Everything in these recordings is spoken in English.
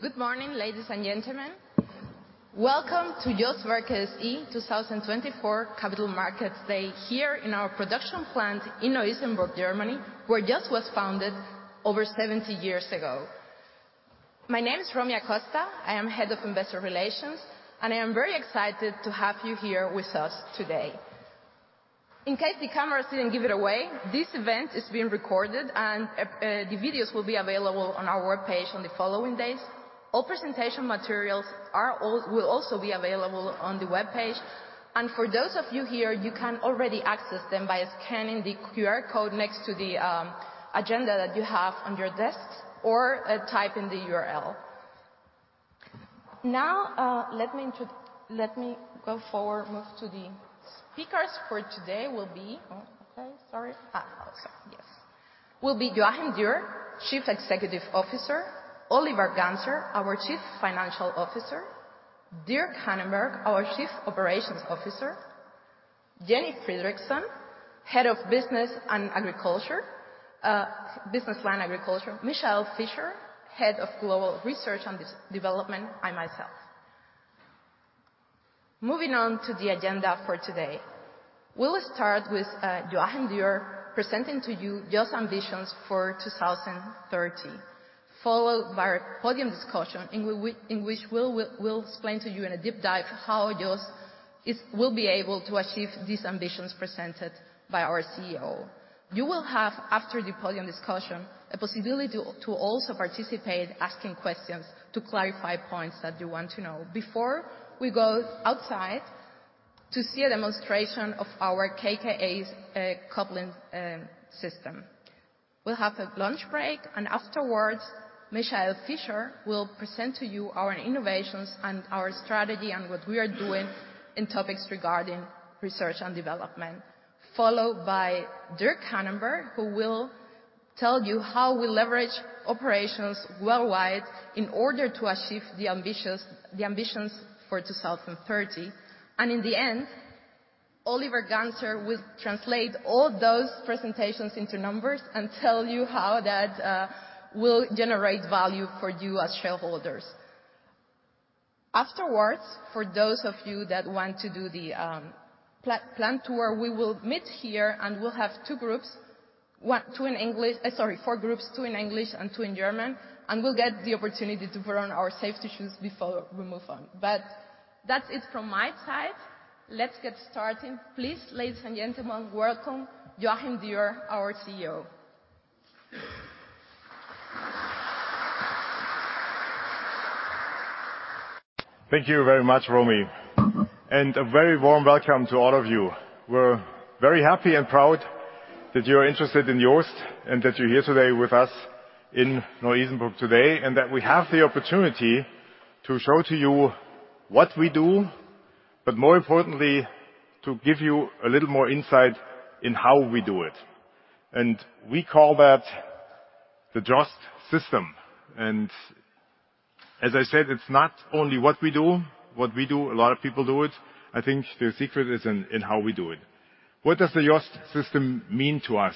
Good morning, ladies and gentlemen. Welcome to JOST Werke SE two thousand and twenty-four Capital Markets Day, here in our production plant in Neu-Isenburg, Germany, where JOST was founded over seventy years ago. My name is Romy Acosta. I am Head of Investor Relations, and I am very excited to have you here with us today. In case the cameras didn't give it away, this event is being recorded, and the videos will be available on our webpage on the following days. All presentation materials will also be available on the webpage, and for those of you here, you can already access them by scanning the QR code next to the agenda that you have on your desk or type in the URL. Now, let me go forward, move to the speakers for today will be... Oh, okay, sorry. Okay, yes. Will be Joachim Dürr, Chief Executive Officer, Oliver Ganser, our Chief Financial Officer, Dirk Hannenberg, our Chief Operations Officer, Jenny Fredriksen, Head of Business and Agriculture, Business Line Agriculture, Michael Fischer, Head of Global Research and Development, and myself. Moving on to the agenda for today. We'll start with Joachim Dürr presenting to you JOST's ambitions for two thousand and thirty, followed by a podium discussion, in which we'll explain to you in a deep dive how JOST will be able to achieve these ambitions presented by our CEO. You will have, after the podium discussion, a possibility to also participate, asking questions to clarify points that you want to know, before we go outside to see a demonstration of our KKS coupling system. We'll have a lunch break, and afterwards, Michael Fischer will present to you our innovations and our strategy and what we are doing in topics regarding research and development. Followed by Dirk Hannenberg, who will tell you how we leverage operations worldwide in order to achieve the ambitions for 2030. And in the end, Oliver Ganser will translate all those presentations into numbers and tell you how that will generate value for you as shareholders. Afterwards, for those of you that want to do the plan tour, we will meet here, and we'll have four groups, two in English and two in German. And we'll get the opportunity to put on our safety shoes before we move on. But that's it from my side. Let's get started. Please, ladies and gentlemen, welcome Joachim Dürr, our CEO. Thank you very much, Romy, and a very warm welcome to all of you. We're very happy and proud that you're interested in JOST, and that you're here today with us in Neu-Isenburg today, and that we have the opportunity to show to you what we do, but more importantly, to give you a little more insight in how we do it, and we call that the JOST System, and as I said, it's not only what we do. What we do, a lot of people do it. I think the secret is in, in how we do it. What does the JOST system mean to us?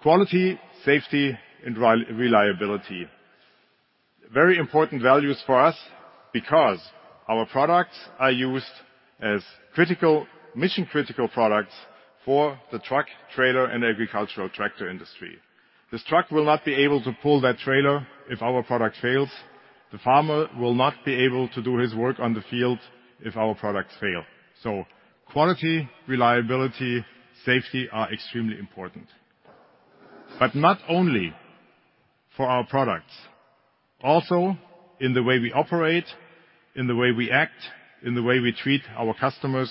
Quality, safety, and reliability. Very important values for us because our products are used as critical, mission-critical products for the truck, trailer, and agricultural tractor industry. This truck will not be able to pull that trailer if our product fails. The farmer will not be able to do his work on the field if our products fail, so quality, reliability, safety are extremely important. But not only for our products, also in the way we operate, in the way we act, in the way we treat our customers,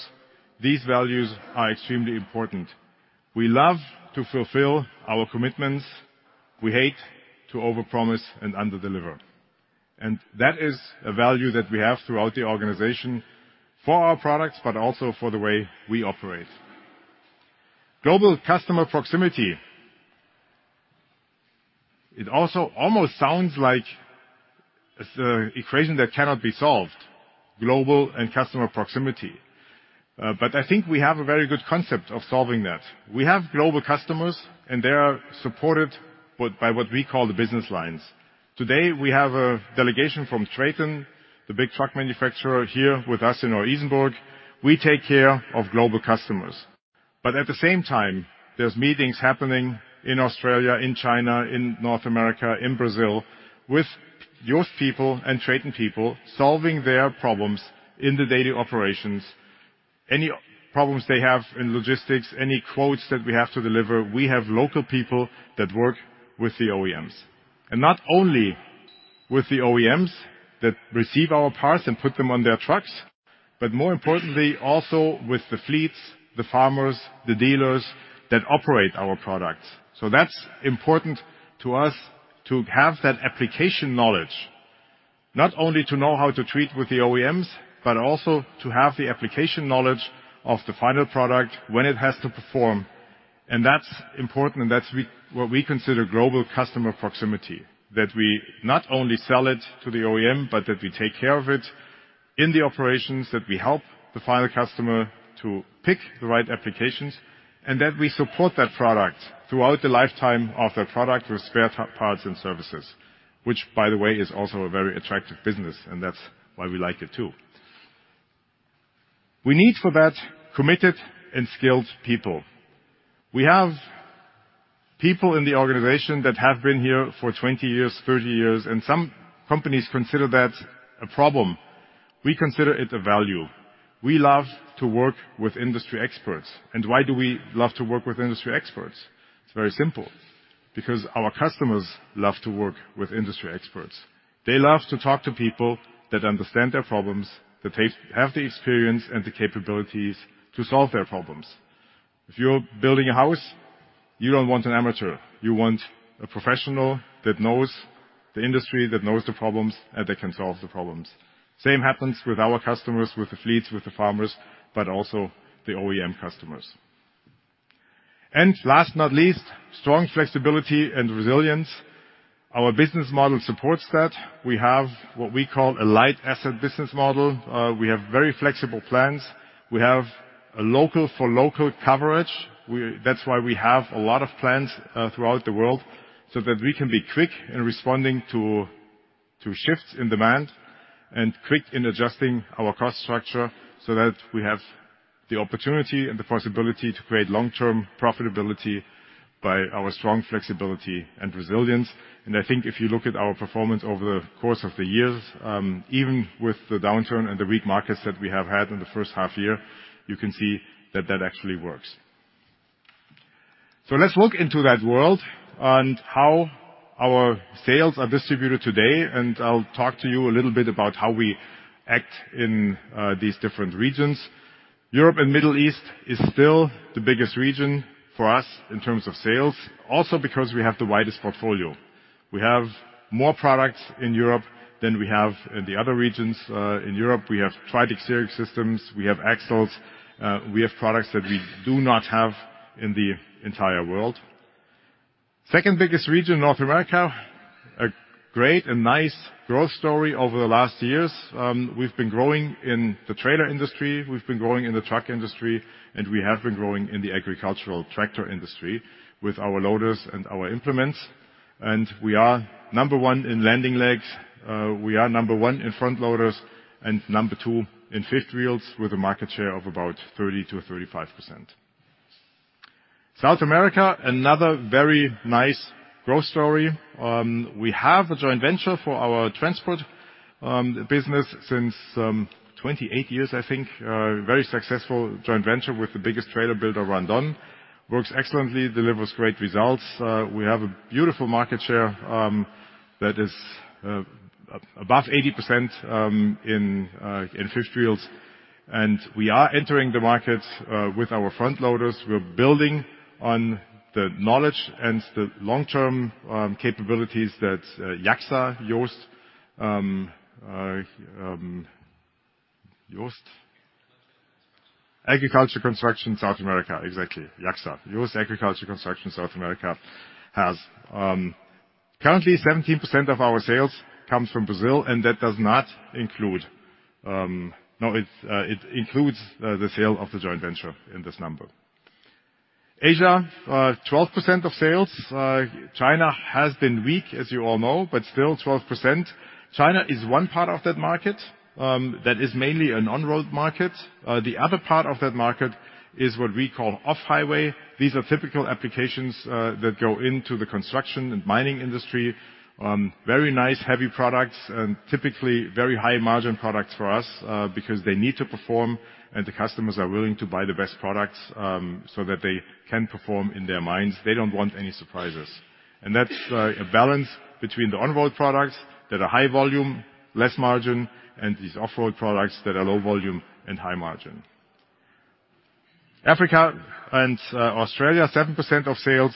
these values are extremely important. We love to fulfill our commitments. We hate to overpromise and underdeliver, and that is a value that we have throughout the organization for our products, but also for the way we operate. Global customer proximity. It also almost sounds like it's an equation that cannot be solved, global and customer proximity. But I think we have a very good concept of solving that. We have global customers, and they are supported with, by what we call the business lines. Today, we have a delegation from TRATON, the big truck manufacturer here with us in Neu-Isenburg. We take care of global customers, but at the same time, there's meetings happening in Australia, in China, in North America, in Brazil, with JOST people and TRATON people, solving their problems in the daily operations. Any problems they have in logistics, any quotes that we have to deliver, we have local people that work with the OEMs. And not only with the OEMs that receive our parts and put them on their trucks, but more importantly, also with the fleets, the farmers, the dealers that operate our products. So that's important to us to have that application knowledge, not only to know how to deal with the OEMs, but also to have the application knowledge of the final product when it has to perform. And that's important, and that's what we consider global customer proximity. That we not only sell it to the OEM, but that we take care of it in the operations, that we help the final customer to pick the right applications, and that we support that product throughout the lifetime of their product with spare parts and services, which, by the way, is also a very attractive business, and that's why we like it, too. We need for that, committed and skilled people. We have people in the organization that have been here for twenty years, thirty years, and some companies consider that a problem. We consider it a value. We love to work with industry experts. And why do we love to work with industry experts? It's very simple, because our customers love to work with industry experts. They love to talk to people that understand their problems, that they have the experience and the capabilities to solve their problems. If you're building a house, you don't want an amateur. You want a professional that knows the industry, that knows the problems, and that can solve the problems. Same happens with our customers, with the fleets, with the farmers, but also the OEM customers. And last but not least, strong flexibility and resilience. Our business model supports that. We have what we call a light asset business model. We have very flexible plants. We have a local for local coverage. That's why we have a lot of plants throughout the world, so that we can be quick in responding to shifts in demand and quick in adjusting our cost structure so that we have the opportunity and the possibility to create long-term profitability by our strong flexibility and resilience. And I think if you look at our performance over the course of the years, even with the downturn and the weak markets that we have had in the first half year, you can see that that actually works. So let's look into that world and how our sales are distributed today, and I'll talk to you a little bit about how we act in these different regions. Europe and Middle East is still the biggest region for us in terms of sales, also because we have the widest portfolio. We have more products in Europe than we have in the other regions. In Europe, we have Tridec steering systems, we have axles, we have products that we do not have in the entire world. Second biggest region, North America, a great and nice growth story over the last years. We've been growing in the trailer industry, we've been growing in the truck industry, and we have been growing in the agricultural tractor industry with our loaders and our implements, and we are number one in landing legs, we are number one in front loaders, and number two in fifth wheels, with a market share of about 30%-35%. South America, another very nice growth story. We have a joint venture for our transport business since twenty-eight years, I think. Very successful joint venture with the biggest trailer builder, Randon. Works excellently, delivers great results. We have a beautiful market share that is above 80% in fifth wheels, and we are entering the markets with our front loaders. We're building on the knowledge and the long-term capabilities that JACSA, JOST Agriculture Construction South America, exactly. JACSA, JOST Agriculture Construction South America, has currently 17% of our sales comes from Brazil, and that does not include. No, it, it includes the sale of the joint venture in this number. Asia, 12% of sales. China has been weak, as you all know, but still 12%. China is one part of that market, that is mainly an on-highway market. The other part of that market is what we call off-highway. These are typical applications, that go into the construction and mining industry. Very nice, heavy products, and typically very high-margin products for us, because they need to perform, and the customers are willing to buy the best products, so that they can perform in their minds. They don't want any surprises. That's a balance between the on-road products that are high volume, less margin, and these off-road products that are low volume and high margin. Africa and Australia, 7% of sales,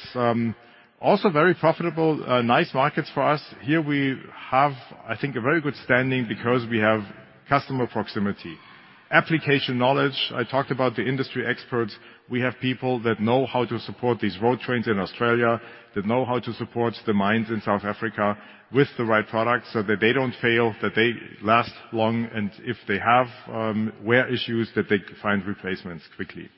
also very profitable, nice markets for us. Here we have, I think, a very good standing because we have customer proximity. Application knowledge, I talked about the industry experts. We have people that know how to support these road trains in Australia, that know how to support the mines in South Africa with the right products, so that they don't fail, that they last long, and if they have, wear issues, that they find replacements quickly.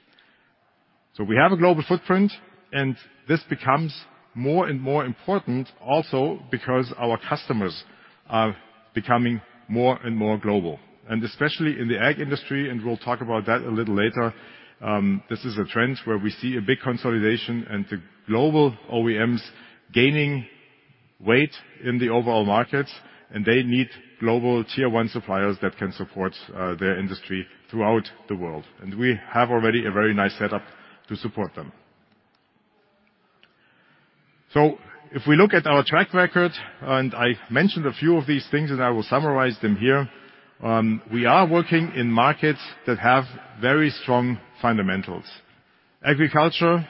So we have a global footprint, and this becomes more and more important also because our customers are becoming more and more global, and especially in the ag industry, and we'll talk about that a little later. This is a trend where we see a big consolidation and the global OEMs gaining weight in the overall markets, and they need global tier one suppliers that can support, their industry throughout the world, and we have already a very nice setup to support them. So if we look at our track record, and I mentioned a few of these things, and I will summarize them here. We are working in markets that have very strong fundamentals. Agriculture,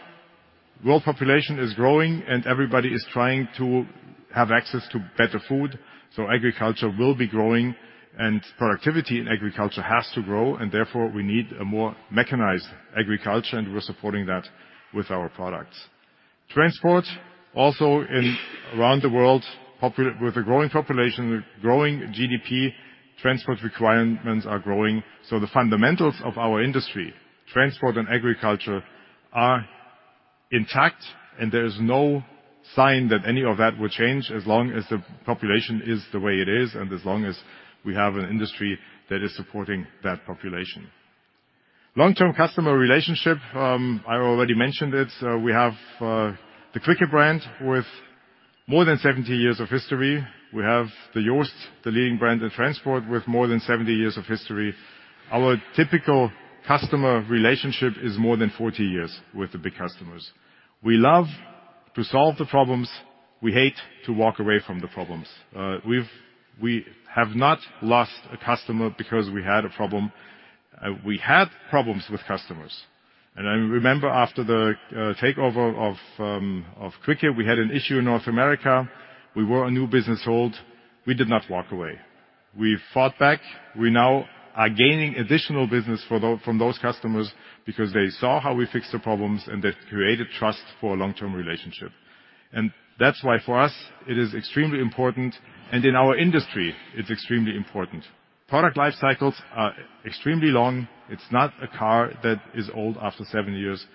world population is growing and everybody is trying to have access to better food, so agriculture will be growing, and productivity in agriculture has to grow, and therefore, we need a more mechanized agriculture, and we're supporting that with our products. Transport, also in, around the world, with a growing population, with growing GDP, transport requirements are growing. So the fundamentals of our industry, transport and agriculture, are intact, and there is no sign that any of that will change as long as the population is the way it is, and as long as we have an industry that is supporting that population. Long-term customer relationship. I already mentioned it. We have the Quicke brand with more than seventy years of history. We have the JOST, the leading brand in transport, with more than seventy years of history. Our typical customer relationship is more than forty years with the big customers. We love to solve the problems. We hate to walk away from the problems. We have not lost a customer because we had a problem. We had problems with customers, and I remember after the takeover of Quicke, we had an issue in North America. We were a new business hold. We did not walk away. We fought back. We now are gaining additional business from those customers because they saw how we fixed the problems, and that created trust for a long-term relationship. And that's why, for us, it is extremely important, and in our industry, it's extremely important. Product life cycles are extremely long. It's not a car that is old after seven years.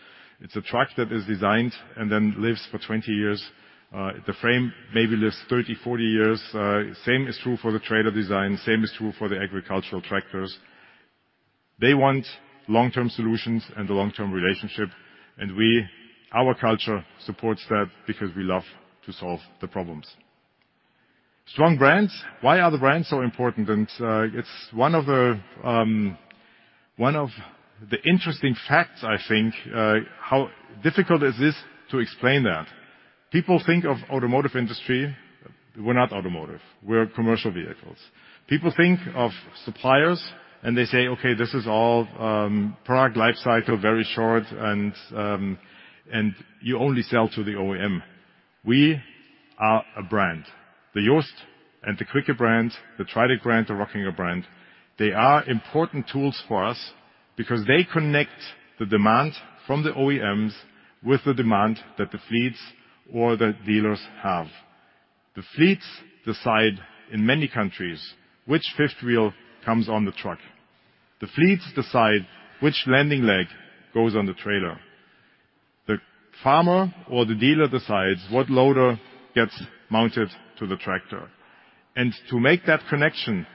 It's a truck that is designed and then lives for twenty years. The frame maybe lives thirty, forty years. Same is true for the trailer design, same is true for the agricultural tractors. They want long-term solutions and a long-term relationship, and we, our culture supports that because we love to solve the problems. Strong brands. Why are the brands so important? It's one of the interesting facts, I think. How difficult is this to explain that? People think of automotive industry. We're not automotive, we're commercial vehicles. People think of suppliers, and they say, "Okay, this is all, product life cycle, very short, and you only sell to the OEM." We are a brand. The JOST and the Quicke brand, the Tridec brand, the Rockinger brand, they are important tools for us because they connect the demand from the OEMs with the demand that the fleets or the dealers have. The fleets decide in many countries which fifth wheel comes on the truck. The fleets decide which landing leg goes on the trailer. The farmer or the dealer decides what loader gets mounted to the tractor, and to make that connection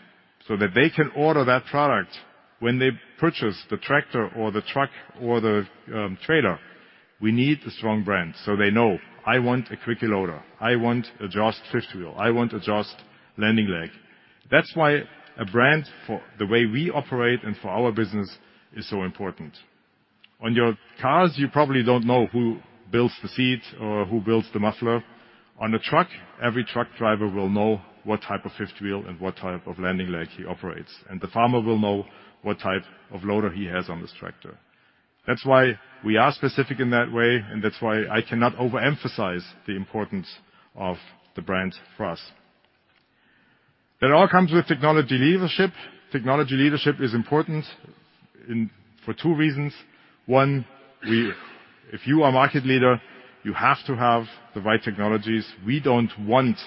so that they can order that product when they purchase the tractor or the truck or the trailer, we need a strong brand. So they know, I want a Quicke loader, I want a JOST fifth wheel, I want a JOST landing leg. That's why a brand for the way we operate and for our business is so important. On your cars, you probably don't know who builds the seat or who builds the muffler. On a truck, every truck driver will know what type of fifth wheel and what type of landing leg he operates, and the farmer will know what type of loader he has on his tractor. That's why we are specific in that way, and that's why I cannot overemphasize the importance of the brand for us. That all comes with technology leadership. Technology leadership is important in... for two reasons. One, if you are a market leader, you have to have the right technologies. We don't want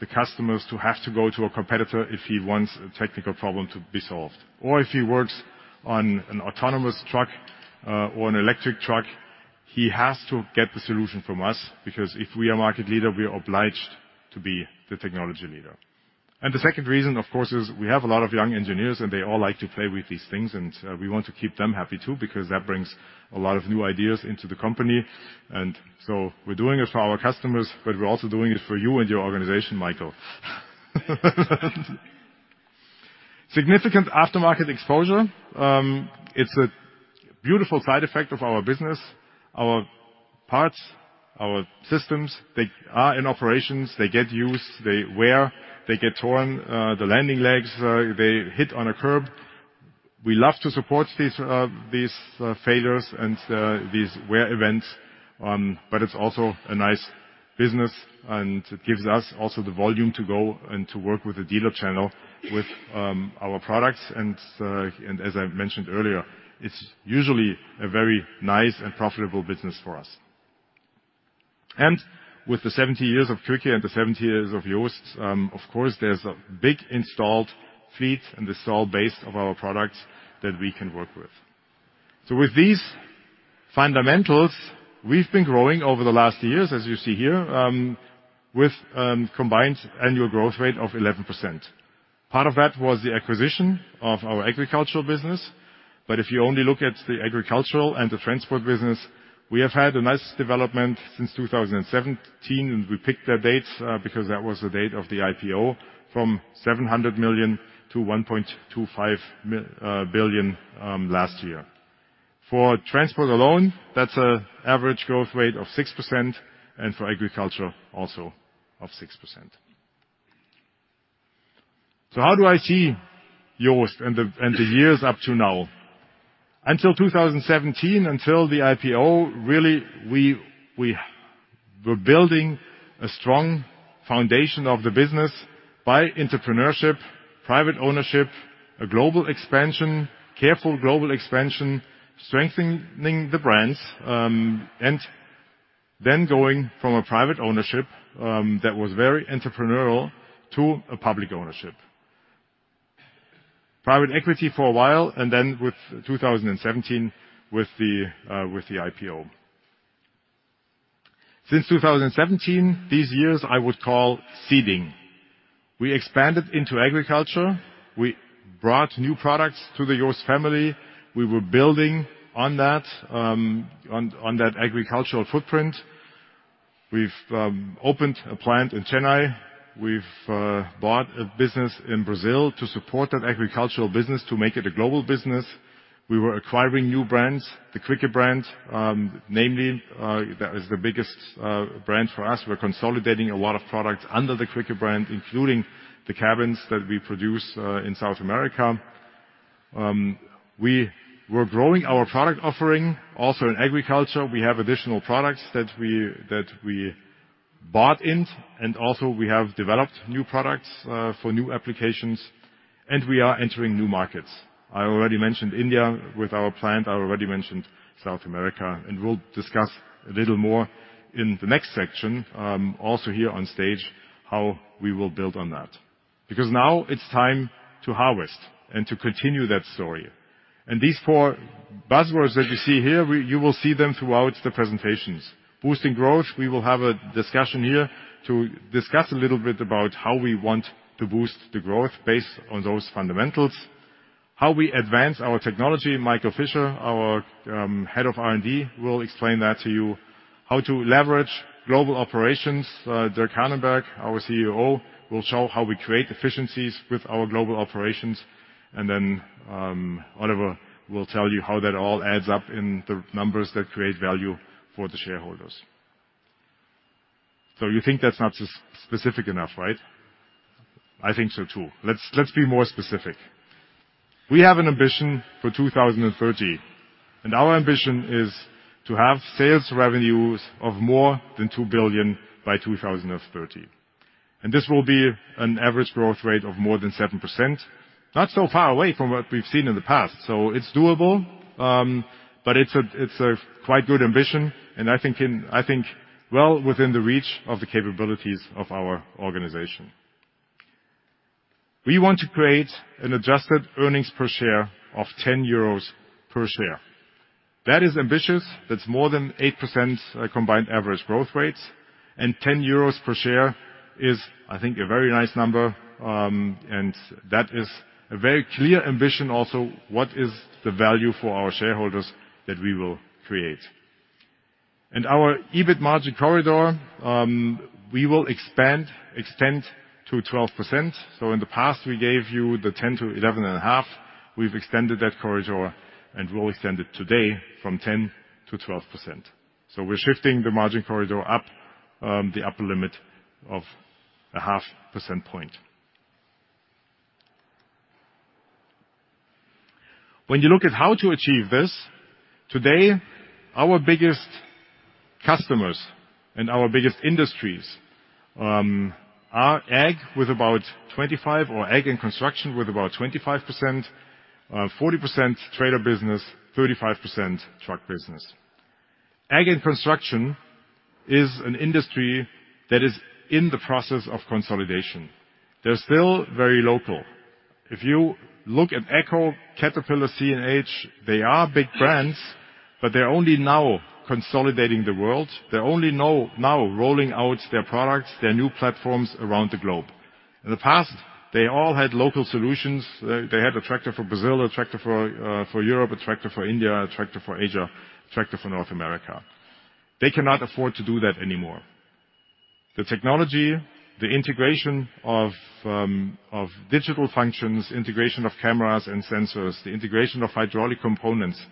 the customers to have to go to a competitor if he wants a technical problem to be solved. Or if he works on an autonomous truck, or an electric truck, he has to get the solution from us, because if we are market leader, we are obliged to be the technology leader. And the second reason, of course, is we have a lot of young engineers, and they all like to play with these things, and we want to keep them happy, too, because that brings a lot of new ideas into the company. And so we're doing it for our customers, but we're also doing it for you and your organization, Michael. Significant aftermarket exposure, it's a beautiful side effect of our business. Our parts, our systems, they are in operations, they get used, they wear, they get torn, the landing legs, they hit on a curb. We love to support these failures and these wear events, but it's also a nice business, and it gives us also the volume to go and to work with the dealer channel with our products, and as I mentioned earlier, it's usually a very nice and profitable business for us. And with the seventy years of Quicke and the seventy years of JOST, of course, there's a big installed fleet and installed base of our products that we can work with. So with these fundamentals, we've been growing over the last years, as you see here, with combined annual growth rate of 11%. Part of that was the acquisition of our agricultural business, but if you only look at the agricultural and the transport business, we have had a nice development since two thousand and seventeen, and we picked the dates because that was the date of the IPO, from 700 million to 1.25 billion last year. For transport alone, that's an average growth rate of 6%, and for agriculture, also of 6%. So how do I see JOST and the and the years up to now? Until two thousand and seventeen, until the IPO, really, we were building a strong foundation of the business by entrepreneurship, private ownership, a global expansion, careful global expansion, strengthening the brands, and then going from a private ownership that was very entrepreneurial, to a public ownership. Private equity for a while, and then with two thousand and seventeen, with the IPO. Since two thousand and seventeen, these years I would call seeding. We expanded into agriculture. We brought new products to the JOST family. We were building on that, on that agricultural footprint. We've opened a plant in Chennai. We've bought a business in Brazil to support that agricultural business, to make it a global business. We were acquiring new brands, the Quicke brand, namely, that is the biggest brand for us. We're consolidating a lot of products under the Quicke brand, including the cabins that we produce in South America. We were growing our product offering, also in agriculture. We have additional products that we, that we bought in, and also we have developed new products for new applications, and we are entering new markets. I already mentioned India with our plant. I already mentioned South America, and we'll discuss a little more in the next section, also here on stage, how we will build on that. Because now it's time to harvest and to continue that story, and these four buzzwords that you see here, you will see them throughout the presentations. Boosting growth, we will have a discussion here to discuss a little bit about how we want to boost the growth based on those fundamentals. How we advance our technology, Michael Fischer, our Head of R&D, will explain that to you. How to leverage global operations, Dirk Hannenberg, our COO, will show how we create efficiencies with our global operations. Then, Oliver will tell you how that all adds up in the numbers that create value for the shareholders. You think that's not specific enough, right? I think so, too. Let's be more specific. We have an ambition for 2030, and our ambition is to have sales revenues of more than 2 billion by 2030. This will be an average growth rate of more than 7%. Not so far away from what we've seen in the past, so it's doable, but it's a quite good ambition, and I think well within the reach of the capabilities of our organization. We want to create an adjusted earnings per share of 10 euros per share. That is ambitious. That's more than 8%, combined average growth rates, and 10 euros per share is, I think, a very nice number. That is a very clear ambition, also, what is the value for our shareholders that we will create. Our EBIT margin corridor, we will extend to 12%. In the past, we gave you the 10%-11.5%. We've extended that corridor, and we'll extend it today from 10%-12%. We're shifting the margin corridor up, the upper limit of 0.5 percentage point. When you look at how to achieve this, today, our biggest customers and our biggest industries are ag and construction, with about 25%, 40% trailer business, 35% truck business. Ag and construction is an industry that is in the process of consolidation. They're still very local. If you look at AGCO, Caterpillar, CNH, they are big brands, but they're only now consolidating the world. They're only now rolling out their products, their new platforms, around the globe. In the past, they all had local solutions. They had a tractor for Brazil, a tractor for Europe, a tractor for India, a tractor for Asia, a tractor for North America. They cannot afford to do that anymore. The technology, the integration of digital functions, integration of cameras and sensors, the integration of hydraulic components,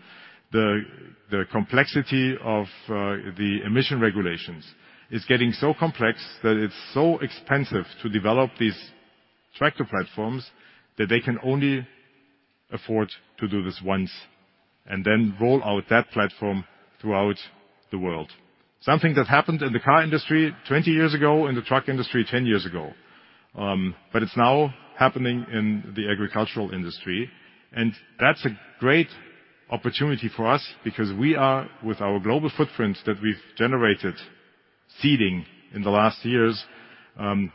the complexity of the emission regulations, is getting so complex that it's so expensive to develop these tractor platforms, that they can only afford to do this once and then roll out that platform throughout the world. Something that happened in the car industry 20 years ago, in the truck industry 10 years ago. But it's now happening in the agricultural industry, and that's a great opportunity for us because we are, with our global footprint that we've generated, seeding in the last years,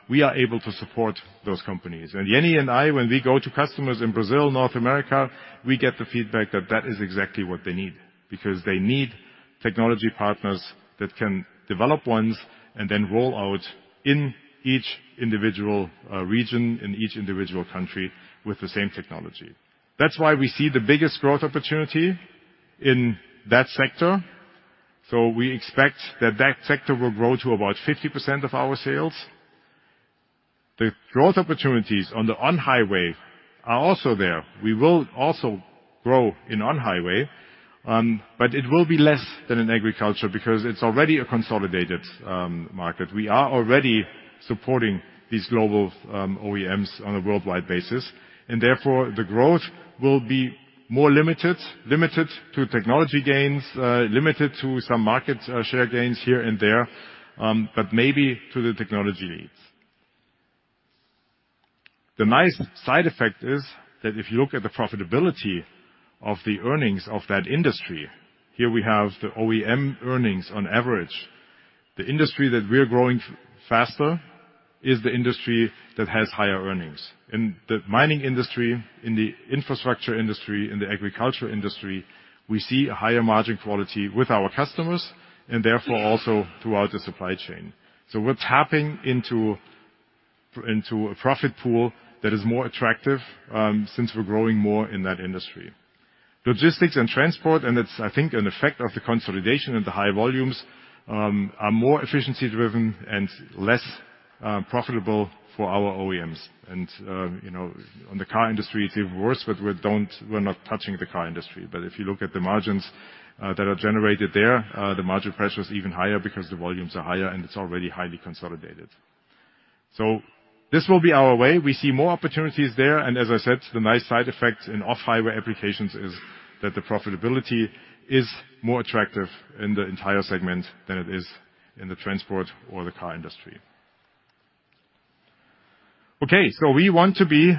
we are able to support those companies. And Jenny and I, when we go to customers in Brazil, North America, we get the feedback that that is exactly what they need, because they need technology partners that can develop once and then roll out in each individual, region and each individual country with the same technology. That's why we see the biggest growth opportunity in that sector, so we expect that that sector will grow to about 50% of our sales. The growth opportunities on the on-highway are also there. We will also grow in on-highway, but it will be less than in agriculture because it's already a consolidated market. We are already supporting these global OEMs on a worldwide basis, and therefore, the growth will be more limited, limited to technology gains, limited to some market share gains here and there, but maybe to the technology leads. The nice side effect is that if you look at the profitability of the earnings of that industry, here we have the OEM earnings on average. The industry that we are growing faster is the industry that has higher earnings. In the mining industry, in the infrastructure industry, in the agricultural industry, we see a higher margin quality with our customers, and therefore, also throughout the supply chain. So we're tapping into a profit pool that is more attractive, since we're growing more in that industry. Logistics and transport, and it's, I think, an effect of the consolidation and the high volumes, are more efficiency-driven and less profitable for our OEMs. And, you know, on the car industry, it's even worse, but we're not touching the car industry. But if you look at the margins that are generated there, the margin pressure is even higher because the volumes are higher, and it's already highly consolidated. So this will be our way. We see more opportunities there, and as I said, the nice side effect in off-highway applications is that the profitability is more attractive in the entire segment than it is in the transport or the car industry. Okay, so we want to be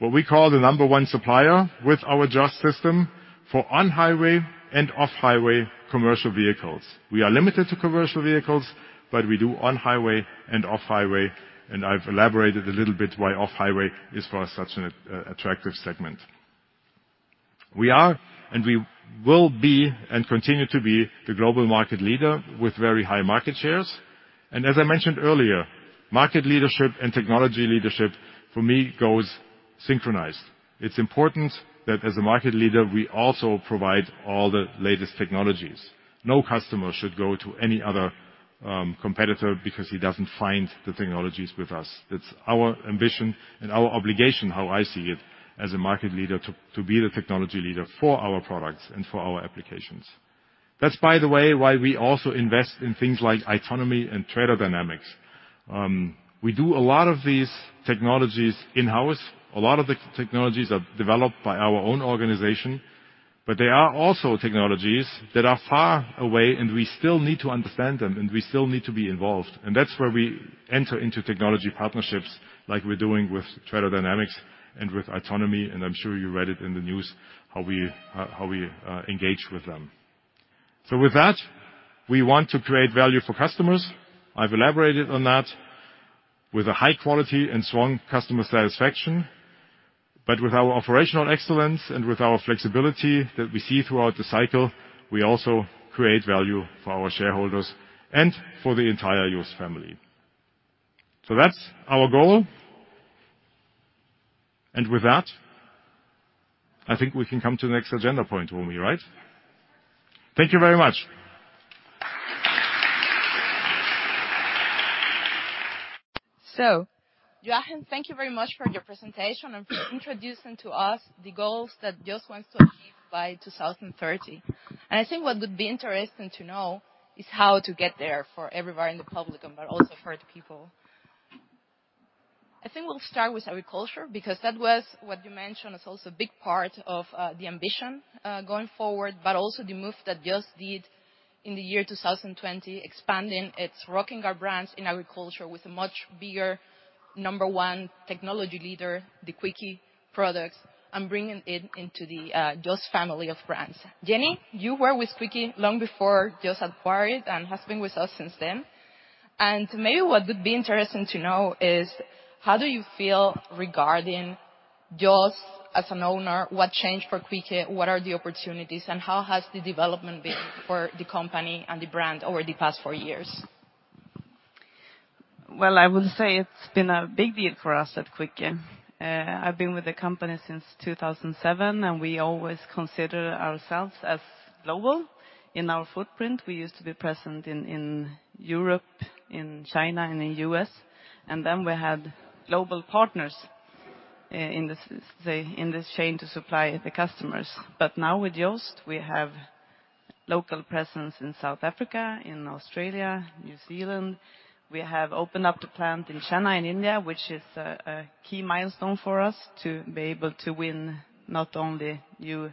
what we call the number one supplier with our JOST system for on-highway and off-highway commercial vehicles. We are limited to commercial vehicles, but we do on-highway and off-highway, and I've elaborated a little bit why off-highway is for us such an attractive segment. We are, and we will be, and continue to be the global market leader with very high market shares, and as I mentioned earlier, market leadership and technology leadership, for me, goes synchronized. It's important that as a market leader, we also provide all the latest technologies. No customer should go to any other competitor because he doesn't find the technologies with us. It's our ambition and our obligation, how I see it, as a market leader, to be the technology leader for our products and for our applications. That's, by the way, why we also invest in things like autonomy and Trailer Dynamics. We do a lot of these technologies in-house. A lot of the technologies are developed by our own organization, but there are also technologies that are far away, and we still need to understand them, and we still need to be involved, and that's where we enter into technology partnerships like we're doing with Trailer Dynamics and with Fernride, and I'm sure you read it in the news, how we engage with them. With that, we want to create value for customers. I've elaborated on that with a high quality and strong customer satisfaction. With our operational excellence and with our flexibility that we see throughout the cycle, we also create value for our shareholders and for the entire JOST family. That's our goal. With that, I think we can come to the next agenda point, Romi, right? Thank you very much. Joachim, thank you very much for your presentation and for introducing to us the goals that JOST wants to achieve by 2030. I think what would be interesting to know is how to get there for everybody in the public, but also for the people. I think we'll start with agriculture, because that was what you mentioned, is also a big part of the ambition going forward, but also the move that JOST did in the year 2020, expanding its Rockinger brands in agriculture with a much bigger number one technology leader, the Quicke products, and bringing it into the JOST family of brands. Jenny, you were with Quicke long before JOST acquired, and has been with us since then. Maybe what would be interesting to know is, how do you feel regarding JOST as an owner? What changed for Quicke? What are the opportunities? And how has the development been for the company and the brand over the past four years? I would say it's been a big deal for us at Quicke. I've been with the company since 2007, and we always consider ourselves as global in our footprint. We used to be present in Europe, in China, and in U.S., and then we had global partners in this chain to supply the customers, but now with JOST, we have local presence in South Africa, in Australia, New Zealand. We have opened up the plant in Chennai, in India, which is a key milestone for us to be able to win not only new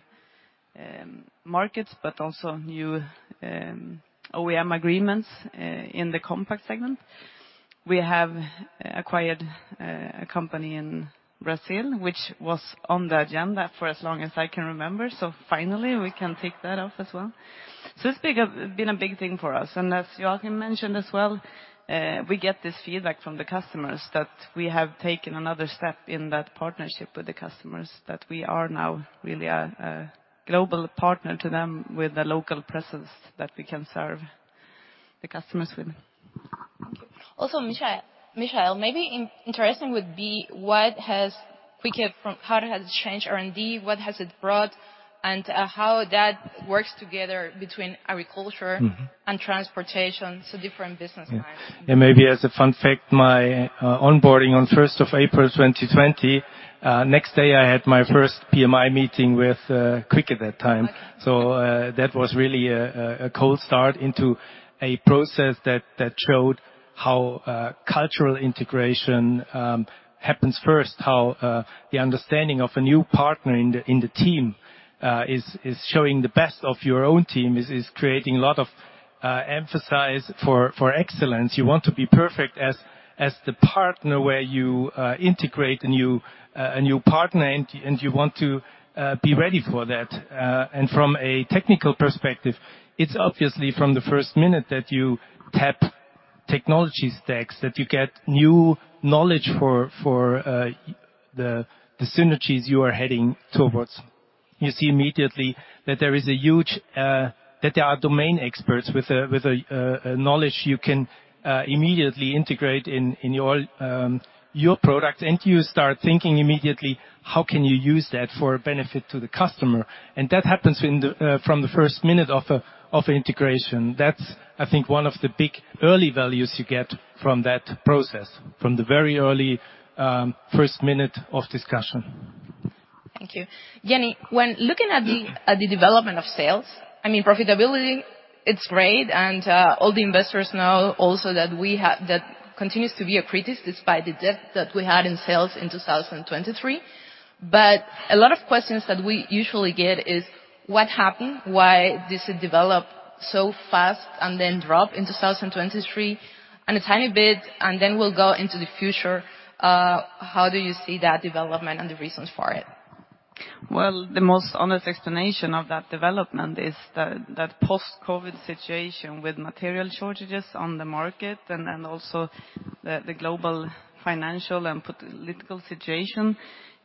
markets, but also new OEM agreements in the compact segment. We have acquired a company in Brazil, which was on the agenda for as long as I can remember, so finally, we can tick that off as well. It's been a big thing for us. As Joachim mentioned as well, we get this feedback from the customers that we have taken another step in that partnership with the customers, that we are now really a global partner to them with a local presence that we can serve the customers with. Also, Michael, Michael, maybe interesting would be, what has Quicke, how it has changed R&D, what has it brought, and how that works together between agriculture- Mm-hmm. -and transportation, so different business lines. Yeah, maybe as a fun fact, my onboarding on first of April, 2020, next day, I had my first PMI meeting with Quicke at that time. So, that was really a cold start into a process that showed how cultural integration happens first, how the understanding of a new partner in the team is showing the best of your own team, is creating a lot of emphasis for excellence. You want to be perfect as the partner where you integrate a new partner, and you want to be ready for that. And from a technical perspective, it's obviously from the first minute that you tap into technology stacks, that you get new knowledge for the synergies you are heading towards. You see immediately that there are domain experts with a knowledge you can immediately integrate in your product. And you start thinking immediately, how can you use that for a benefit to the customer? And that happens from the first minute of integration. That's, I think, one of the big early values you get from that process, from the very early first minute of discussion. Thank you. Jenny, when looking at the development of sales, I mean, profitability, it's great, and all the investors know also that that continues to be critical, despite the dip that we had in sales in 2023. But a lot of questions that we usually get is: what happened? Why this developed so fast and then drop in 2023? And a tiny bit, and then we'll go into the future, how do you see that development and the reasons for it? The most honest explanation of that development is that the post-COVID situation with material shortages on the market and also the global financial and political situation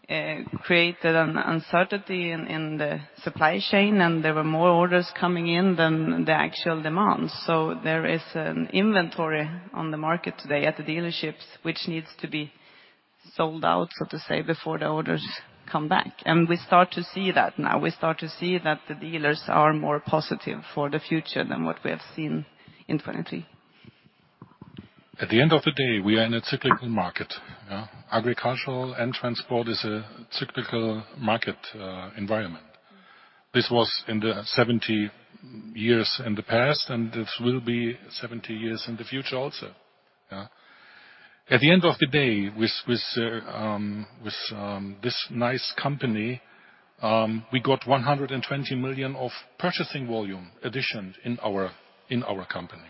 created an uncertainty in the supply chain, and there were more orders coming in than the actual demand, so there is an inventory on the market today at the dealerships, which needs to be sold out, so to say, before the orders come back, and we start to see that now. We start to see that the dealers are more positive for the future than what we have seen in 2023. At the end of the day, we are in a cyclical market, yeah? Agricultural and transport is a cyclical market, environment. This was in the seventy years in the past, and this will be seventy years in the future also, yeah. At the end of the day, with this nice company, we got 120 million of purchasing volume addition in our company.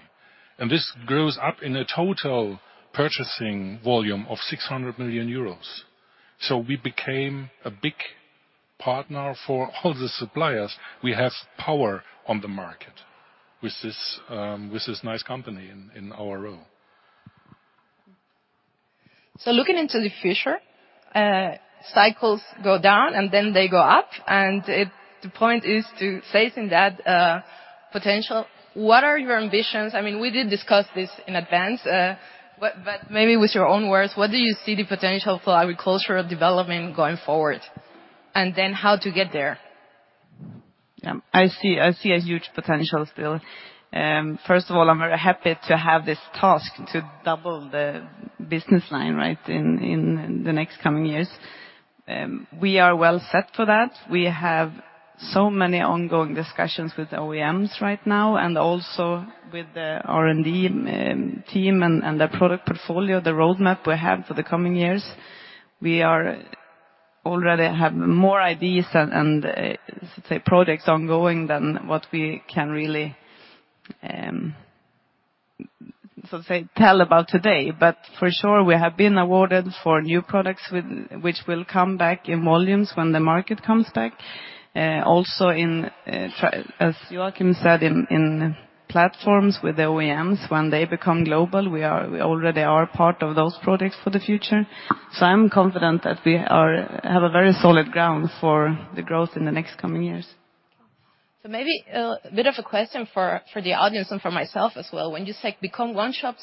And this grows up in a total purchasing volume of 600 million euros. So we became a big partner for all the suppliers. We have power on the market with this nice company in our row. So looking into the future, cycles go down, and then they go up, and it's the point to tap into that potential. What are your ambitions? I mean, we did discuss this in advance, but maybe with your own words, what do you see the potential for agricultural development going forward, and then how to get there? I see, I see a huge potential still. First of all, I'm very happy to have this task, to double the business line, right, in, in the next coming years. We are well set for that. We have so many ongoing discussions with OEMs right now, and also with the R&D team and, and the product portfolio, the roadmap we have for the coming years. We are already have more ideas and, and, let's say, products ongoing than what we can really, so to say, tell about today. But for sure, we have been awarded for new products with which will come back in volumes when the market comes back. Also in, as Joachim said, in, in platforms with OEMs, when they become global, we are, we already are part of those products for the future. So I'm confident that we have a very solid ground for the growth in the next coming years. So maybe a bit of a question for the audience and for myself as well. When you say become a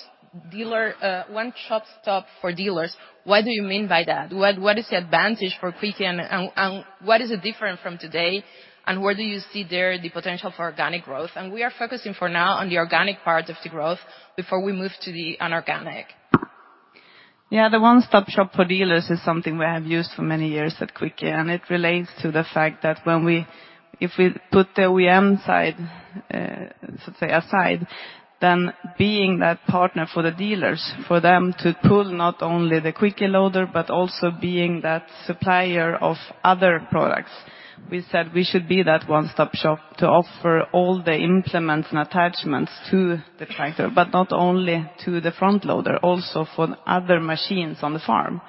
one-stop shop for dealers, what do you mean by that? What is the advantage for Quicke and what is it different from today, and where do you see there the potential for organic growth? And we are focusing for now on the organic part of the growth before we move to the inorganic. Yeah, the one-stop shop for dealers is something we have used for many years at Quicke, and it relates to the fact that when we, if we put the OEM side, let's say, aside, then being that partner for the dealers, for them to pull not only the Quicke loader, but also being that supplier of other products. We said we should be that one-stop shop to offer all the implements and attachments to the tractor, but not only to the front loader, also for other machines on the farm.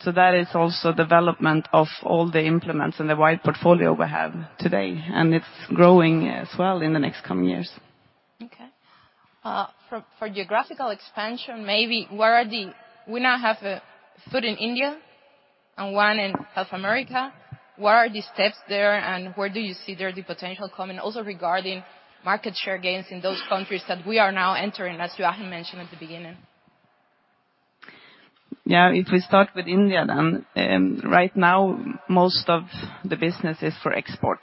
So that is also development of all the implements and the wide portfolio we have today, and it's growing as well in the next coming years. Okay. For geographical expansion, maybe where are the... We now have a foot in India and one in South America. Where are the steps there, and where do you see there the potential coming, also regarding market share gains in those countries that we are now entering, as Joachim mentioned at the beginning? Yeah, if we start with India, then, right now, most of the business is for export,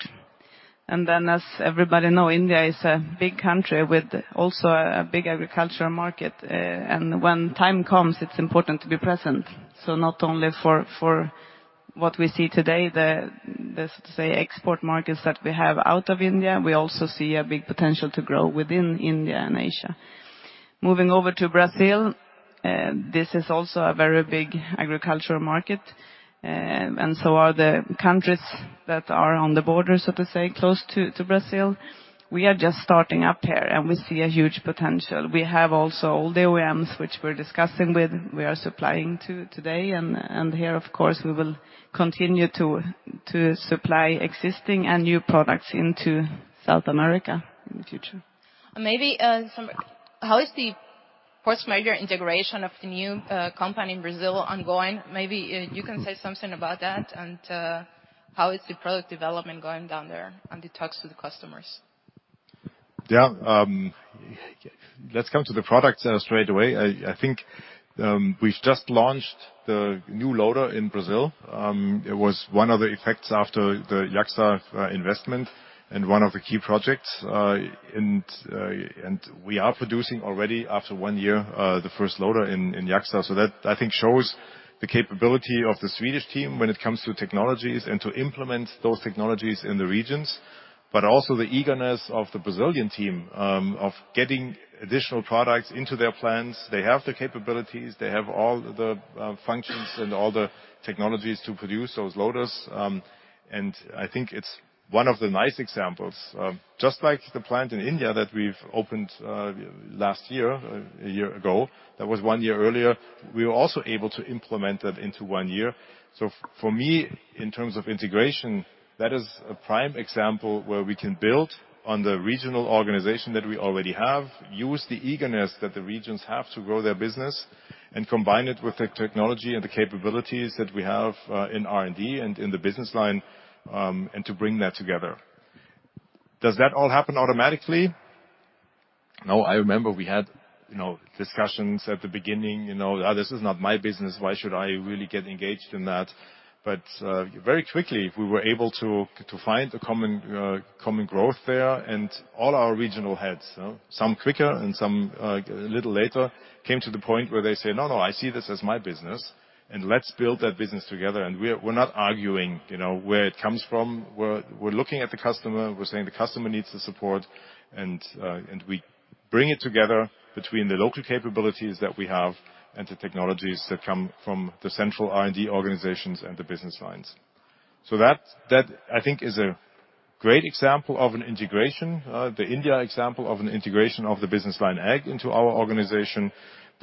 and then, as everybody know, India is a big country with also a big agricultural market, and when time comes, it's important to be present, so not only for what we see today, the say, export markets that we have out of India, we also see a big potential to grow within India and Asia. Moving over to Brazil, this is also a very big agricultural market, and so are the countries that are on the border, so to say, close to Brazil. We are just starting up here, and we see a huge potential. We have also all the OEMs, which we're discussing with, we are supplying to today, and here, of course, we will continue to supply existing and new products into South America in the future. Of course, major integration of the new company in Brazil ongoing. Maybe you can say something about that, and how is the product development going down there, and the talks to the customers? Yeah, let's come to the products straight away. I think we've just launched the new loader in Brazil. It was one of the effects after the JACSA investment, and one of the key projects, and we are producing already, after one year, the first loader in JACSA. So that, I think, shows the capability of the Swedish team when it comes to technologies and to implement those technologies in the regions, but also the eagerness of the Brazilian team of getting additional products into their plants. They have the capabilities, they have all the functions and all the technologies to produce those loaders. And I think it's one of the nice examples, just like the plant in India that we've opened last year, a year ago. That was one year earlier. We were also able to implement that into one year. So for me, in terms of integration, that is a prime example where we can build on the regional organization that we already have, use the eagerness that the regions have to grow their business, and combine it with the technology and the capabilities that we have, in R&D and in the business line, and to bring that together. Does that all happen automatically? No. I remember we had, you know, discussions at the beginning, you know, "this is not my business. Why should I really get engaged in that?" But very quickly, we were able to find a common growth there, and all our regional heads, some quicker and some a little later, came to the point where they say, "No, no, I see this as my business, and let's build that business together." And we're not arguing, you know, where it comes from. We're looking at the customer, we're saying the customer needs the support, and we bring it together between the local capabilities that we have and the technologies that come from the central R&D organizations and the business lines. So that, I think, is a great example of an integration. The India example of an integration of the business line ag into our organization,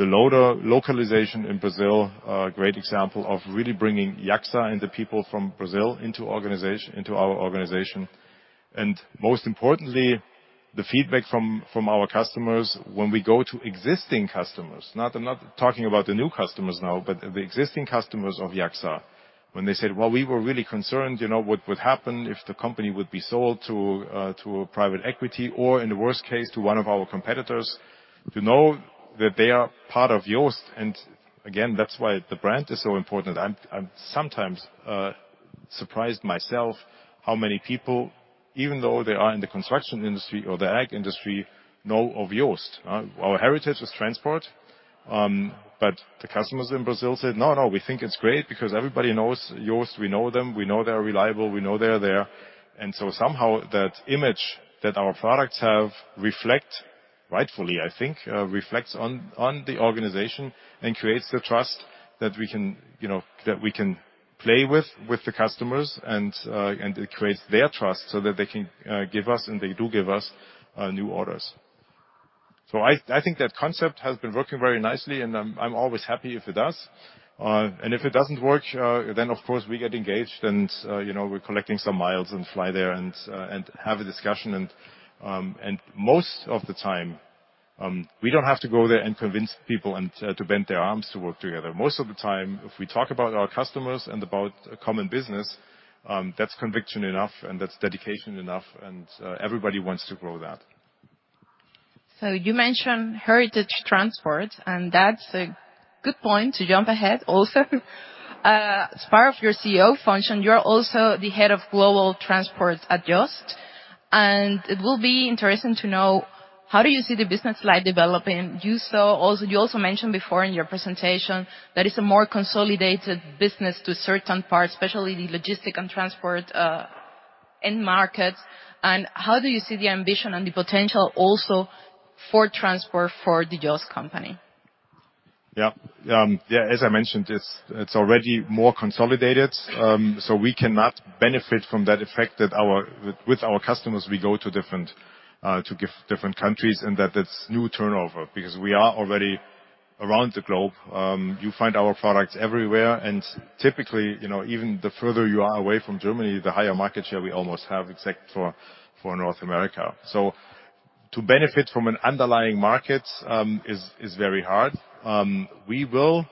the loader localization in Brazil, a great example of really bringing JACSA and the people from Brazil into our organization, and most importantly, the feedback from our customers when we go to existing customers. Not, I'm not talking about the new customers now, but the existing customers of JACSA, when they said, "Well, we were really concerned, you know, what would happen if the company would be sold to a private equity, or in the worst case, to one of our competitors." To know that they are part of JOST, and again, that's why the brand is so important. I'm sometimes surprised myself how many people, even though they are in the construction industry or the ag industry, know of JOST. Our heritage is transport, but the customers in Brazil said, "No, no, we think it's great because everybody knows Jost. We know them. We know they are reliable. We know they're there." And so somehow, that image that our products have reflect, rightfully I think, reflects on, on the organization and creates the trust that we can, you know, that we can play with, with the customers, and, and it creates their trust so that they can, give us, and they do give us, new orders. So I, I think that concept has been working very nicely, and I'm, I'm always happy if it does. And if it doesn't work, then, of course, we get engaged and, you know, we're collecting some miles and fly there and, and have a discussion. Most of the time, we don't have to go there and convince people and to bend their arms to work together. Most of the time, if we talk about our customers and about a common business, that's conviction enough, and that's dedication enough, and everybody wants to grow that. So you mentioned heavy transport, and that's a good point to jump ahead also. As part of your CEO function, you're also the head of global transport at JOST, and it will be interesting to know, how do you see the business line developing? You also mentioned before in your presentation that it's a more consolidated business to certain parts, especially the logistics and transport end markets. And how do you see the ambition and the potential also for transport for the JOST company? Yeah. Yeah, as I mentioned, it's already more consolidated. So we cannot benefit from that effect that our with our customers we go to different countries, and that it's new turnover, because we are already around the globe. You find our products everywhere, and typically, you know, even the further you are away from Germany, the higher market share we almost have, except for North America. So to benefit from an underlying market is very hard. We will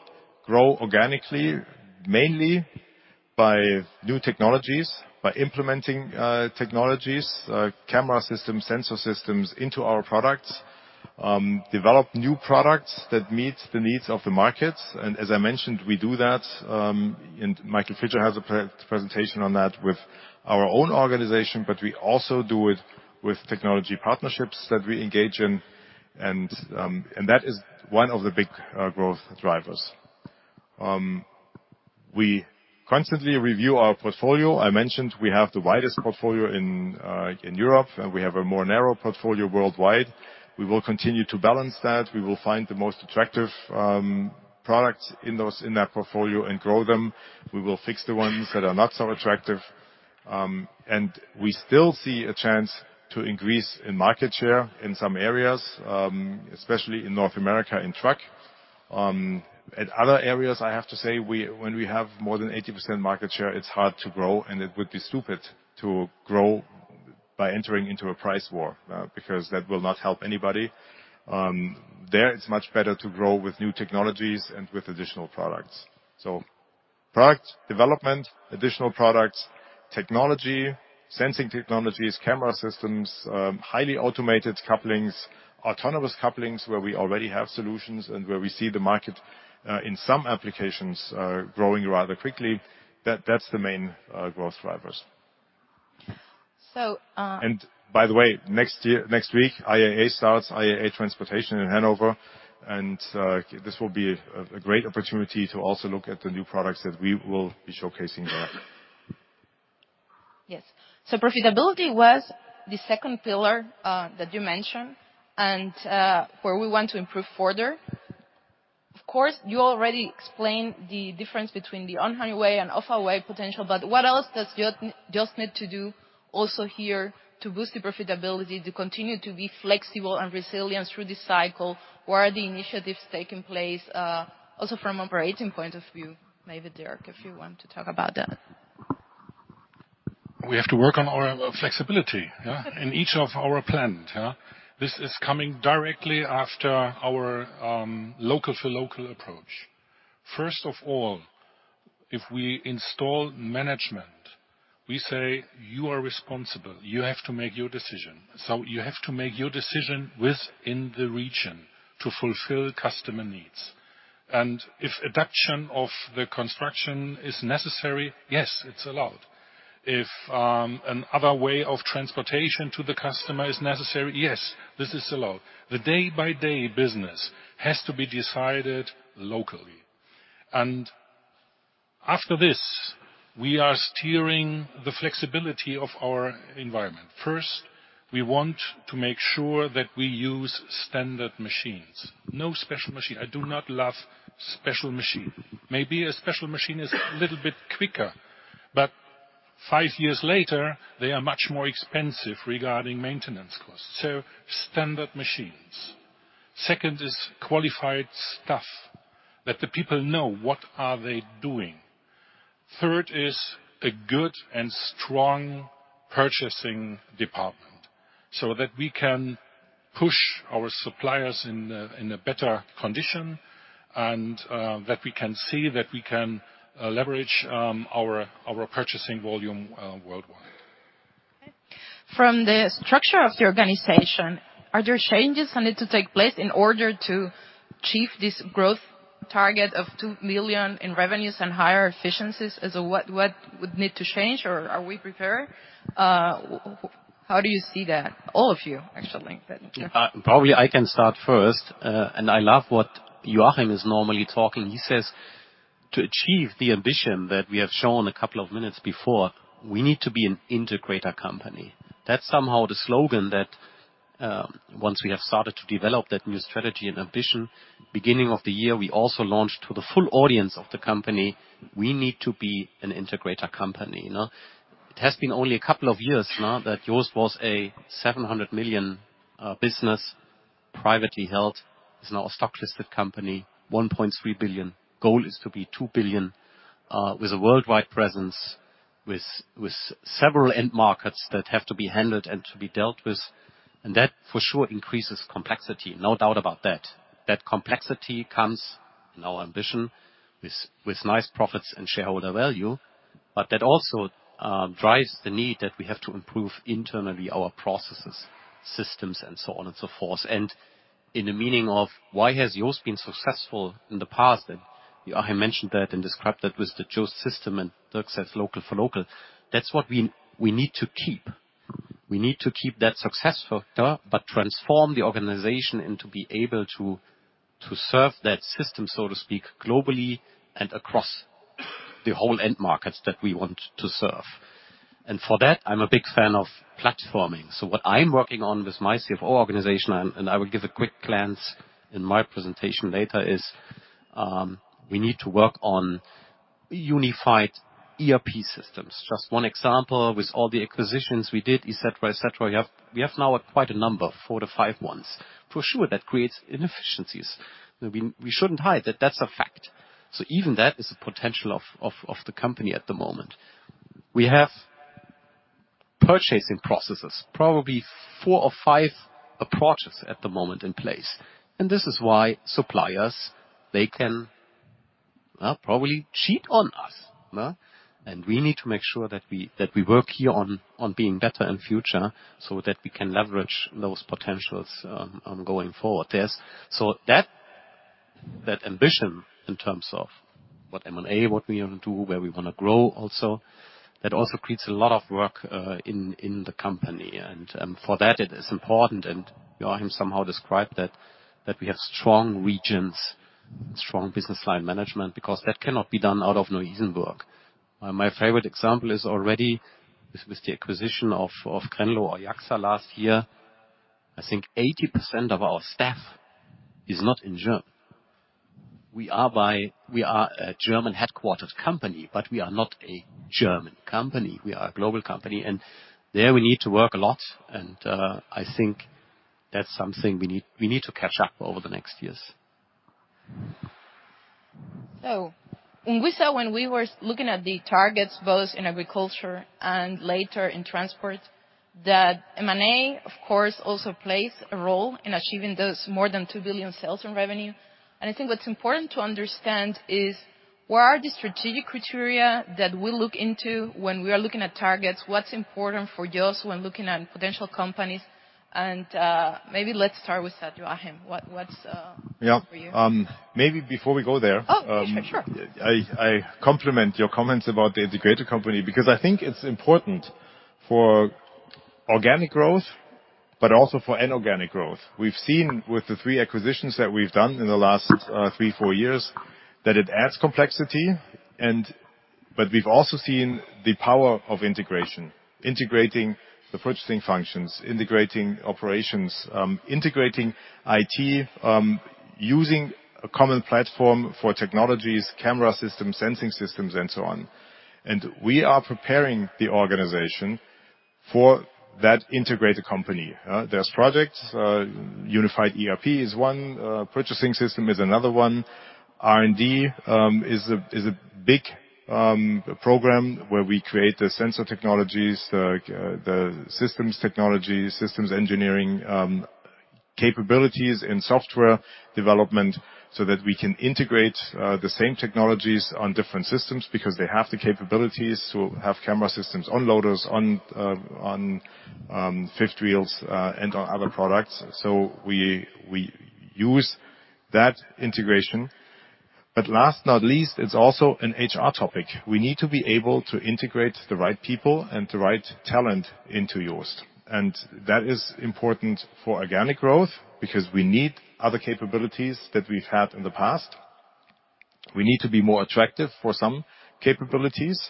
grow organically, mainly by new technologies, by implementing technologies, camera systems, sensor systems, into our products, develop new products that meet the needs of the markets. As I mentioned, we do that, and Michael Fischer has a presentation on that with our own organization, but we also do it with technology partnerships that we engage in, and that is one of the big growth drivers. We constantly review our portfolio. I mentioned we have the widest portfolio in Europe, and we have a more narrow portfolio worldwide. We will continue to balance that. We will find the most attractive products in that portfolio and grow them. We will fix the ones that are not so attractive, and we still see a chance to increase in market share in some areas, especially in North America, in truck. At other areas, I have to say, when we have more than 80% market share, it's hard to grow, and it would be stupid to grow by entering into a price war, because that will not help anybody. There, it's much better to grow with new technologies and with additional products. So product development, additional products, technology, sensing technologies, camera systems, highly automated couplings, autonomous couplings, where we already have solutions and where we see the market, in some applications, growing rather quickly. That, that's the main, growth drivers. So, uh- By the way, next year, next week, IAA starts, IAA Transportation in Hanover, and this will be a great opportunity to also look at the new products that we will be showcasing there. Yes. So profitability was the second pillar that you mentioned, and where we want to improve further. Of course, you already explained the difference between the on-highway and off-highway potential, but what else does Jost, Jost need to do also here to boost the profitability, to continue to be flexible and resilient through this cycle? Where are the initiatives taking place also from operating point of view? Maybe, Dirk, if you want to talk about that. We have to work on our flexibility, yeah, in each of our plants, yeah? This is coming directly after our local to local approach. First of all, if we install management, we say: You are responsible. You have to make your decision. So you have to make your decision within the region to fulfill customer needs. And if adaptation of the construction is necessary, yes, it's allowed. If another way of transportation to the customer is necessary, yeah, this is allowed. The day-by-day business has to be decided locally. And after this, we are steering the flexibility of our environment. First, we want to make sure that we use standard machines, no special machine. I do not love special machine. Maybe a special machine is a little bit quicker, but five years later, they are much more expensive regarding maintenance costs, so standard machines. Second is qualified staff, that the people know what are they doing. Third is a good and strong purchasing department, so that we can push our suppliers in a better condition, and that we can see that we can leverage our purchasing volume worldwide. From the structure of the organization, are there changes that need to take place in order to achieve this growth target of 2 billion in revenues and higher efficiencies? As, what would need to change or are we prepared? How do you see that? All of you, actually, but sure. Probably I can start first, and I love what Joachim is normally talking. He says, "To achieve the ambition that we have shown a couple of minutes before, we need to be an integrator company." That's somehow the slogan that, once we have started to develop that new strategy and ambition, beginning of the year, we also launched to the full audience of the company, we need to be an integrator company, you know? It has been only a couple of years now, that JOST was a 700 million business, privately held. It's now a stock-listed company, 1.3 billion. Goal is to be 2 billion, with a worldwide presence, with several end markets that have to be handled and to be dealt with, and that, for sure, increases complexity, no doubt about that. That complexity comes in our ambition with nice profits and shareholder value, but that also drives the need that we have to improve internally our processes, systems, and so on and so forth, and in the meaning of why has JOST been successful in the past? And Joachim mentioned that and described that with the JOST system, and Dirk says, local for local. That's what we need to keep. We need to keep that success factor, but transform the organization and to be able to serve that system, so to speak, globally and across the whole end markets that we want to serve, and for that, I'm a big fan of platforming, so what I'm working on with my CFO organization, and I will give a quick glance in my presentation later, is we need to work on unified ERP systems. Just one example, with all the acquisitions we did, et cetera, et cetera, we have now quite a number, four to five ones. For sure, that creates inefficiencies. We shouldn't hide that. That's a fact. So even that is a potential of the company at the moment. We have purchasing processes, probably four or five approaches at the moment in place, and this is why suppliers, they can probably cheat on us, no? And we need to make sure that we work here on being better in future so that we can leverage those potentials going forward. Yes, so that ambition in terms of what M&A, what we want to do, where we want to grow also, that also creates a lot of work in the company. For that, it is important, and Joachim somehow described that we have strong regions, strong business line management, because that cannot be done out of Neu-Isenburg. My favorite example is already with the acquisition of Crenlo or JACSA last year. I think 80% of our staff is not in Germany. We are a German-headquartered company, but we are not a German company. We are a global company, and there, we need to work a lot, and I think that's something we need to catch up over the next years. ... So, and we saw when we were looking at the targets, both in agriculture and later in transport, that M&A, of course, also plays a role in achieving those more than two billion sales in revenue. And I think what's important to understand is, what are the strategic criteria that we look into when we are looking at targets? What's important for JOST when looking at potential companies? And, maybe let's start with that, Joachim. What's for you? Yeah, maybe before we go there- Oh, sure. I compliment your comments about the integrated company, because I think it's important for organic growth, but also for inorganic growth. We've seen with the three acquisitions that we've done in the last three, four years, that it adds complexity, and but we've also seen the power of integration. Integrating the purchasing functions, integrating operations, integrating IT, using a common platform for technologies, camera systems, sensing systems, and so on. And we are preparing the organization for that integrated company. There's projects. Unified ERP is one. Purchasing system is another one. R&D is a big program where we create the sensor technologies, the systems technology, systems engineering, capabilities in software development, so that we can integrate the same technologies on different systems, because they have the capabilities to have camera systems on loaders, on fifth wheels, and on other products. So we use that integration. But last but not least, it's also an HR topic. We need to be able to integrate the right people and the right talent into JOST. And that is important for organic growth, because we need other capabilities that we've had in the past. We need to be more attractive for some capabilities,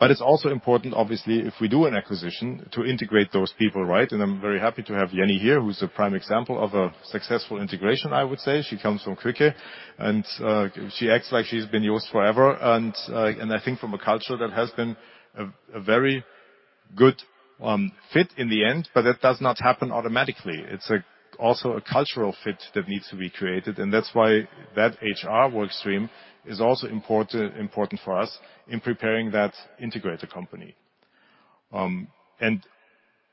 but it's also important, obviously, if we do an acquisition, to integrate those people right. I'm very happy to have Jenny here, who's a prime example of a successful integration, I would say. She comes from Quicke, and she acts like she's been JOST forever, and I think from a culture that has been a very good fit in the end, but that does not happen automatically. It's also a cultural fit that needs to be created, and that's why that HR work stream is also important for us in preparing that integrator company. And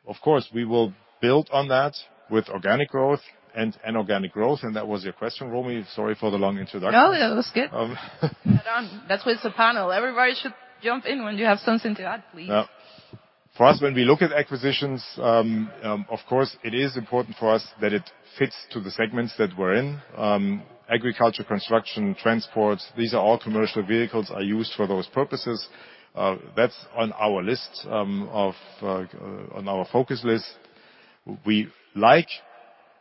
of course, we will build on that with organic growth and inorganic growth, and that was your question, Romi. Sorry for the long introduction. No, it was good. Well done. That's why it's a panel. Everybody should jump in when you have something to add, please. Yeah. For us, when we look at acquisitions, of course, it is important for us that it fits to the segments that we're in. Agriculture, construction, transport, these are all commercial vehicles, are used for those purposes. That's on our focus list. We like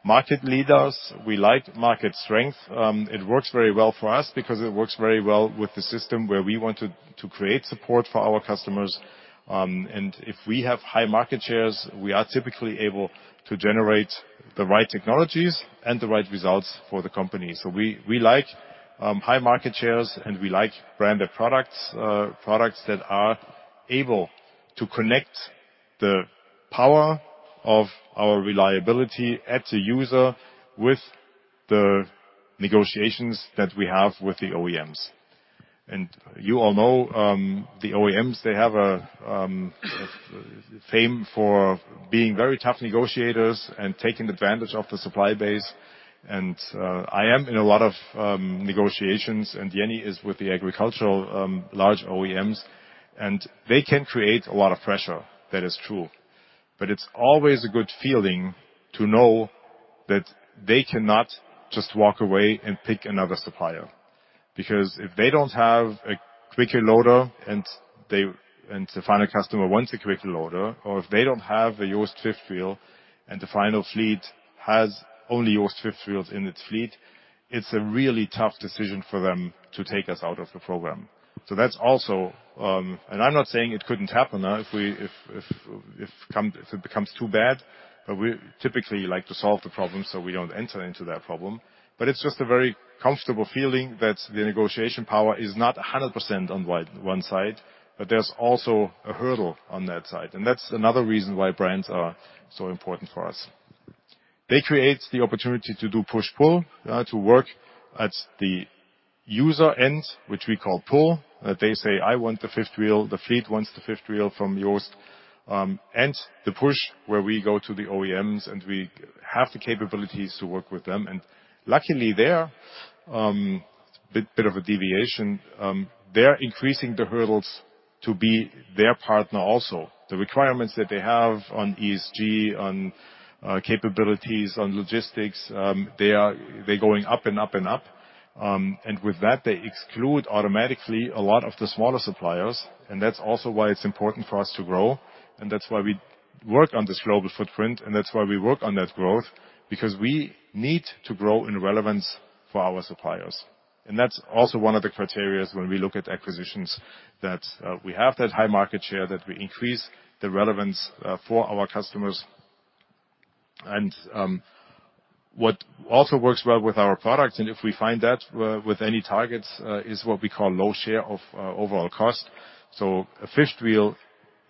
market leaders, we like market strength. It works very well for us because it works very well with the system where we want to create support for our customers. And if we have high market shares, we are typically able to generate the right technologies and the right results for the company. So we like high market shares, and we like branded products, products that are able to connect the power of our reliability at the user with the negotiations that we have with the OEMs. You all know, the OEMs, they have a name for being very tough negotiators and taking advantage of the supply base. I am in a lot of negotiations, and Jenny is with the agricultural large OEMs, and they can create a lot of pressure, that is true. But it's always a good feeling to know that they cannot just walk away and pick another supplier, because if they don't have a Quicke loader, and the final customer wants a Quicke loader, or if they don't have a JOST fifth wheel, and the final fleet has only JOST fifth wheels in its fleet, it's a really tough decision for them to take us out of the program. So that's also... I'm not saying it couldn't happen, if it becomes too bad, but we typically like to solve the problem, so we don't enter into that problem. But it's just a very comfortable feeling that the negotiation power is not 100% on one side, but there's also a hurdle on that side. That's another reason why brands are so important for us. They create the opportunity to do push/pull, to work at the user end, which we call pull. They say, "I want the fifth wheel," the fleet wants the fifth wheel from JOST. And the push, where we go to the OEMs, and we have the capabilities to work with them. And luckily, they're a bit of a deviation, they're increasing the hurdles to be their partner also. The requirements that they have on ESG, on capabilities, on logistics, they're going up and up and up. And with that, they exclude automatically a lot of the smaller suppliers, and that's also why it's important for us to grow, and that's why we work on this global footprint, and that's why we work on that growth, because we need to grow in relevance for our suppliers. And that's also one of the criteria when we look at acquisitions, that we have that high market share, that we increase the relevance for our customers. And what also works well with our products, and if we find that with any targets, is what we call low share of overall cost. So a fifth wheel,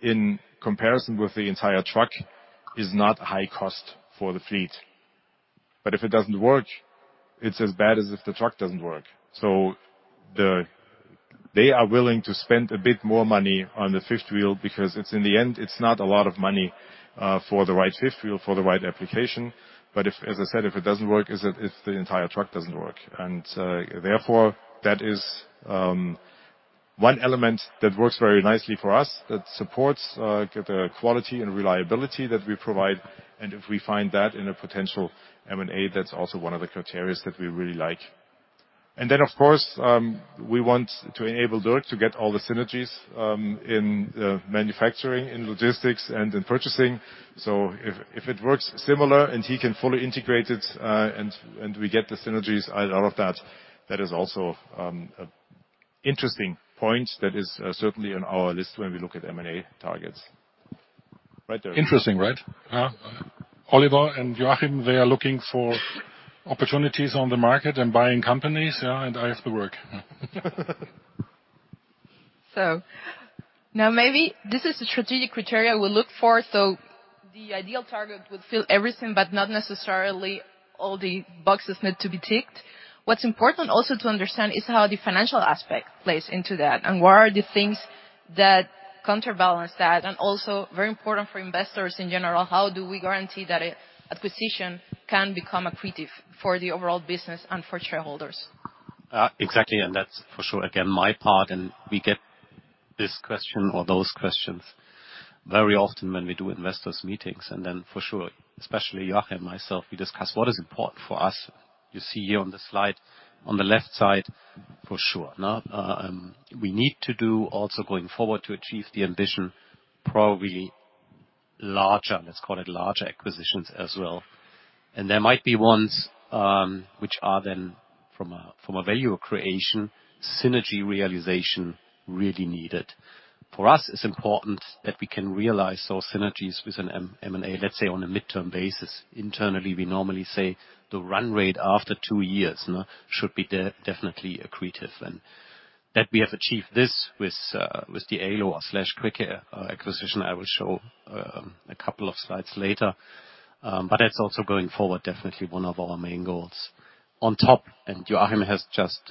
in comparison with the entire truck, is not high cost for the fleet. But if it doesn't work, it's as bad as if the truck doesn't work. So they are willing to spend a bit more money on the fifth wheel, because it's in the end, it's not a lot of money for the right fifth wheel, for the right application. But if, as I said, if it doesn't work, it's the entire truck doesn't work. And therefore, that is one element that works very nicely for us, that supports the quality and reliability that we provide, and if we find that in a potential M&A, that's also one of the criteria that we really like. And then, of course, we want to enable Dirk to get all the synergies in manufacturing, in logistics, and in purchasing. So if it works similar and he can fully integrate it, and we get the synergies out of that, that is also an interesting point that is certainly on our list when we look at M&A targets. Right there. Interesting, right? Oliver and Joachim, they are looking for opportunities on the market and buying companies, yeah, and I have the work. So now, maybe this is the strategic criteria we look for. So the ideal target would fill everything, but not necessarily all the boxes need to be ticked. What's important also to understand is how the financial aspect plays into that, and what are the things that counterbalance that? And also, very important for investors in general, how do we guarantee that an acquisition can become accretive for the overall business and for shareholders? Exactly, and that's for sure, again, my part, and we get this question or those questions very often when we do investors meetings. And then for sure, especially Joachim and myself, we discuss what is important for us. You see here on the slide, on the left side, for sure, now, we need to do also going forward to achieve the ambition, probably larger, let's call it larger acquisitions as well. And there might be ones, which are then from a value creation, synergy realization really needed. For us, it's important that we can realize those synergies with an M&A, let's say, on a midterm basis. Internally, we normally say the run rate after two years, you know, should be definitely accretive. And that we have achieved this with the Ålö/Quicke acquisition, I will show a couple of slides later. But that's also going forward, definitely one of our main goals. On top, and Joachim has just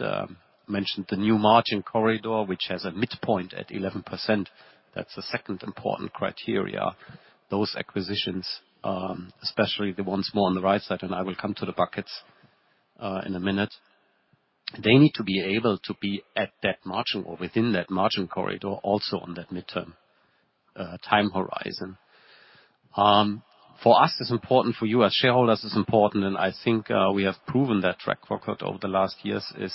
mentioned the new margin corridor, which has a midpoint at 11%. That's the second important criteria. Those acquisitions, especially the ones more on the right side, and I will come to the buckets in a minute. They need to be able to be at that margin or within that margin corridor, also on that midterm time horizon. For us, it's important, for you as shareholders, it's important, and I think we have proven that track record over the last years, is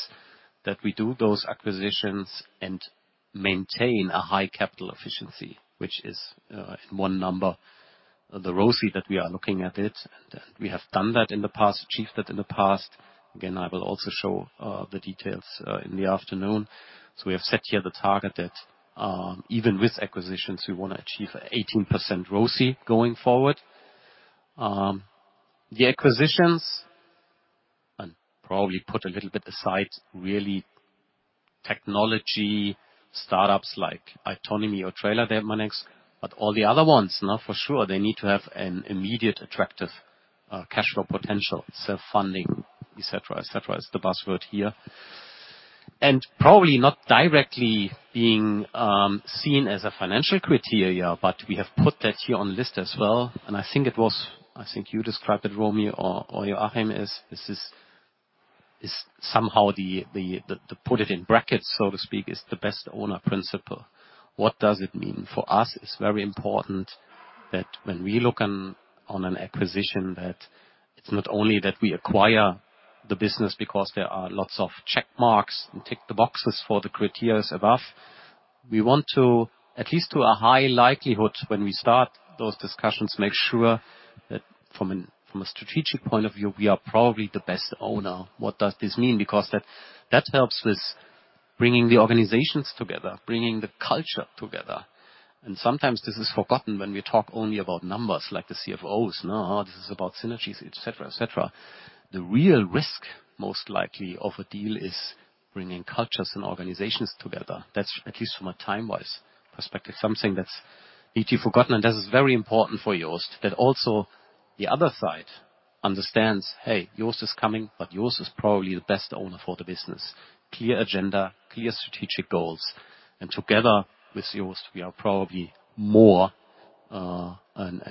that we do those acquisitions and maintain a high capital efficiency, which is in one number, the ROCE that we are looking at it. And we have done that in the past, achieved that in the past. Again, I will also show the details in the afternoon. So we have set here the target that even with acquisitions, we wanna achieve 18% ROCE going forward. The acquisitions, I'll probably put a little bit aside, really, technology startups like Fernride or Trailer Dynamics, but all the other ones, now, for sure, they need to have an immediate attractive cash flow potential, self-funding, et cetera, et cetera, is the buzzword here. And probably not directly being seen as a financial criteria, but we have put that here on the list as well. And I think it was. I think you described it, Romi or Joachim, is somehow the, to put it in brackets, so to speak, is the best owner principle. What does it mean? For us, it's very important that when we look on an acquisition, that it's not only that we acquire the business because there are lots of check marks and tick the boxes for the criterias above. We want to, at least to a high likelihood, when we start those discussions, make sure that from a strategic point of view, we are probably the best owner. What does this mean? Because that helps with bringing the organizations together, bringing the culture together. And sometimes this is forgotten when we talk only about numbers, like the CFOs, no, this is about synergies, et cetera, et cetera. The real risk, most likely, of a deal is bringing cultures and organizations together. That's at least from a time-wise perspective, something that's easily forgotten, and this is very important for JOST, that also the other side understands, hey, JOST is coming, but JOST is probably the best owner for the business. Clear agenda, clear strategic goals, and together with JOST, we are probably more and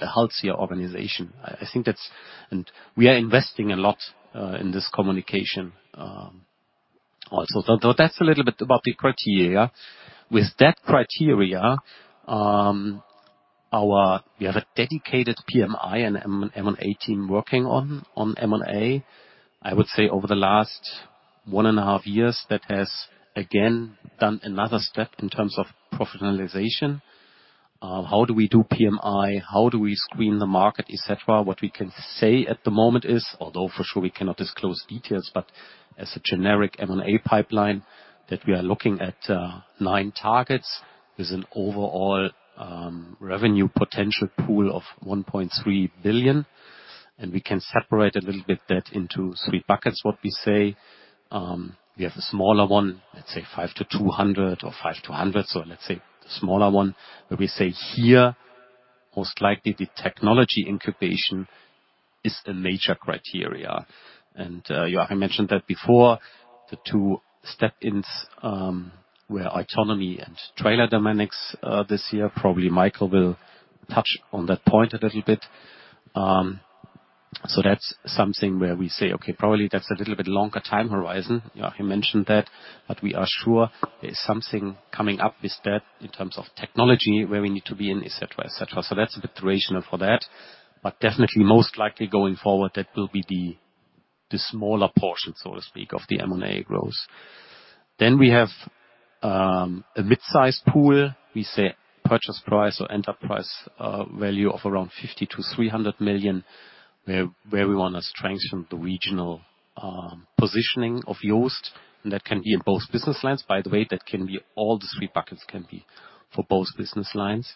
a healthier organization. I think that's... And we are investing a lot in this communication, also. So that's a little bit about the criteria. With that criteria, our we have a dedicated PMI and M&A team working on M&A. I would say over the last one and a half years, that has again done another step in terms of professionalization. How do we do PMI? How do we screen the market, et cetera? What we can say at the moment is, although for sure, we cannot disclose details, but as a generic M&A pipeline that we are looking at, nine targets. There's an overall revenue potential pool of 1.3 billion, and we can separate a little bit that into three buckets, what we say. We have a smaller one, let's say 5 to 200, or 5 to 100, so let's say the smaller one, where we say here, most likely the technology incubation is the major criteria. Joachim mentioned that before, the two step-ins were autonomy and trailer dynamics this year. Probably Michael will touch on that point a little bit. So that's something where we say, okay, probably that's a little bit longer time horizon. Joachim mentioned that, but we are sure there is something coming up with that in terms of technology, where we need to be in, et cetera, et cetera. So that's a bit rationale for that. But definitely, most likely going forward, that will be the smaller portion, so to speak, of the M&A growth. Then we have a mid-sized pool. We say purchase price or enterprise value of around 50-300 million, where we wanna strengthen the regional positioning of Jost, and that can be in both business lines. By the way, that can be all the three buckets can be for both business lines,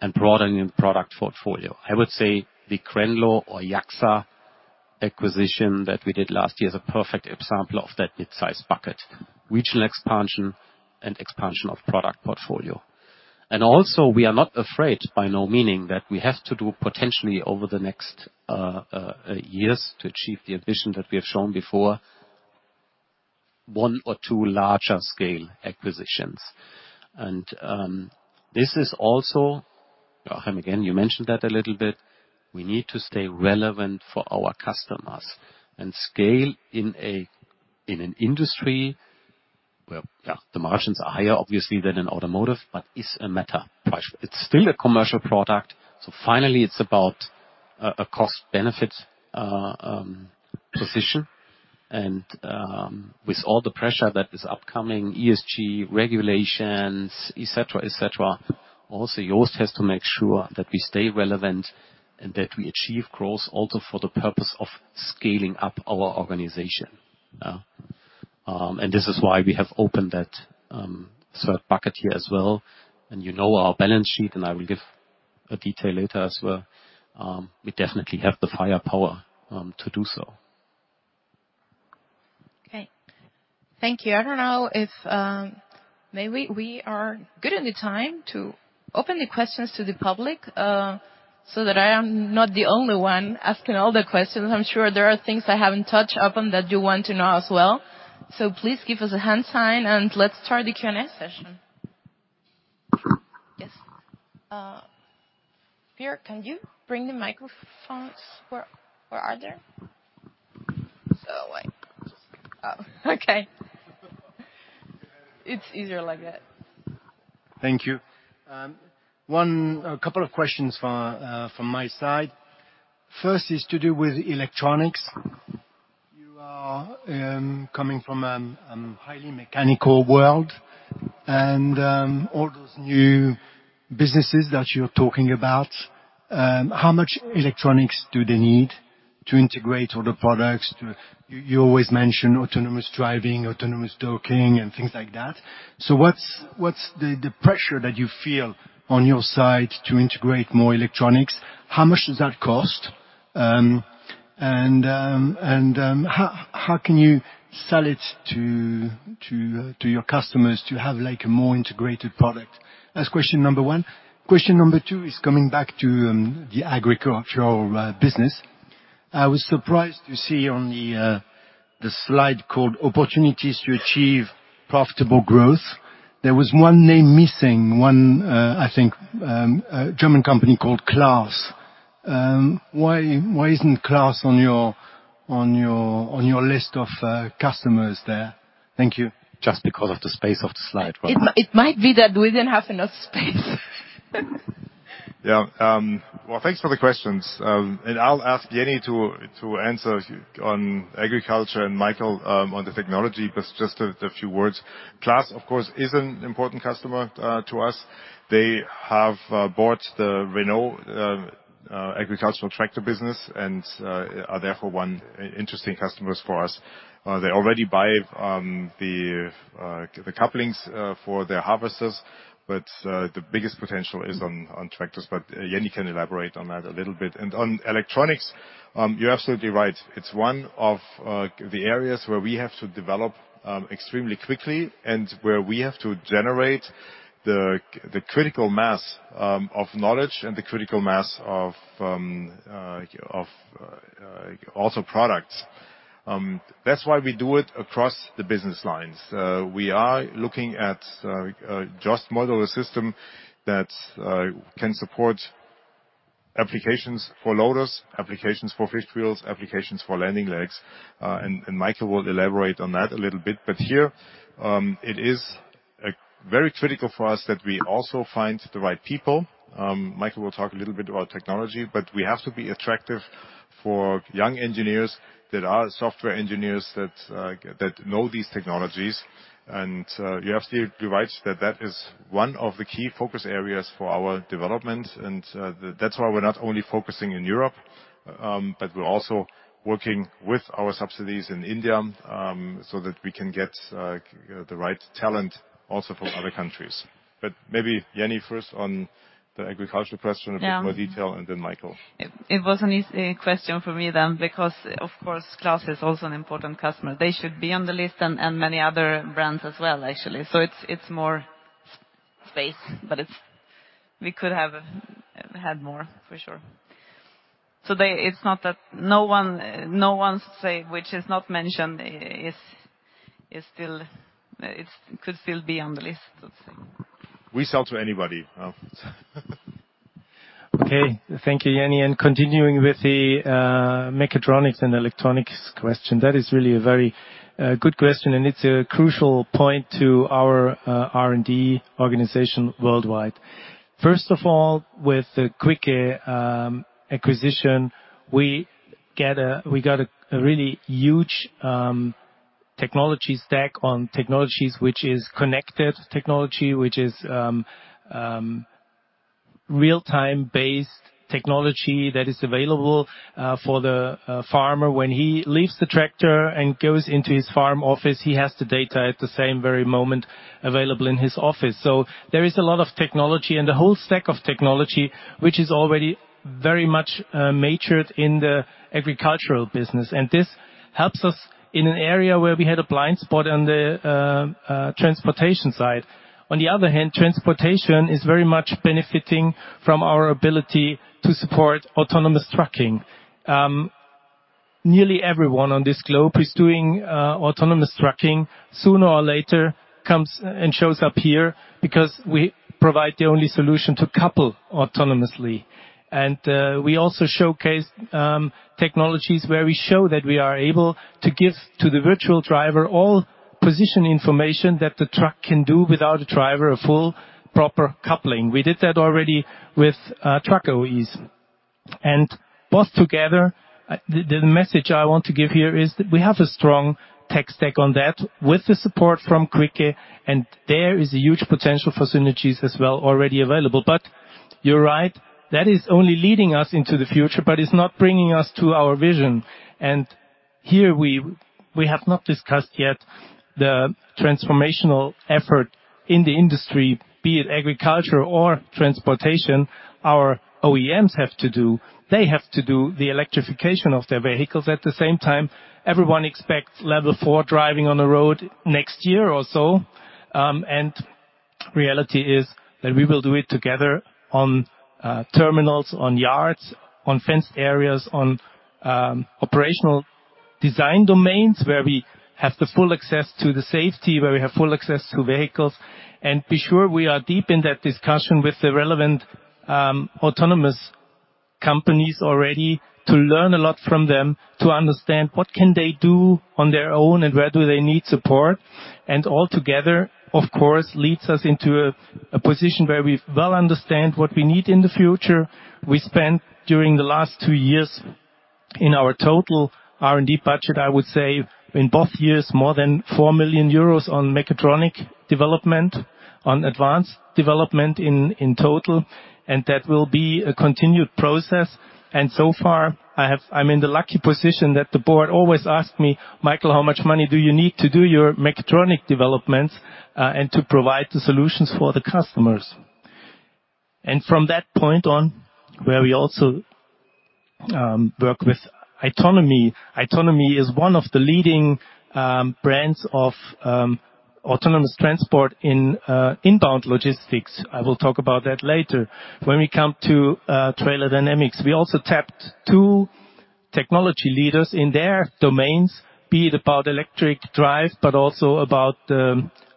and broadening product portfolio. I would say the Crenlo or Ålö acquisition that we did last year is a perfect example of that mid-size bucket: regional expansion and expansion of product portfolio. And also, we are not afraid, by no means, that we have to do potentially over the next years to achieve the ambition that we have shown before, one or two larger scale acquisitions. And this is also, Joachim, again, you mentioned that a little bit, we need to stay relevant for our customers. And scale in a, in an industry where, yeah, the margins are higher, obviously, than in automotive, but is a matter. It's still a commercial product, so finally, it's about a, a cost benefit position. And with all the pressure that is upcoming, ESG regulations, et cetera, et cetera, also, JOST has to make sure that we stay relevant and that we achieve growth also for the purpose of scaling up our organization. And this is why we have opened that third bucket here as well. You know our balance sheet, and I will give a detail later as well. We definitely have the firepower to do so. Okay. Thank you. I don't know if maybe we are good on the time to open the questions to the public, so that I am not the only one asking all the questions. I'm sure there are things I haven't touched upon that you want to know as well, so please give us a hand sign, and let's start the Q&A session. Yes. Pierre, can you bring the microphones? Where are they? So like... Oh, okay. It's easier like that. Thank you. A couple of questions from my side. First is to do with electronics. You are coming from a highly mechanical world, and all those new businesses that you're talking about, how much electronics do they need to integrate all the products? You always mention autonomous driving, autonomous docking, and things like that. So what's the pressure that you feel on your side to integrate more electronics? How much does that cost? And how can you sell it to your customers to have, like, a more integrated product? That's question number one. Question number two is coming back to the agricultural business. I was surprised to see on the slide called "Opportunities to Achieve Profitable Growth." There was one name missing, one, I think, a German company called Claas. Why isn't Claas on your list of customers there? Thank you. Just because of the space of the slide. It might be that we didn't have enough space. Yeah, well, thanks for the questions, and I'll ask Jenny to answer on agriculture and Michael on the technology, but just a few words. Claas, of course, is an important customer to us. They have bought the Renault agricultural tractor business and are therefore one interesting customer for us. They already buy the couplings for their harvesters, but the biggest potential is on tractors, but Jenny can elaborate on that a little bit and on electronics, you're absolutely right. It's one of the areas where we have to develop extremely quickly and where we have to generate the critical mass of knowledge and the critical mass of also products. That's why we do it across the business lines. We are looking at a JOST modular system that can support applications for loaders, applications for fifth wheels, applications for landing legs, and Michael will elaborate on that a little bit. But here, it is very critical for us that we also find the right people. Michael will talk a little bit about technology, but we have to be attractive for young engineers that are software engineers that know these technologies. And you're absolutely right, that is one of the key focus areas for our development, and that's why we're not only focusing in Europe, but we're also working with our subsidiaries in India, so that we can get the right talent also from other countries. But maybe, Jenny, first on the agriculture question, a bit more detail, and then Michael. It was an easy question for me then, because, of course, Claas is also an important customer. They should be on the list, and many other brands as well, actually. So it's more-... space, but it's, we could have had more for sure, so they. It's not that no one say, which is not mentioned, is still, it's could still be on the list, let's say. We sell to anybody. Okay, thank you, Jenny. And continuing with the mechatronics and electronics question, that is really a very good question, and it's a crucial point to our R&D organization worldwide. First of all, with the Quicke acquisition, we got a really huge technology stack on technologies, which is connected technology, which is real-time-based technology that is available for the farmer. When he leaves the tractor and goes into his farm office, he has the data at the same very moment available in his office. So there is a lot of technology, and the whole stack of technology, which is already very much matured in the agricultural business. And this helps us in an area where we had a blind spot on the transportation side. On the other hand, transportation is very much benefiting from our ability to support autonomous trucking. Nearly everyone on this globe who's doing autonomous trucking, sooner or later, comes and shows up here because we provide the only solution to couple autonomously. And we also showcase technologies where we show that we are able to give to the virtual driver all position information that the truck can do without a driver, a full, proper coupling. We did that already with truck OEs. And both together, the message I want to give here is that we have a strong tech stack on that with the support from Quicke, and there is a huge potential for synergies as well, already available. But you're right, that is only leading us into the future, but it's not bringing us to our vision. Here, we have not discussed yet the transformational effort in the industry, be it agriculture or transportation, our OEMs have to do. They have to do the electrification of their vehicles. At the same time, everyone expects Level 4 driving on a road next year or so. Reality is that we will do it together on terminals, on yards, on fenced areas, on operational design domains, where we have the full access to the safety, where we have full access to vehicles. Be sure we are deep in that discussion with the relevant autonomous companies already to learn a lot from them, to understand what can they do on their own and where do they need support. Altogether, of course, leads us into a position where we well understand what we need in the future. We spent, during the last two years, in our total R&D budget, I would say, in both years, more than 4 million euros on mechatronic development, on advanced development in total, and that will be a continued process. And so far, I'm in the lucky position that the board always asks me, "Michael, how much money do you need to do your mechatronic developments, and to provide the solutions for the customers?" And from that point on, where we also work with Fernride. Fernride is one of the leading brands of autonomous transport in inbound logistics. I will talk about that later. When we come to Trailer Dynamics, we also tapped two technology leaders in their domains, be it about electric drive, but also about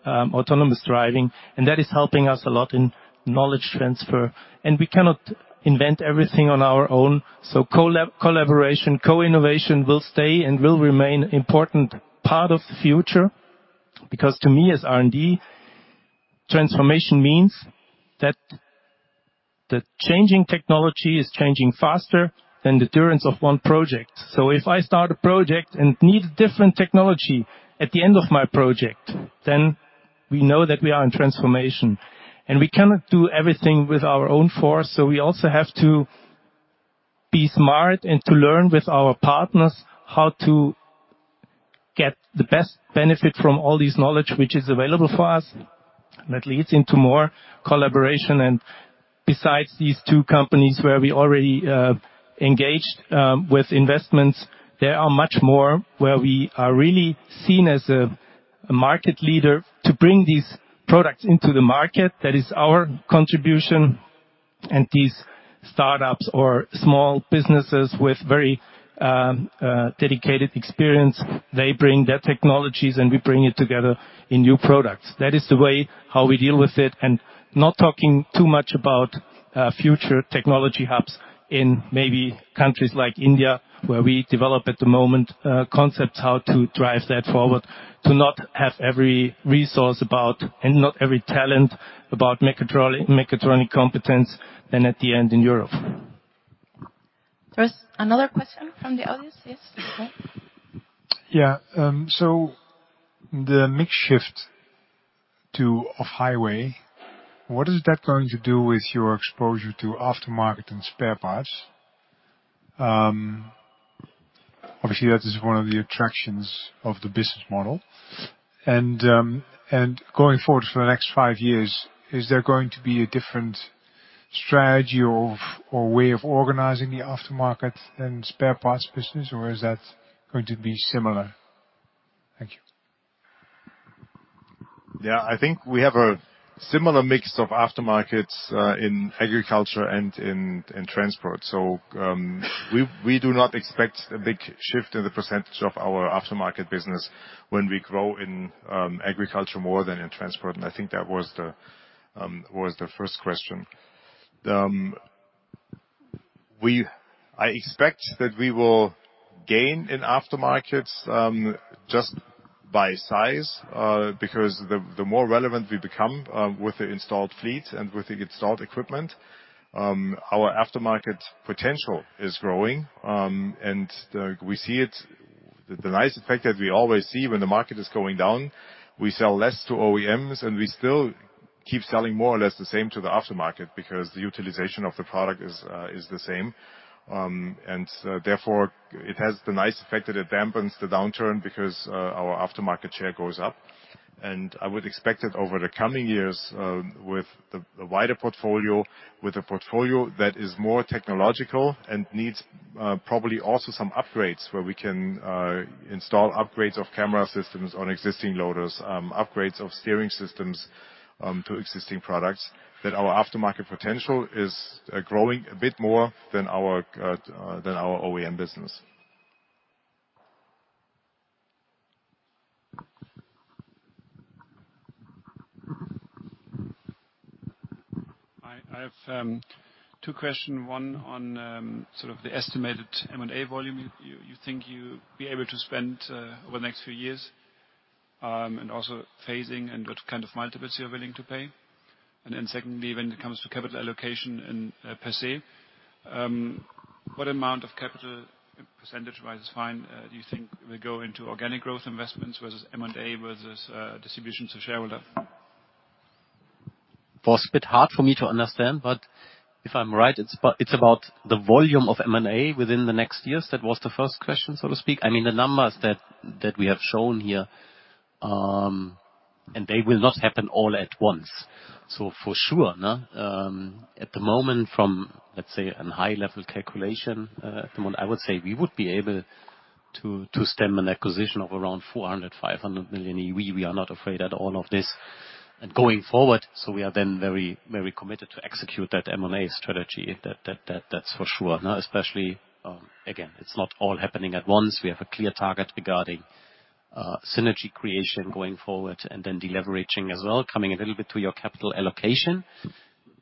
autonomous driving, and that is helping us a lot in knowledge transfer. And we cannot invent everything on our own, so collaboration, co-innovation will stay and will remain important part of the future. Because to me, as R&D, transformation means that the changing technology is changing faster than the duration of one project. So if I start a project and need different technology at the end of my project, then we know that we are in transformation. And we cannot do everything with our own force, so we also have to be smart and to learn with our partners how to get the best benefit from all this knowledge which is available for us. That leads into more collaboration, and besides these two companies where we already engaged with investments, there are much more where we are really seen as a market leader to bring these products into the market. That is our contribution. And these startups or small businesses with very, dedicated experience, they bring their technologies, and we bring it together in new products. That is the way how we deal with it, and not talking too much about, future technology hubs in maybe countries like India, where we develop at the moment, concepts, how to drive that forward, to not have every resource about, and not every talent, about mechatronic competence than at the end in Europe. There's another question from the audience? Yes. Yeah, so the mix shift to off-highway, what is that going to do with your exposure to aftermarket and spare parts? Obviously, that is one of the attractions of the business model. And going forward for the next five years, is there going to be a different strategy or way of organizing the aftermarket and spare parts business, or is that going to be similar?... Thank you. Yeah, I think we have a similar mix of aftermarkets in agriculture and in transport. So, we do not expect a big shift in the percentage of our aftermarket business when we grow in agriculture more than in transport, and I think that was the first question. I expect that we will gain in aftermarkets just by size because the more relevant we become with the installed fleet and with the installed equipment, our aftermarket potential is growing, and we see it. The nice effect that we always see when the market is going down, we sell less to OEMs, and we still keep selling more or less the same to the aftermarket, because the utilization of the product is the same. And, therefore, it has the nice effect that it dampens the downturn, because our aftermarket share goes up. And I would expect that over the coming years, with the wider portfolio, with a portfolio that is more technological and needs probably also some upgrades, where we can install upgrades of camera systems on existing loaders, upgrades of steering systems to existing products, that our aftermarket potential is growing a bit more than our OEM business. I have two questions. One on sort of the estimated M&A volume you think you'll be able to spend over the next few years, and also phasing and what kind of multiples you're willing to pay. And then secondly, when it comes to capital allocation and per se, what amount of capital, percentage-wise is fine, do you think will go into organic growth investments versus M&A versus distributions to shareholder? was a bit hard for me to understand, but if I'm right, it's about the volume of M&A within the next years. That was the first question, so to speak? I mean, the numbers that we have shown here, and they will not happen all at once. So for sure, at the moment, from, let's say, a high-level calculation, I would say we would be able to stem an acquisition of around 400-500 million. We are not afraid at all of this. And going forward, so we are then very, very committed to execute that M&A strategy. That's for sure, especially, again, it's not all happening at once. We have a clear target regarding synergy creation going forward and then deleveraging as well. Coming a little bit to your capital allocation,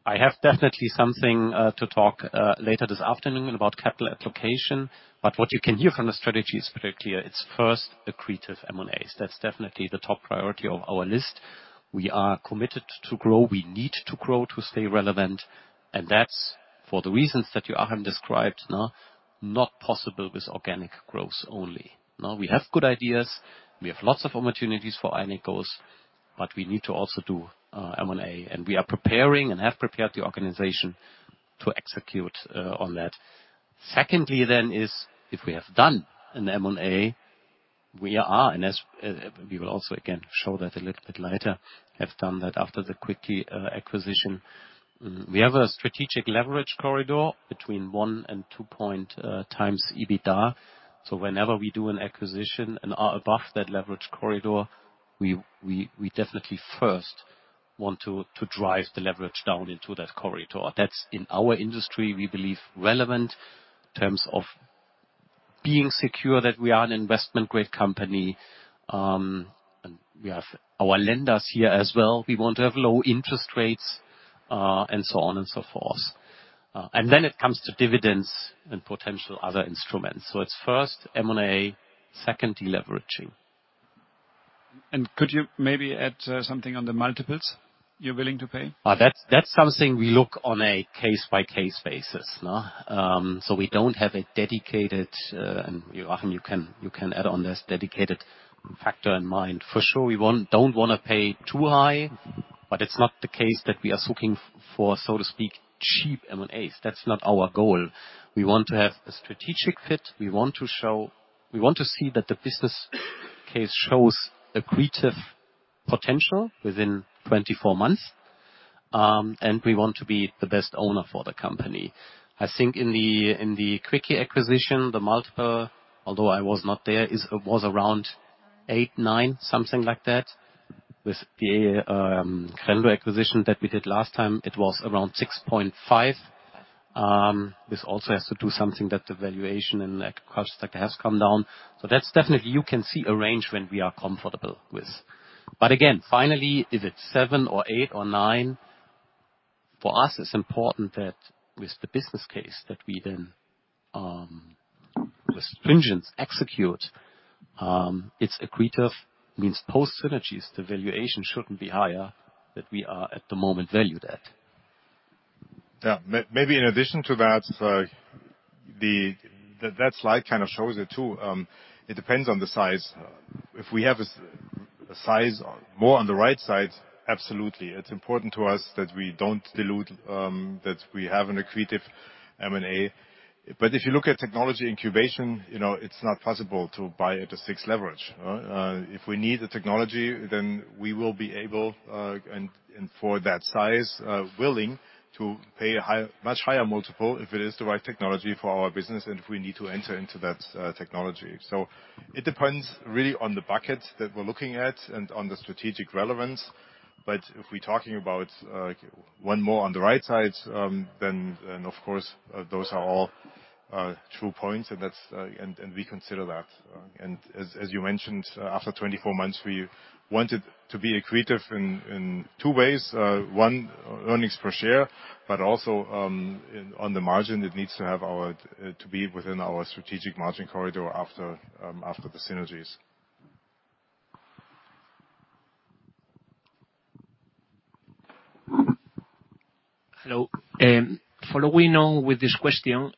I have definitely something to talk later this afternoon about capital allocation, but what you can hear from the strategy is very clear. It's first accretive M&As. That's definitely the top priority of our list. We are committed to grow. We need to grow to stay relevant, and that's, for the reasons that you, Arun, described, nah, not possible with organic growth only. Now, we have good ideas, we have lots of opportunities for organic growth, but we need to also do M&A, and we are preparing and have prepared the organization to execute on that. Secondly then is, if we have done an M&A, we are, and as we will also again show that a little bit later, have done that after the Quicke acquisition. We have a strategic leverage corridor between one and two point times EBITDA. So whenever we do an acquisition and are above that leverage corridor, we definitely first want to drive the leverage down into that corridor. That's in our industry, we believe, relevant in terms of being secure that we are an investment-grade company, and we have our lenders here as well. We want to have low interest rates, and so on and so forth, and then it comes to dividends and potential other instruments, so it's first M&A, second, deleveraging. And could you maybe add, something on the multiples you're willing to pay? That's something we look on a case-by-case basis, nah? So we don't have a dedicated, and Arun, you can add on this, dedicated factor in mind. For sure, we want-- don't wanna pay too high, but it's not the case that we are looking for, so to speak, cheap M&As. That's not our goal. We want to have a strategic fit. We want to show-- We want to see that the business case shows accretive potential within twenty-four months, and we want to be the best owner for the company. I think in the Quicke acquisition, the multiple, although I was not there, was around eight, nine, something like that. With the Crenlo acquisition that we did last time, it was around 6.5. This also has to do something that the valuation in agricultural sector has come down, so that's definitely you can see a range when we are comfortable with. But again, finally, if it's seven or eight or nine, for us, it's important that with the business case, that we then, with the synergies, execute. It's accretive, meaning post synergies, the valuation shouldn't be higher than we are at the moment valued at. Yeah. Maybe in addition to that, that slide kind of shows it, too. It depends on the size. If we have a size more on the right size, absolutely. It's important to us that we don't dilute, that we have an accretive M&A. But if you look at technology incubation, you know, it's not possible to buy at a six leverage. If we need a technology, then we will be able, and for that size, willing to pay a high, much higher multiple if it is the right technology for our business and if we need to enter into that technology. So it depends really on the bucket that we're looking at and on the strategic relevance, but if we're talking about one more on the right side, then of course those are all true points, and that's and we consider that. And as you mentioned, after twenty-four months, we wanted to be accretive in two ways. One, earnings per share, but also in on the margin, it needs to have our to be within our strategic margin corridor after the synergies. Hello. Following on with this question,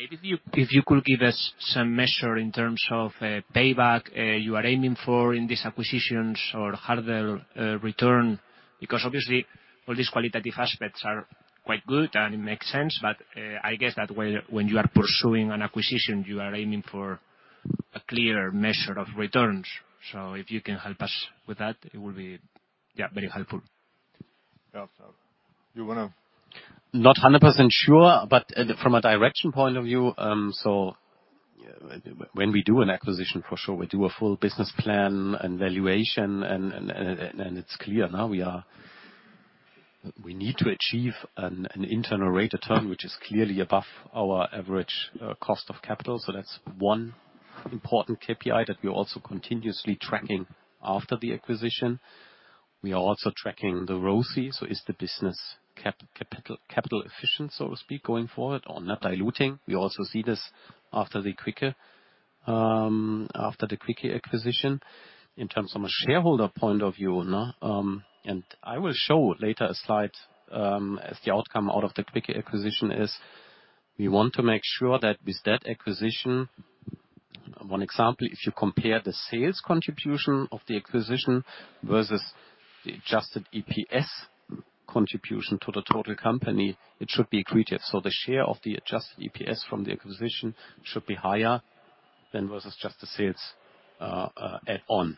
maybe if you could give us some measure in terms of payback you are aiming for in these acquisitions or how the return. Because obviously, all these qualitative aspects are quite good and it makes sense, but I guess that when you are pursuing an acquisition, you are aiming for a clear measure of returns. So if you can help us with that, it will be, yeah, very helpful. Yeah, so you wanna? Not 100% sure, but from a strategic point of view, when we do an acquisition, for sure, we do a full business plan and valuation, and it's clear now we need to achieve an internal rate of return, which is clearly above our average cost of capital. So that's one important KPI that we're also continuously tracking after the acquisition. We are also tracking the ROCE, so is the business capital efficient, so to speak, going forward or not diluting? We also see this after the Quicke acquisition. In terms of a shareholder point of view, no, and I will show later a slide, as the outcome out of the Quicke acquisition is, we want to make sure that with that acquisition, one example, if you compare the sales contribution of the acquisition versus the adjusted EPS contribution to the total company, it should be accretive. So the share of the adjusted EPS from the acquisition should be higher than versus just the sales add on.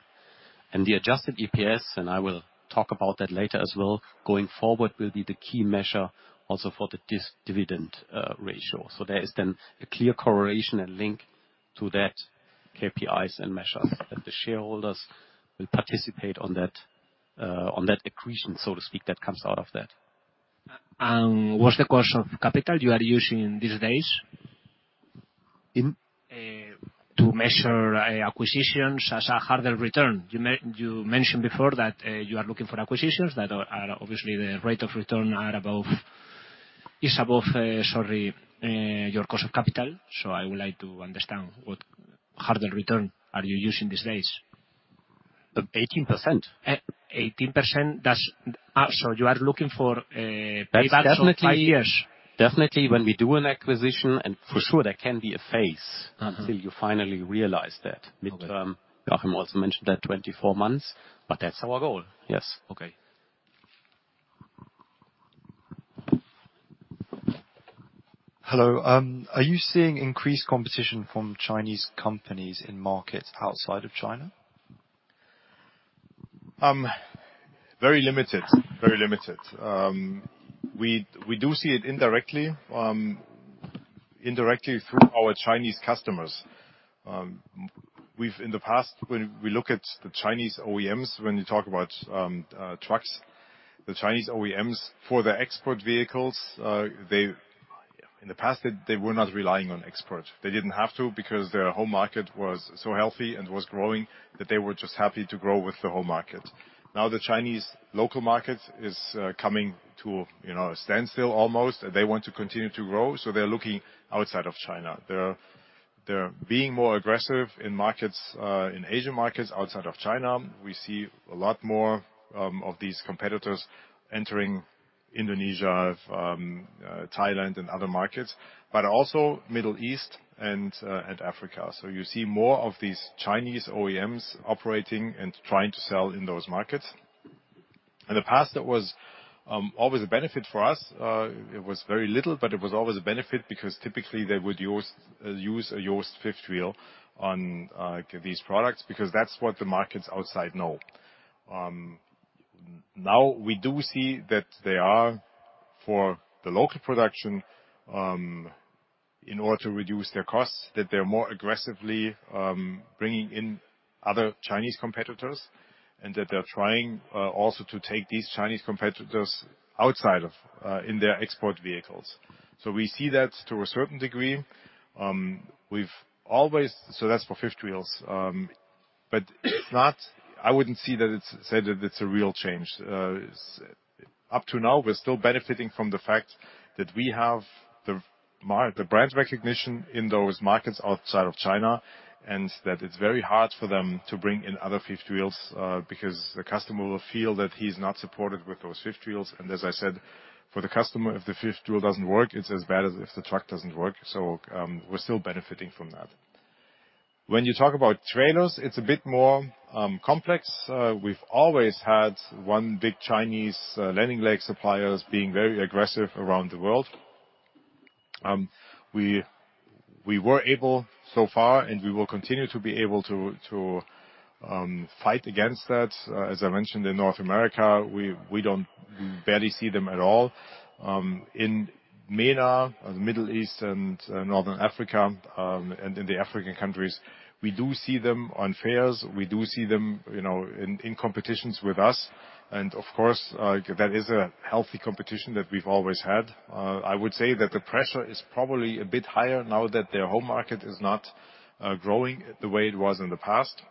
And the adjusted EPS, and I will talk about that later as well, going forward, will be the key measure also for the dividend ratio. So there is then a clear correlation and link to that KPIs and measures, that the shareholders will participate on that, on that accretion, so to speak, that comes out of that. What's the cost of capital you are using these days? In? To measure acquisitions as a hurdle rate. You mentioned before that you are looking for acquisitions that are obviously the rate of return is above your cost of capital. So I would like to understand what hurdle rate are you using these days? Eighteen percent. 18%? That's... so you are looking for a That's definitely- Five years. Definitely, when we do an acquisition, and for sure, there can be a phase- Mm-hmm. until you finally realize that. Okay. Midterm, I might have also mentioned that twenty-four months, but that's our goal, yes. Okay. Hello. Are you seeing increased competition from Chinese companies in markets outside of China? Very limited. Very limited. We do see it indirectly, indirectly through our Chinese customers. We've in the past, when we look at the Chinese OEMs, when you talk about trucks, the Chinese OEMs for their export vehicles, they in the past were not relying on export. They didn't have to, because their home market was so healthy and was growing, that they were just happy to grow with the home market. Now, the Chinese local market is coming to you know a standstill, almost. They want to continue to grow, so they're looking outside of China. They're being more aggressive in markets, in Asian markets outside of China. We see a lot more of these competitors entering Indonesia, Thailand and other markets, but also Middle East and Africa. So you see more of these Chinese OEMs operating and trying to sell in those markets. In the past, that was always a benefit for us. It was very little, but it was always a benefit, because typically, they would use a JOST fifth wheel on these products, because that's what the markets outside know. Now we do see that they are for the local production in order to reduce their costs, that they're more aggressively bringing in other Chinese competitors, and that they're trying also to take these Chinese competitors outside of in their export vehicles. So we see that to a certain degree. That's for fifth wheels, but it's not. I wouldn't see that it's, say that it's a real change. Up to now, we're still benefiting from the fact that we have the brand recognition in those markets outside of China, and that it's very hard for them to bring in other fifth wheels because the customer will feel that he's not supported with those fifth wheels, and as I said, for the customer, if the fifth wheel doesn't work, it's as bad as if the truck doesn't work, so we're still benefiting from that. When you talk about trailers, it's a bit more complex. We've always had one big Chinese landing leg suppliers being very aggressive around the world. We were able so far, and we will continue to be able to fight against that. As I mentioned, in North America, we barely see them at all. In MENA, or the Middle East and Northern Africa, and in the African countries, we do see them on fairs. We do see them, you know, in competitions with us, and of course, that is a healthy competition that we've always had. I would say that the pressure is probably a bit higher now that their home market is not growing the way it was in the past,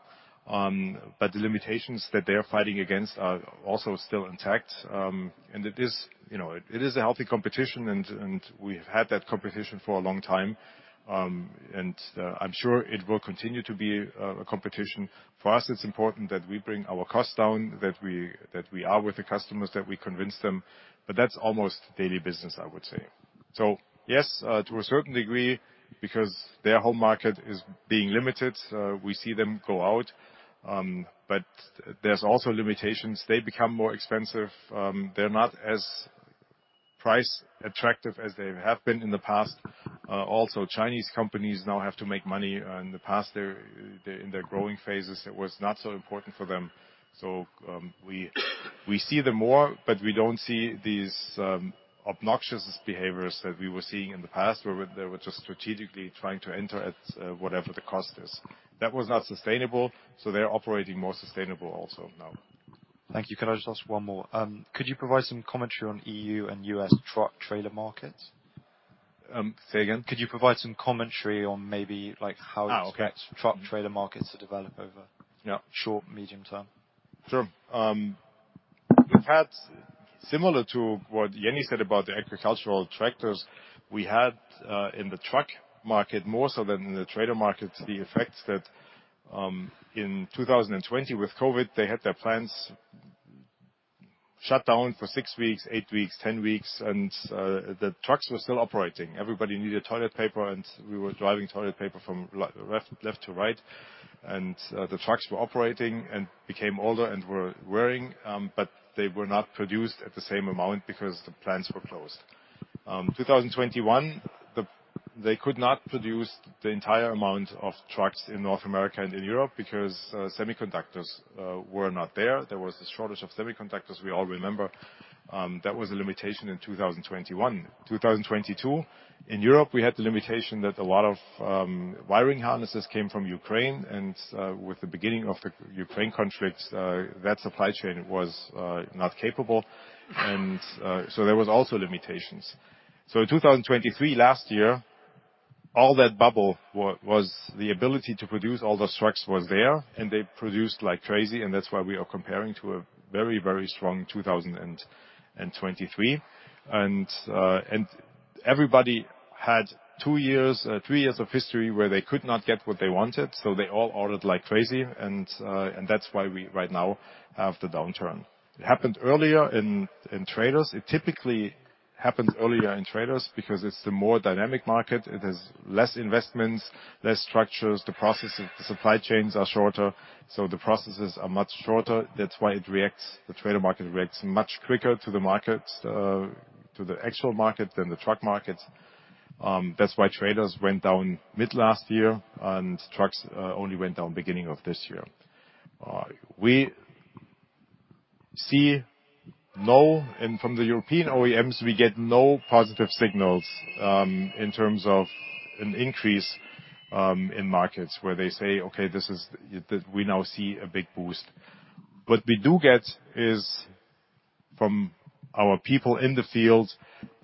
but the limitations that they're fighting against are also still intact, and it is, you know, it is a healthy competition, and we've had that competition for a long time, and I'm sure it will continue to be a competition. For us, it's important that we bring our costs down, that we are with the customers, that we convince them, but that's almost daily business, I would say. So, yes, to a certain degree, because their home market is being limited, we see them go out, but there's also limitations. They become more expensive. They're not as price attractive as they have been in the past. Also, Chinese companies now have to make money. In the past, in their growing phases, it was not so important for them. So, we see them more, but we don't see these obnoxious behaviors that we were seeing in the past, where they were just strategically trying to enter at whatever the cost is. That was not sustainable, so they're operating more sustainable also now. Thank you. Can I just ask one more? Could you provide some commentary on E.U. and U.S. truck trailer markets? Say again? Could you provide some commentary on maybe, like, how- Ah, okay. truck trailer markets are developed over Yeah. Short, medium term? Sure. We've had similar to what Jenny said about the agricultural tractors. We had in the truck market, more so than in the trailer market, the effect that in two thousand and twenty with COVID, they had their plants shut down for six weeks, eight weeks, ten weeks, and the trucks were still operating. Everybody needed toilet paper, and we were driving toilet paper from left to right. And the trucks were operating and became older and were wearing, but they were not produced at the same amount because the plants were closed. Two thousand and twenty-one, they could not produce the entire amount of trucks in North America and in Europe because semiconductors were not there. There was a shortage of semiconductors. We all remember that was a limitation in two thousand and twenty-one. 2022, in Europe, we had the limitation that a lot of wiring harnesses came from Ukraine, and with the beginning of the Ukraine conflict, that supply chain was not capable. And so there was also limitations. So in 2023, last year, all that bubble was the ability to produce all the trucks was there, and they produced like crazy, and that's why we are comparing to a very, very strong 2023. And everybody had two years, three years of history where they could not get what they wanted, so they all ordered like crazy, and that's why we right now have the downturn. It happened earlier in trailers. It typically happens earlier in trailers because it's the more dynamic market. It is less investments, less structures. The process, the supply chains are shorter, so the processes are much shorter. That's why it reacts. The trailer market reacts much quicker to the markets, to the actual market than the truck market. That's why trailers went down mid last year, and trucks only went down beginning of this year. We see no, and from the European OEMs, we get no positive signals, in terms of an increase, in markets where they say, "Okay, this is, we now see a big boost." What we do get is from our people in the field,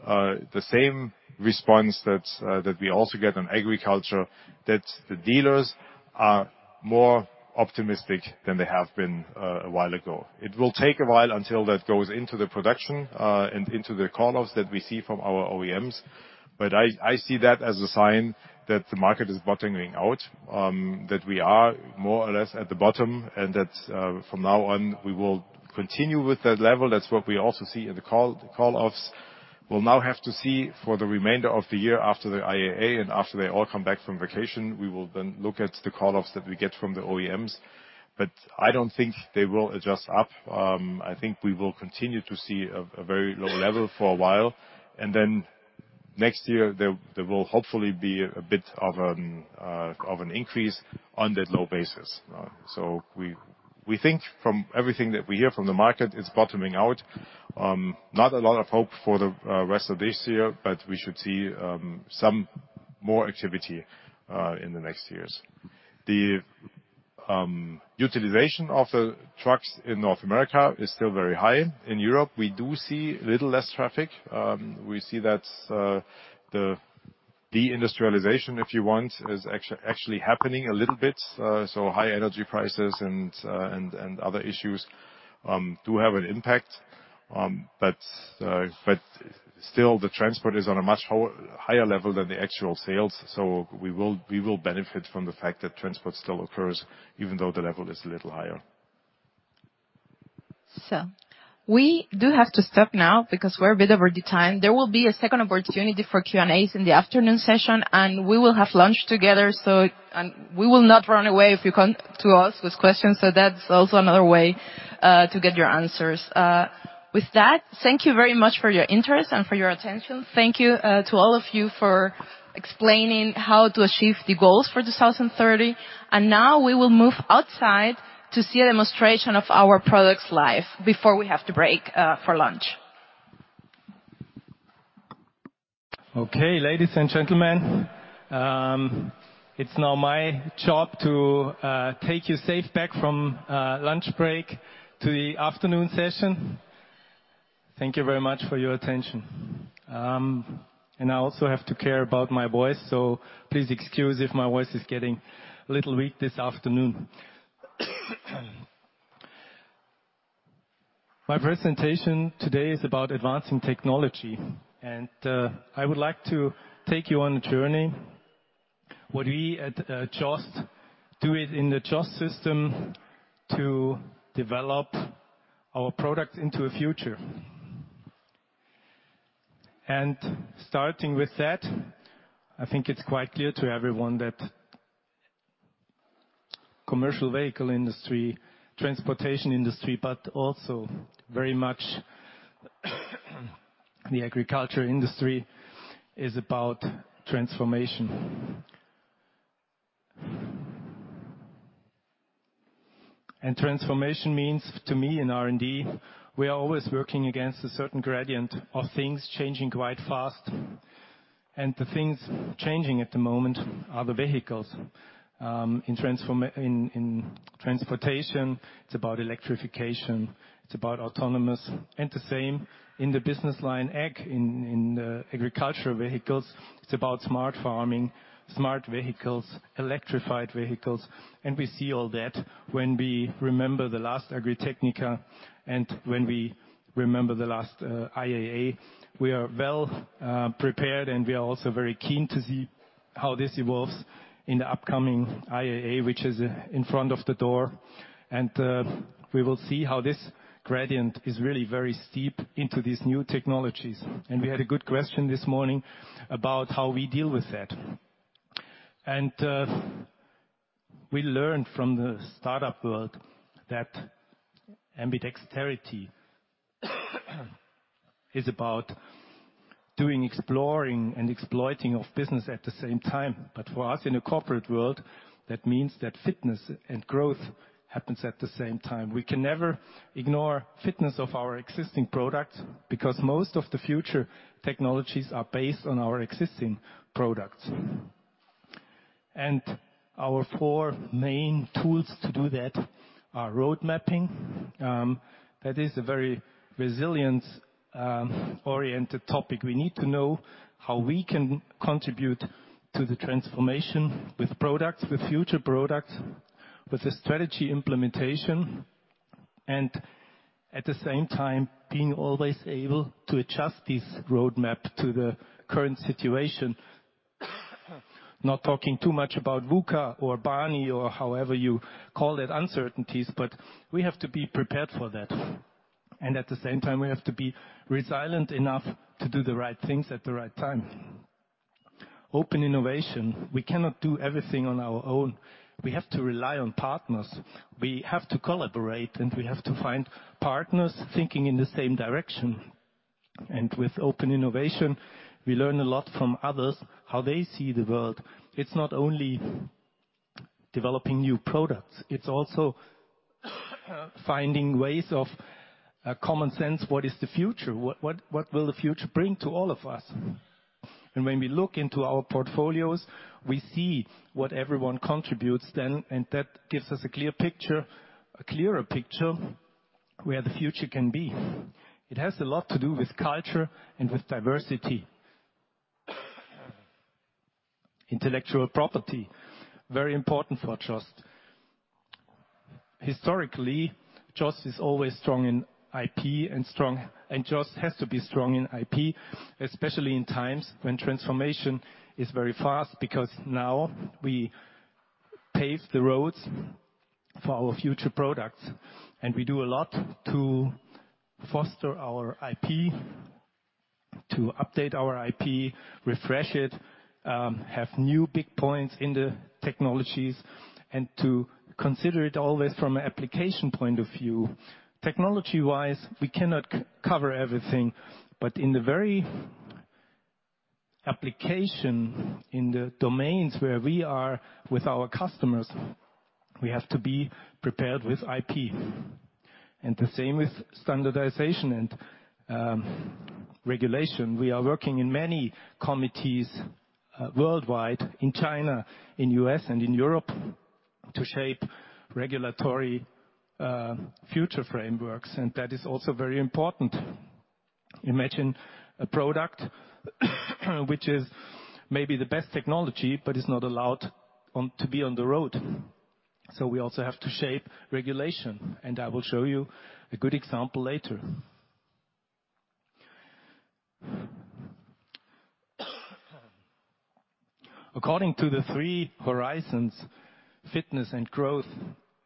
the same response that we also get on agriculture, that the dealers are more optimistic than they have been, a while ago. It will take a while until that goes into the production, and into the call loss that we see from our OEMs, but I see that as a sign that the market is bottoming out, that we are more or less at the bottom, and that, from now on, we will continue with that level. That's what we also see in the call loss. We'll now have to see for the remainder of the year after the IAA and after they all come back from vacation, we will then look at the call loss that we get from our OEMs. But I don't think they will adjust up. I think we will continue to see a very low level for a while, and then next year, there will hopefully be a bit of an increase on that low basis. So we think from everything that we hear from the market, it's bottoming out. Not a lot of hope for the rest of this year, but we should see some more activity in the next years. The utilization of the trucks in North America is still very high. In Europe, we do see a little less traffic. We see that the de-industrialization, if you want, is actually happening a little bit. So high energy prices and other issues do have an impact. But still, the transport is on a much higher level than the actual sales, so we will benefit from the fact that transport still occurs even though the level is a little higher.... So we do have to stop now because we're a bit over the time. There will be a second opportunity for Q&A's in the afternoon session, and we will have lunch together, so, and we will not run away if you come to us with questions. So that's also another way to get your answers. With that, thank you very much for your interest and for your attention. Thank you to all of you for explaining how to achieve the goals for two thousand and thirty. And now we will move outside to see a demonstration of our products live before we have to break for lunch. Okay, ladies and gentlemen, it's now my job to take you safe back from lunch break to the afternoon session. Thank you very much for your attention. I also have to care about my voice, so please excuse if my voice is getting a little weak this afternoon. My presentation today is about advancing technology, and I would like to take you on a journey, what we at JOST do it in the JOST system to develop our product into a future. Starting with that, I think it's quite clear to everyone that commercial vehicle industry, transportation industry, but also very much the agriculture industry, is about transformation. Transformation means to me in R&D, we are always working against a certain gradient of things changing quite fast, and the things changing at the moment are the vehicles. In transformation, in transportation, it's about electrification, it's about autonomous, and the same in the business line Ag, agricultural vehicles, it's about smart farming, smart vehicles, electrified vehicles, and we see all that when we remember the last Agritechnica and when we remember the last IAA. We are well prepared, and we are also very keen to see how this evolves in the upcoming IAA, which is in front of the door. We will see how this gradient is really very steep into these new technologies. We had a good question this morning about how we deal with that. We learned from the startup world that ambidexterity is about doing, exploring, and exploiting of business at the same time. But for us, in the corporate world, that means that fitness and growth happens at the same time. We can never ignore fitness of our existing products, because most of the future technologies are based on our existing products. Our four main tools to do that are road mapping, that is a very resilient, oriented topic. We need to know how we can contribute to the transformation with products, with future products, with the strategy implementation, and at the same time, being always able to adjust this roadmap to the current situation. Not talking too much about VUCA or BANI, or however you call it, uncertainties, but we have to be prepared for that. And at the same time, we have to be resilient enough to do the right things at the right time. Open innovation. We cannot do everything on our own. We have to rely on partners. We have to collaborate, and we have to find partners thinking in the same direction. And with open innovation, we learn a lot from others, how they see the world. It's not only developing new products, it's also finding ways of common sense. What is the future? What will the future bring to all of us? And when we look into our portfolios, we see what everyone contributes then, and that gives us a clear picture, a clearer picture, where the future can be. It has a lot to do with culture and with diversity. Intellectual property, very important for JOST. Historically, JOST is always strong in IP, and strong... JOST has to be strong in IP, especially in times when transformation is very fast, because now we pave the roads for our future products, and we do a lot to foster our IP, to update our IP, refresh it, have new big points in the technologies, and to consider it always from an application point of view. Technology-wise, we cannot cover everything, but in the very application, in the domains where we are with our customers, we have to be prepared with IP. The same with standardization and regulation. We are working in many committees worldwide, in China, in U.S., and in Europe, to shape regulatory future frameworks, and that is also very important. Imagine a product which is maybe the best technology, but is not allowed on, to be on the road. So we also have to shape regulation, and I will show you a good example later. According to the three horizons, fitness and growth,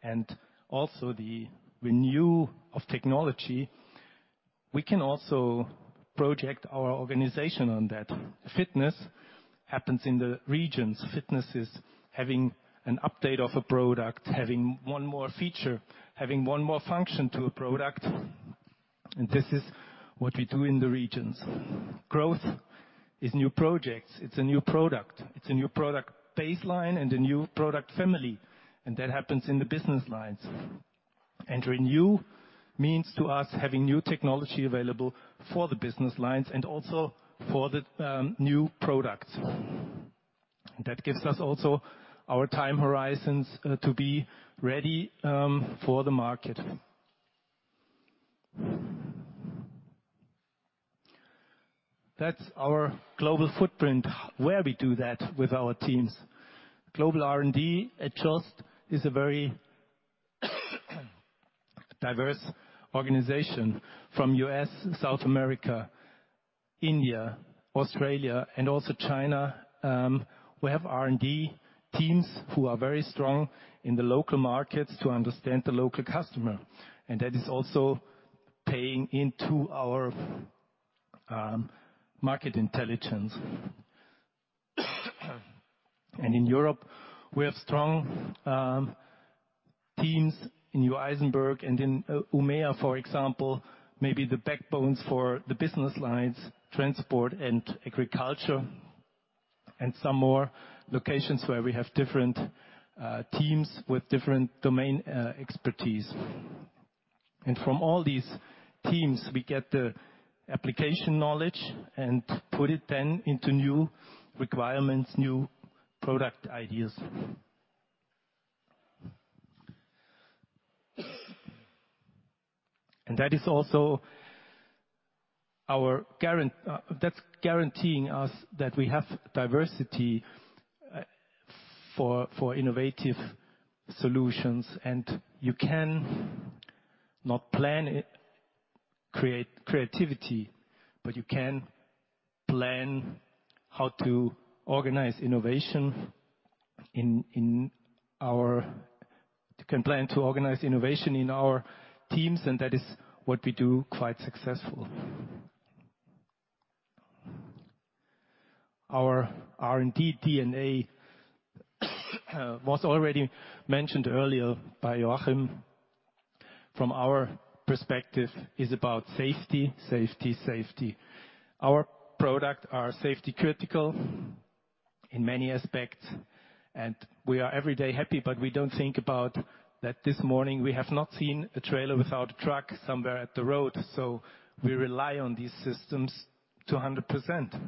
and also the renew of technology, we can also project our organization on that. Fitness happens in the regions. Fitness is having an update of a product, having one more feature, having one more function to a product, and this is what we do in the regions. Growth is new projects. It's a new product. It's a new product baseline and a new product family, and that happens in the business lines. And renew means to us, having new technology available for the business lines and also for the new products. That gives us also our time horizons to be ready for the market. That's our global footprint, where we do that with our teams. Global R&D at JOST is a very diverse organization from U.S., South America, India, Australia, and also China. We have R&D teams who are very strong in the local markets to understand the local customer, and that is also paying into our market intelligence, and in Europe, we have strong teams in Neu-Isenburg and in Umeå, for example, maybe the backbones for the business lines, transport and agriculture, and some more locations where we have different teams with different domain expertise, and from all these teams, we get the application knowledge and put it then into new requirements, new product ideas. That is also our guarantee. That's guaranteeing us that we have diversity for innovative solutions, and you can not plan it, create creativity, but you can plan how to organize innovation in our teams, and that is what we do quite successful. Our R&D DNA was already mentioned earlier by Joachim. From our perspective, is about safety, safety, safety. Our product are safety critical in many aspects, and we are every day happy, but we don't think about that this morning, we have not seen a trailer without a truck somewhere at the road, so we rely on these systems to 100%.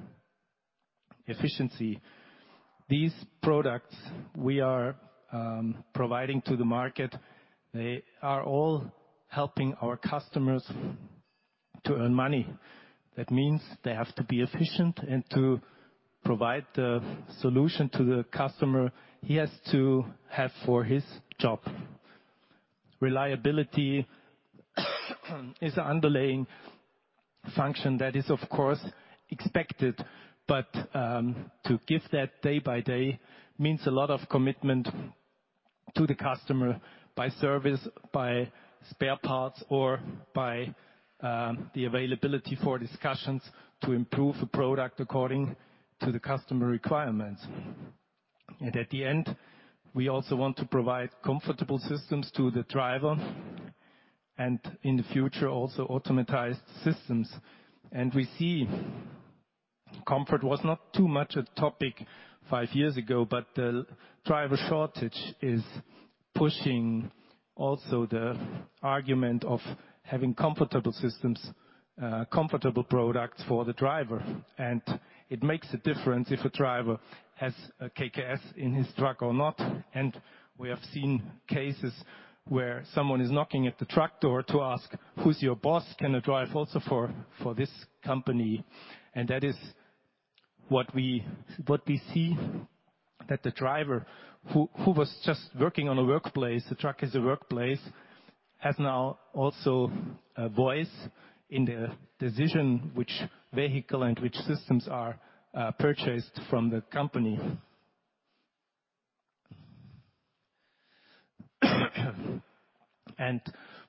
Efficiency. These products we are providing to the market, they are all helping our customers to earn money. That means they have to be efficient and to provide the solution to the customer. He has to have for his job. Reliability is an underlying function that is, of course, expected, but to give that day by day means a lot of commitment to the customer, by service, by spare parts, or by the availability for discussions to improve a product according to the customer requirements. And at the end, we also want to provide comfortable systems to the driver, and in the future, also automatized systems. And we see comfort was not too much a topic five years ago, but the driver shortage is pushing also the argument of having comfortable systems, comfortable products for the driver. And it makes a difference if a driver has a KKS in his truck or not. We have seen cases where someone is knocking at the truck door to ask: "Who's your boss? Can I drive also for this company?" That is what we see, that the driver who was just working on a workplace, the truck is a workplace, has now also a voice in the decision which vehicle and which systems are purchased from the company.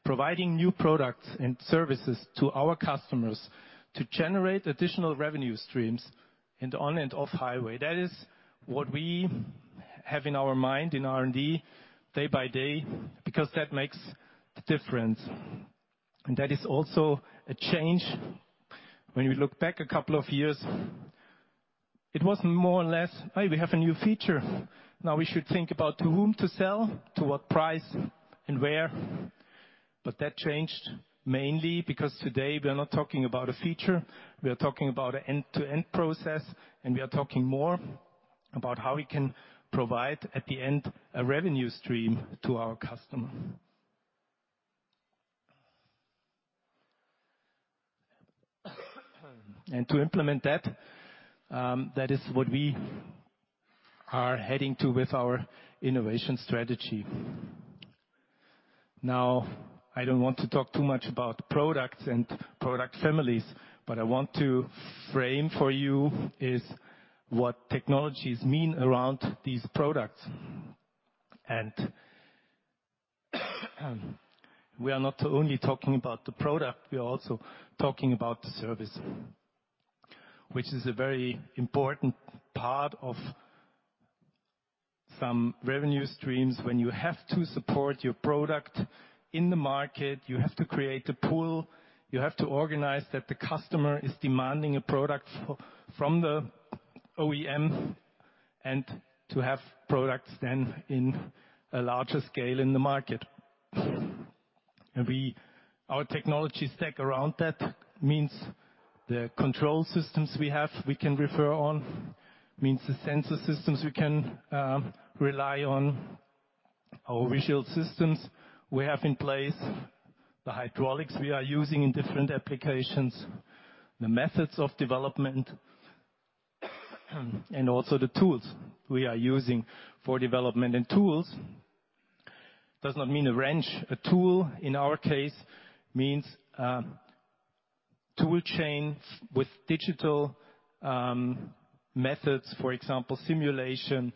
Providing new products and services to our customers to generate additional revenue streams in the on and off highway. That is what we have in our mind, in R&D, day by day, because that makes the difference. That is also a change. When we look back a couple of years, it was more or less, "Hey, we have a new feature. Now, we should think about to whom to sell, to what price, and where," but that changed, mainly because today we are not talking about a feature, we are talking about an end-to-end process, and we are talking more about how we can provide, at the end, a revenue stream to our customer. To implement that, that is what we are heading to with our innovation strategy. Now, I don't want to talk too much about products and product families, but I want to frame for you is what technologies mean around these products. We are not only talking about the product, we are also talking about the service, which is a very important part of some revenue streams. When you have to support your product in the market, you have to create a pool, you have to organize that the customer is demanding a product from the OEMs, and to have products then in a larger scale in the market. Our technology stack around that means the control systems we have, we can refer on, means the sensor systems we can rely on, our visual systems we have in place, the hydraulics we are using in different applications, the methods of development, and also the tools we are using for development. Tools does not mean a wrench. A tool, in our case, means tool chains with digital methods, for example, simulation,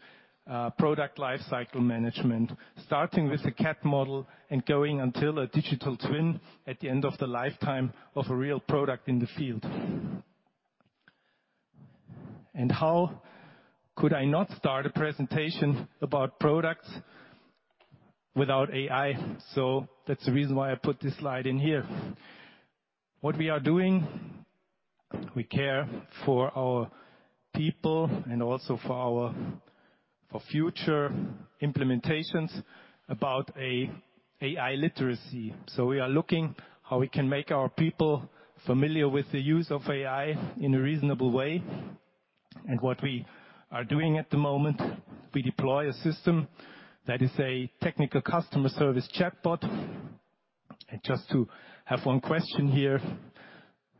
product lifecycle management, starting with a CAD model and going until a digital twin at the end of the lifetime of a real product in the field. How could I not start a presentation about products without AI? That's the reason why I put this slide in here. What we are doing, we care for our people and also for our future implementations about an AI literacy. We are looking how we can make our people familiar with the use of AI in a reasonable way, and what we are doing at the moment, we deploy a system that is a technical customer service chatbot. Just to have one question here,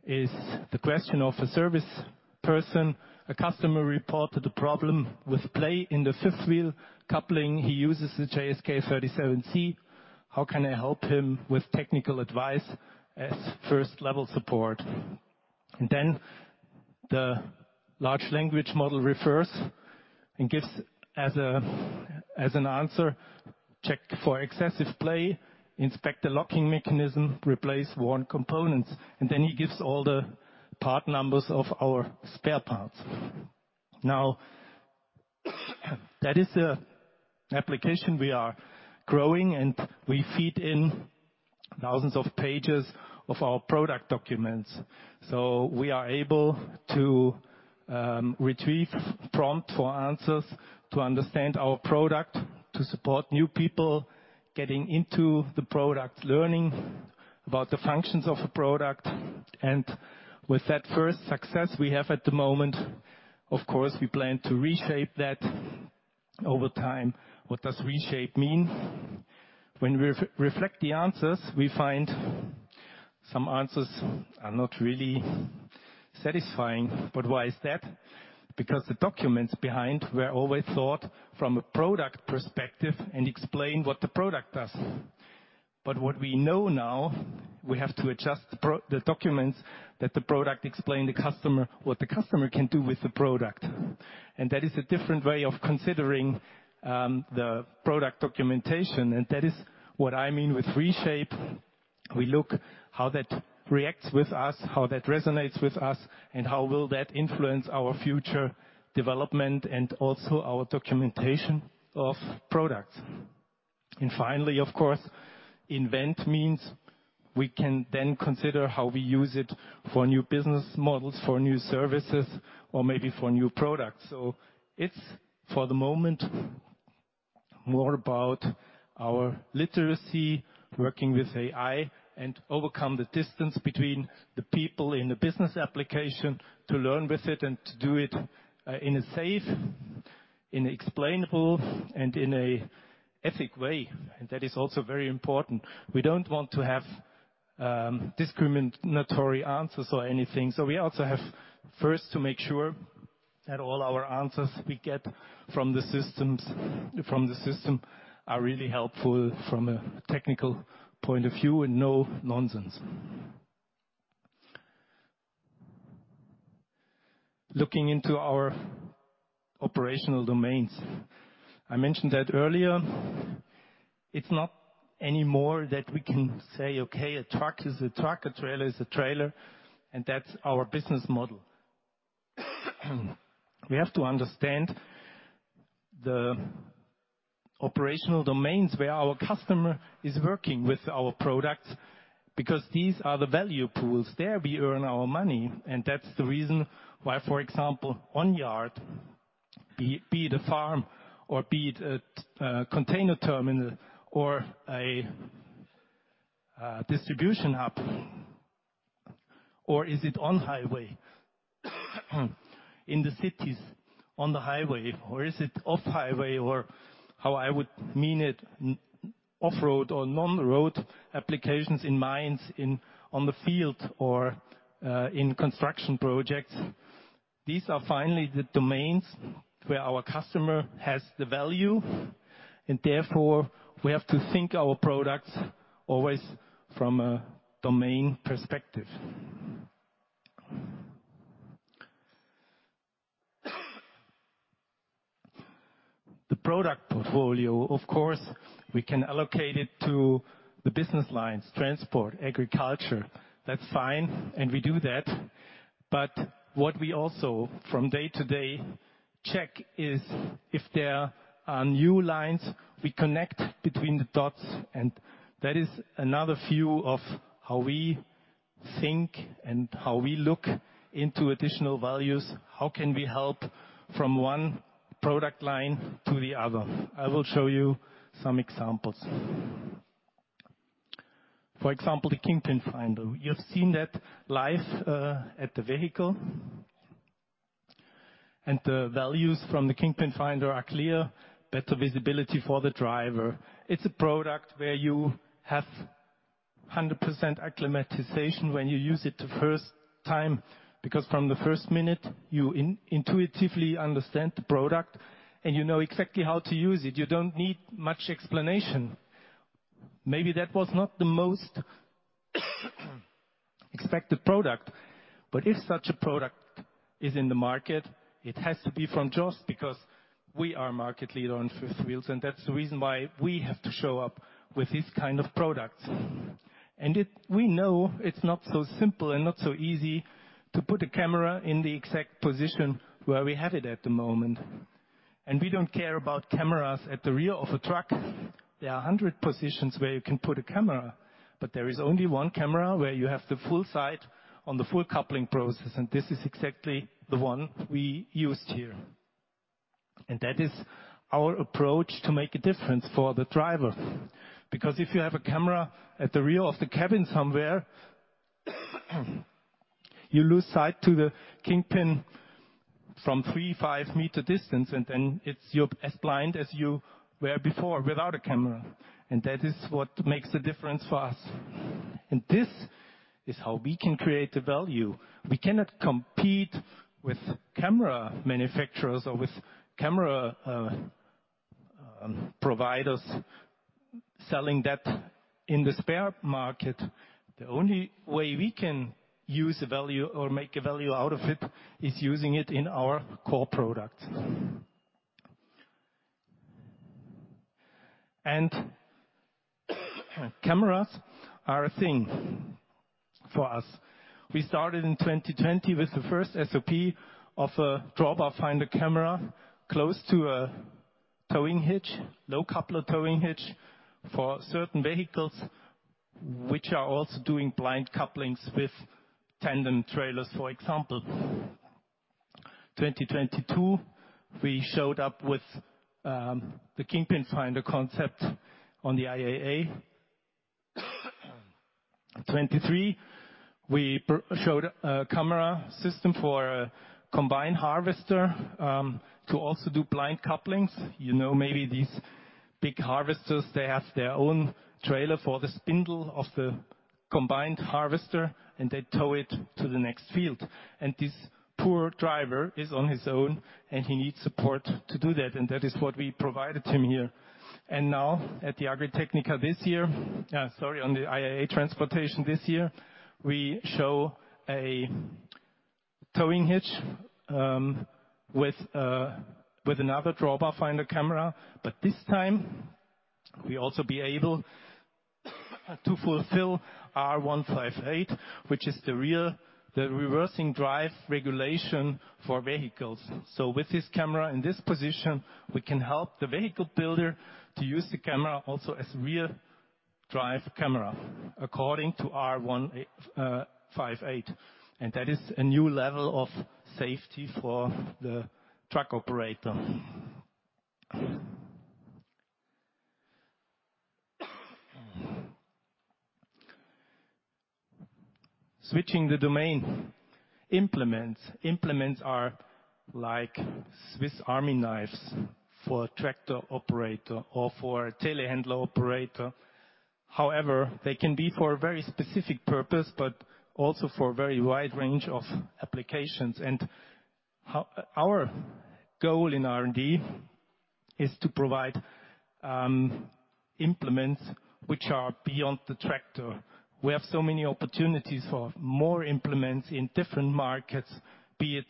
this is the question of a service person. A customer reported a problem with play in the fifth wheel coupling. He uses the JSK37C. How can I help him with technical advice as first-level support? And then the large language model refers and gives as a, as an answer, "Check for excessive play, inspect the locking mechanism, replace worn components." And then he gives all the part numbers of our spare parts. Now, that is the application we are growing, and we feed in thousands of pages of our product documents. So we are able to, retrieve prompt for answers, to understand our product, to support new people getting into the product, learning about the functions of a product. And with that first success we have at the moment, of course, we plan to reshape that over time. What does reshape mean? When we reflect the answers, we find some answers are not really satisfying. But why is that? Because the documents behind were always thought from a product perspective and explain what the product does. But what we know now, we have to adjust the product documents that explain to the customer what the customer can do with the product. And that is a different way of considering the product documentation, and that is what I mean with reshape. We look how that reacts with us, how that resonates with us, and how will that influence our future development and also our documentation of products. And finally, of course, invent means we can then consider how we use it for new business models, for new services, or maybe for new products. So it's, for the moment, more about our literacy, working with AI, and overcome the distance between the people in the business application, to learn with it and to do it in a safe, in an explainable, and in an ethical way. And that is also very important. We don't want to have discriminatory answers or anything. So we also have, first, to make sure that all our answers we get from the systems, from the system are really helpful from a technical point of view and no nonsense. Looking into our operational domains. I mentioned that earlier. It's not anymore that we can say, "Okay, a truck is a truck, a trailer is a trailer, and that's our business model." We have to understand the operational domains where our customer is working with our products, because these are the value pools. There, we earn our money, and that's the reason why, for example, on yard, be it a farm or be it a container terminal or a distribution hub, or is it on highway, in the cities, on the highway, or is it off highway, or how I would mean it, off-road or non-road applications in mines, on the field, or in construction projects. These are finally the domains where our customer has the value, and therefore, we have to think our products always from a domain perspective. The product portfolio, of course, we can allocate it to the business lines, transport, agriculture. That's fine, and we do that. But what we also, from day to day, check is if there are new lines, we connect between the dots, and that is another view of how we think and how we look into additional values. How can we help from one product line to the other? I will show you some examples. For example, the King Pin Finder. You have seen that live at the vehicle, and the values from the King Pin Finder are clear, better visibility for the driver. It's a product where you have 100% acclimatization when you use it the first time, because from the first minute, you intuitively understand the product and you know exactly how to use it. You don't need much explanation. Maybe that was not the most expected product, but if such a product is in the market, it has to be from Jost, because we are a market leader on fifth wheels, and that's the reason why we have to show up with this kind of products. We know it's not so simple and not so easy to put a camera in the exact position where we have it at the moment. We don't care about cameras at the rear of a truck. There are a hundred positions where you can put a camera, but there is only one camera where you have the full sight on the full coupling process, and this is exactly the one we used here. That is our approach to make a difference for the driver. Because if you have a camera at the rear of the cabin somewhere, you lose sight to the kingpin from 3.5-meter distance, and then it's, you're as blind as you were before without a camera. That is what makes a difference for us. This is how we can create the value. We cannot compete with camera manufacturers or with camera providers selling that in the spare market. The only way we can use a value or make a value out of it is using it in our core products. And cameras are a thing for us. We started in 2020 with the first SOP of a drop-off finder camera close to a towing hitch, low coupler towing hitch, for certain vehicles, which are also doing blind couplings with tandem trailers, for example. 2022, we showed up with the King Pin Finder concept on the IAA. 2023, we showed a camera system for a combine harvester to also do blind couplings. You know, maybe these big harvesters, they have their own trailer for the spindle of the combine harvester, and they tow it to the next field. This poor driver is on his own, and he needs support to do that, and that is what we provided him here. Now, at the Agritechnica this year, on the IAA Transportation this year, we show a towing hitch, with another drop-off finder camera, but this time, we also be able to fulfill R158, which is the reversing drive regulation for vehicles. With this camera in this position, we can help the vehicle builder to use the camera also as rear drive camera, according to R158. That is a new level of safety for the truck operator. Switching the domain. Implements. Implements are like Swiss Army knives for a tractor operator or for a telehandler operator. However, they can be for a very specific purpose, but also for a very wide range of applications. Our goal in R&D is to provide implements which are beyond the tractor. We have so many opportunities for more implements in different markets, be it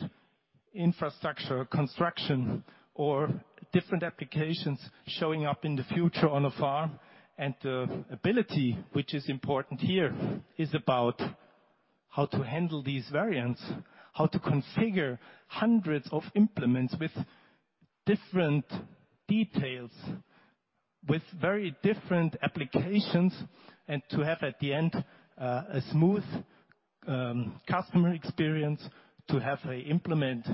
infrastructure, construction, or different applications showing up in the future on a farm. The ability, which is important here, is about how to handle these variants, how to configure hundreds of implements with different details, with very different applications, and to have, at the end, a smooth customer experience, to have an implement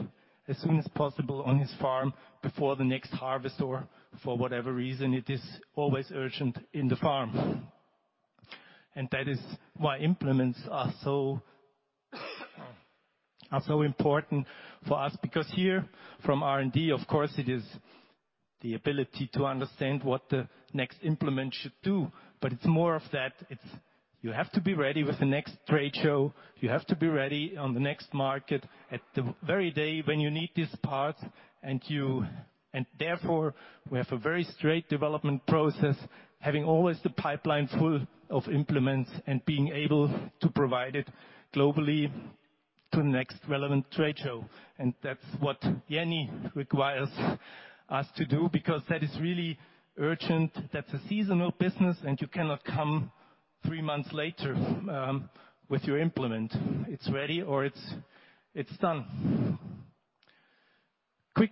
as soon as possible on his farm before the next harvest or for whatever reason. It is always urgent in the farm. That is why implements are so important for us, because here, from R&D, of course, it is-... The ability to understand what the next implement should do, but it's more of that. It's you have to be ready with the next trade show. You have to be ready on the next market at the very day when you need this part, and therefore, we have a very straight development process, having always the pipeline full of implements and being able to provide it globally to the next relevant trade show. And that's what Jenny requires us to do, because that is really urgent. That's a seasonal business, and you cannot come three months later with your implement. It's ready, or it's done.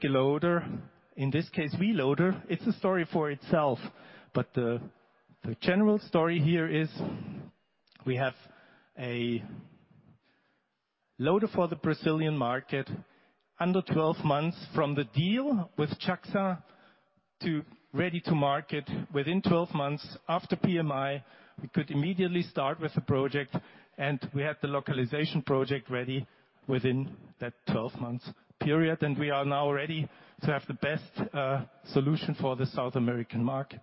loader, in this case, V-Loader, it's a story for itself, but the general story here is we have a loader for the Brazilian market under 12 months from the deal with JACSA to ready to market within 12 months after PMI. We could immediately start with the project, and we had the localization project ready within that 12 months period. We are now ready to have the best solution for the South American market.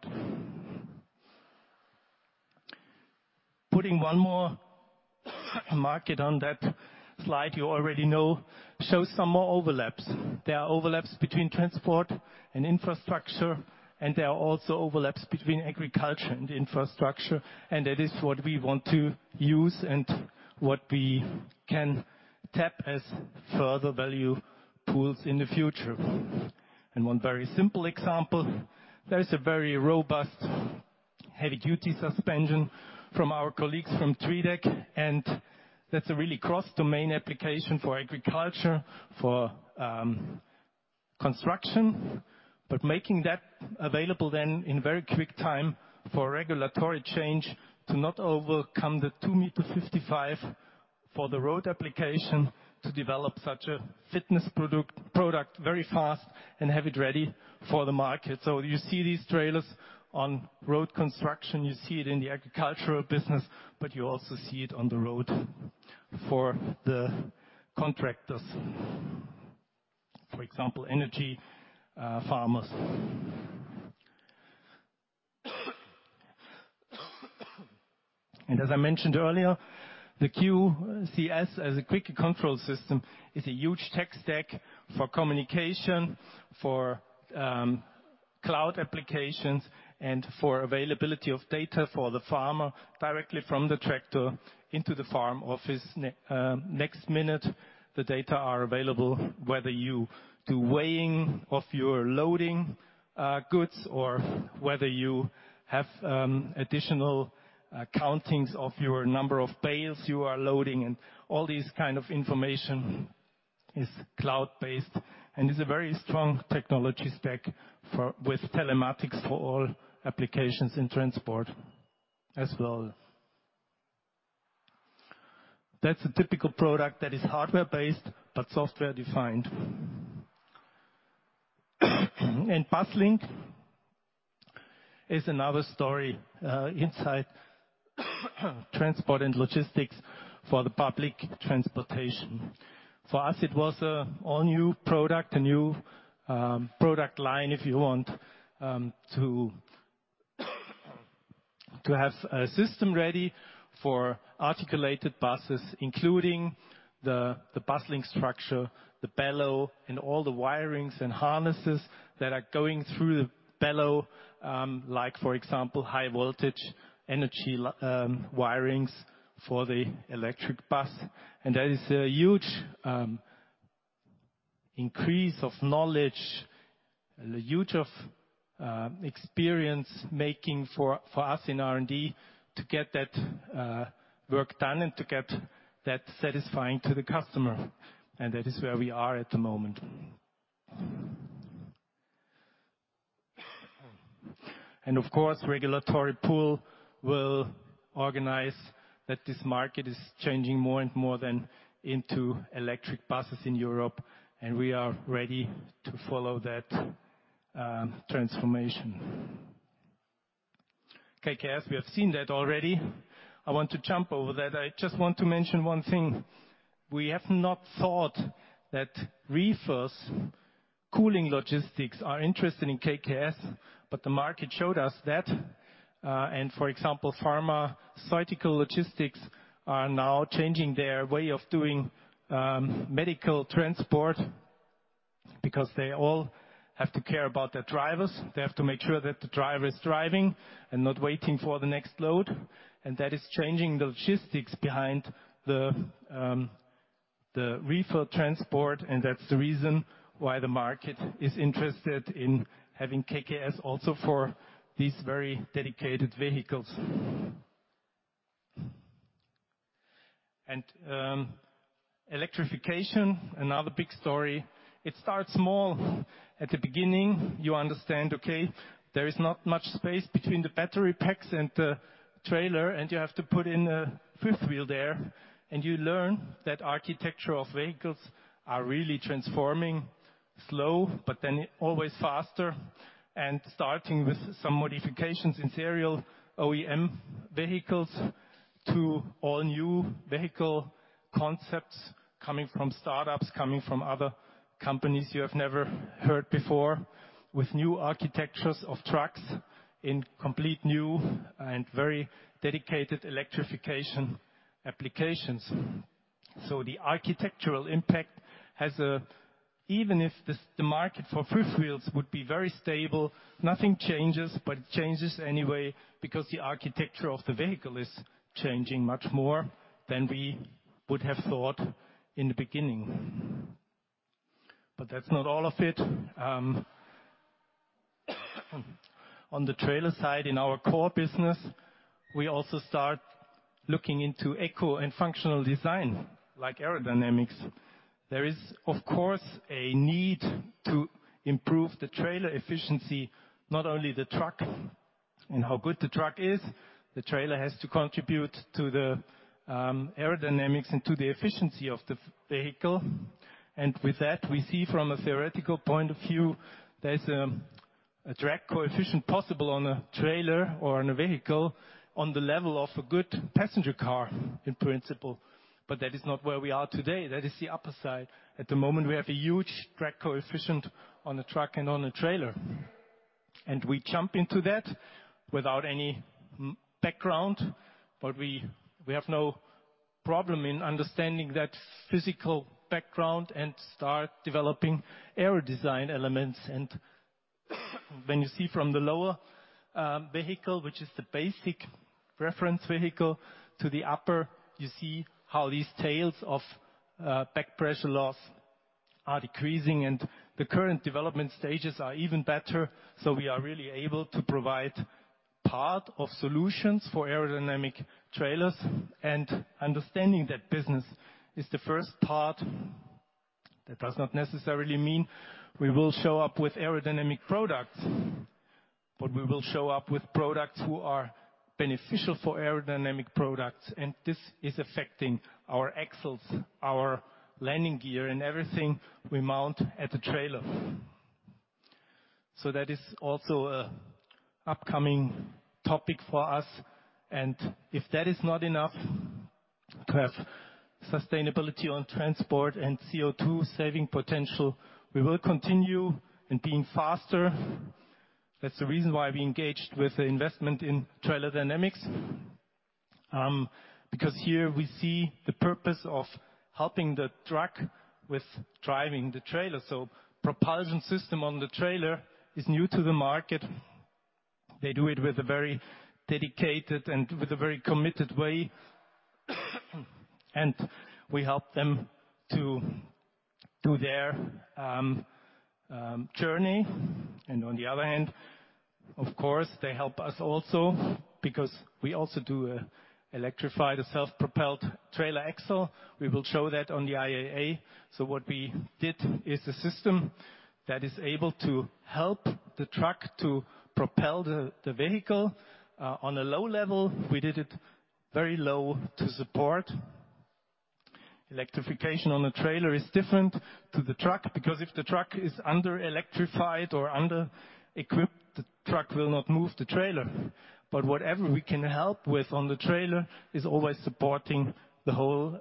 Putting one more market on that slide you already know shows some more overlaps. There are overlaps between transport and infrastructure, and there are also overlaps between agriculture and infrastructure, and that is what we want to use and what we can tap as further value pools in the future. One very simple example, there is a very robust, heavy-duty suspension from our colleagues from Tridec, and that's a really cross-domain application for agriculture, for construction. Making that available then in very quick time for regulatory change, to not overcome the 2.55-meter for the road application, to develop such a fit product very fast and have it ready for the market. You see these trailers on road construction, you see it in the agricultural business, but you also see it on the road for the contractors. For example, energy farmers. As I mentioned earlier, the QCS, as a Quicke Control System, is a huge tech stack for communication, for cloud applications, and for availability of data for the farmer directly from the tractor into the farm office. Next minute, the data are available, whether you do weighing of your loading goods, or whether you have additional countings of your number of bales you are loading, and all these kind of information is cloud-based and is a very strong technology stack for, with telematics for all applications in transport as well. That's a typical product that is hardware-based, but software-defined. And BusLink is another story inside transport and logistics for the public transportation. For us, it was an all-new product, a new product line, if you want, to have a system ready for articulated buses, including the Bus Link structure, the bellow, and all the wirings and harnesses that are going through the bellow, like, for example, high voltage energy wirings for the electric bus. And that is a huge increase of knowledge and a huge of experience making for us in R&D to get that work done and to get that satisfying to the customer, and that is where we are at the moment. And of course, regulatory push will organize that this market is changing more and more to electric buses in Europe, and we are ready to follow that transformation. KKS, we have seen that already. I want to jump over that. I just want to mention one thing. We have not thought that reefers, cooling logistics are interested in KKS, but the market showed us that, and for example, pharmaceutical logistics are now changing their way of doing medical transport because they all have to care about their drivers. They have to make sure that the driver is driving and not waiting for the next load. And that is changing the logistics behind the reefer transport, and that's the reason why the market is interested in having KKS also for these very dedicated vehicles. And electrification, another big story. It starts small. At the beginning, you understand, okay, there is not much space between the battery packs and the trailer, and you have to put in a fifth wheel there, and you learn that architecture of vehicles are really transforming slow, but then always faster. And starting with some modifications in serial OEM vehicles to all-new vehicle concepts coming from start-ups, coming from other companies you have never heard before, with new architectures of trucks in complete new and very dedicated electrification applications. So the architectural impact has even if the market for fifth wheels would be very stable, nothing changes, but it changes anyway, because the architecture of the vehicle is changing much more than we would have thought in the beginning. But that's not all of it. On the trailer side, in our core business, we also start looking into eco and functional design, like aerodynamics. There is, of course, a need to improve the trailer efficiency, not only the truck and how good the truck is. The trailer has to contribute to the aerodynamics and to the efficiency of the vehicle. And with that, we see from a theoretical point of view, there's a drag coefficient possible on a trailer or on a vehicle, on the level of a good passenger car, in principle. But that is not where we are today. That is the upper side. At the moment, we have a huge drag coefficient on a truck and on a trailer. And we jump into that without any background, but we have no problem in understanding that physical background and start developing aero design elements. And when you see from the lower vehicle, which is the basic reference vehicle, to the upper, you see how these tails of back pressure loss are decreasing, and the current development stages are even better, so we are really able to provide part of solutions for aerodynamic trailers. And understanding that business is the first part. That does not necessarily mean we will show up with aerodynamic products, but we will show up with products who are beneficial for aerodynamic products, and this is affecting our axles, our landing gear, and everything we mount at the trailer. That is also an upcoming topic for us. And if that is not enough to have sustainability on transport and CO2 saving potential, we will continue in being faster. That's the reason why we engaged with the investment in Trailer Dynamics. Because here we see the purpose of helping the truck with driving the trailer. So propulsion system on the trailer is new to the market. They do it with a very dedicated and with a very committed way, and we help them to do their journey. And on the other hand, of course, they help us also, because we also do electrify the self-propelled trailer axle. We will show that on the IAA. So what we did is a system that is able to help the truck to propel the vehicle on a low level. We did it very low to support. Electrification on a trailer is different to the truck, because if the truck is under-electrified or under-equipped, the truck will not move the trailer. But whatever we can help with on the trailer is always supporting the whole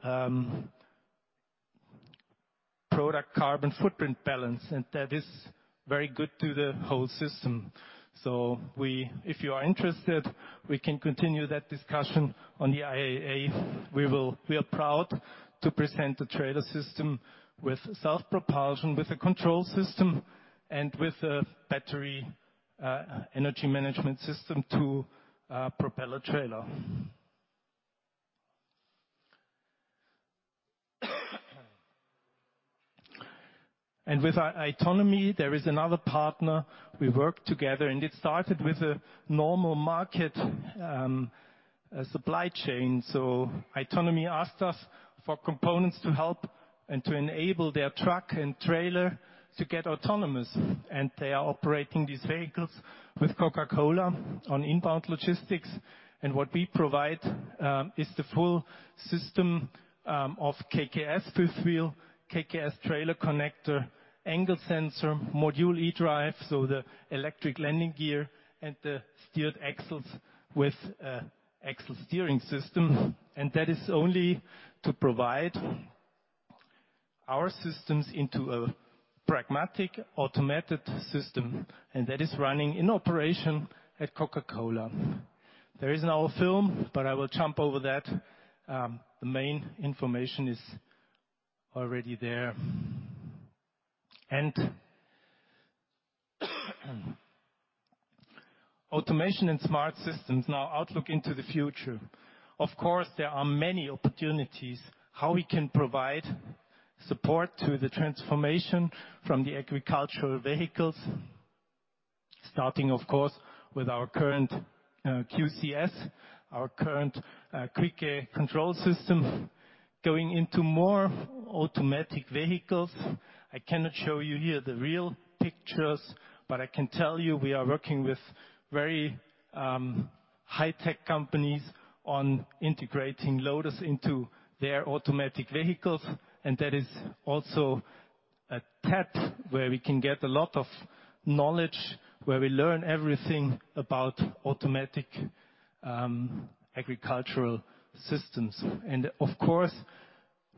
product carbon footprint balance, and that is very good to the whole system. If you are interested, we can continue that discussion on the IAA. We are proud to present the trailer system with self-propulsion, with a control system, and with a battery energy management system to propel a trailer. And with Fernride, there is another partner. We work together, and it started with a normal market, a supply chain. So Fernride asked us for components to help and to enable their truck and trailer to get autonomous, and they are operating these vehicles with Coca-Cola on inbound logistics. What we provide is the full system of KKS fifth wheel, KKS trailer connector, angle sensor, Modul E-Drive, so the electric landing gear and the steered axles with axle steering system. And that is only to provide our systems into a pragmatic, automated system, and that is running in operation at Coca-Cola. There is another film, but I will jump over that. The main information is already there. And automation and smart systems, now outlook into the future. Of course, there are many opportunities how we can provide support to the transformation from the agricultural vehicles, starting, of course, with our current QCS, our current Quicke Control System, going into more automatic vehicles. I cannot show you here the real pictures, but I can tell you, we are working with very high-tech companies on integrating loaders into their automatic vehicles. That is also a tap where we can get a lot of knowledge, where we learn everything about automatic agricultural systems. Of course,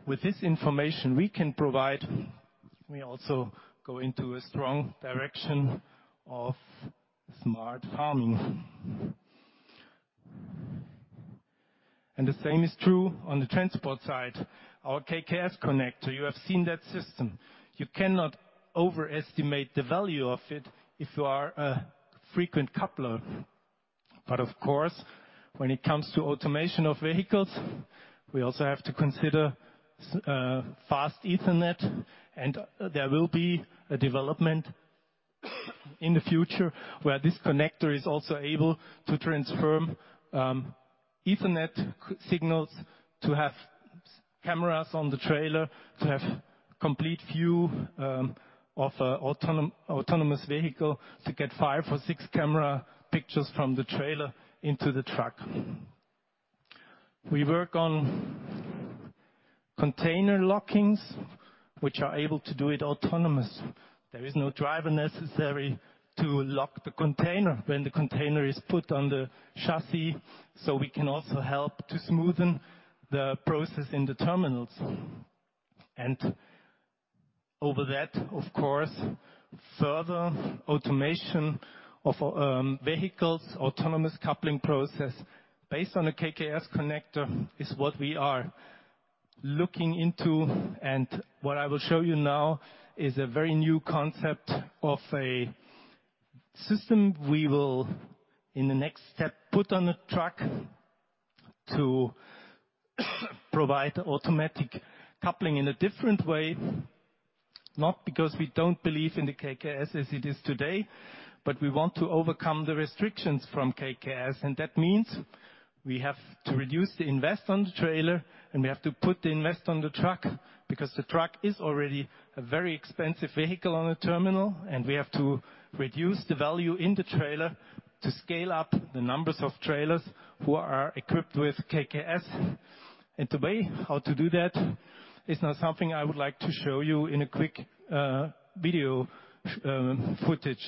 with this information we can provide, we also go into a strong direction of smart farming. The same is true on the transport side. Our KKS connector, you have seen that system. You cannot overestimate the value of it if you are a frequent coupler. Of course, when it comes to automation of vehicles, we also have to consider fast ethernet, and there will be a development in the future where this connector is also able to transfer Ethernet signals to have cameras on the trailer, to have complete view of autonomous vehicle, to get five or six camera pictures from the trailer into the truck. We work on container lockings, which are able to do it autonomous. There is no driver necessary to lock the container when the container is put on the chassis, so we can also help to smoothen the process in the terminals, and over that, of course, further automation of vehicles, autonomous coupling process, based on a KKS connector, is what we are looking into, and what I will show you now is a very new concept of a system we will, in the next step, put on a truck to provide automatic coupling in a different way. Not because we don't believe in the KKS as it is today, but we want to overcome the restrictions from KKS, and that means we have to reduce the investment on the trailer, and we have to put the investment on the truck, because the truck is already a very expensive vehicle on a terminal, and we have to reduce the value in the trailer to scale up the numbers of trailers who are equipped with KKS. The way how to do that is now something I would like to show you in a quick video footage.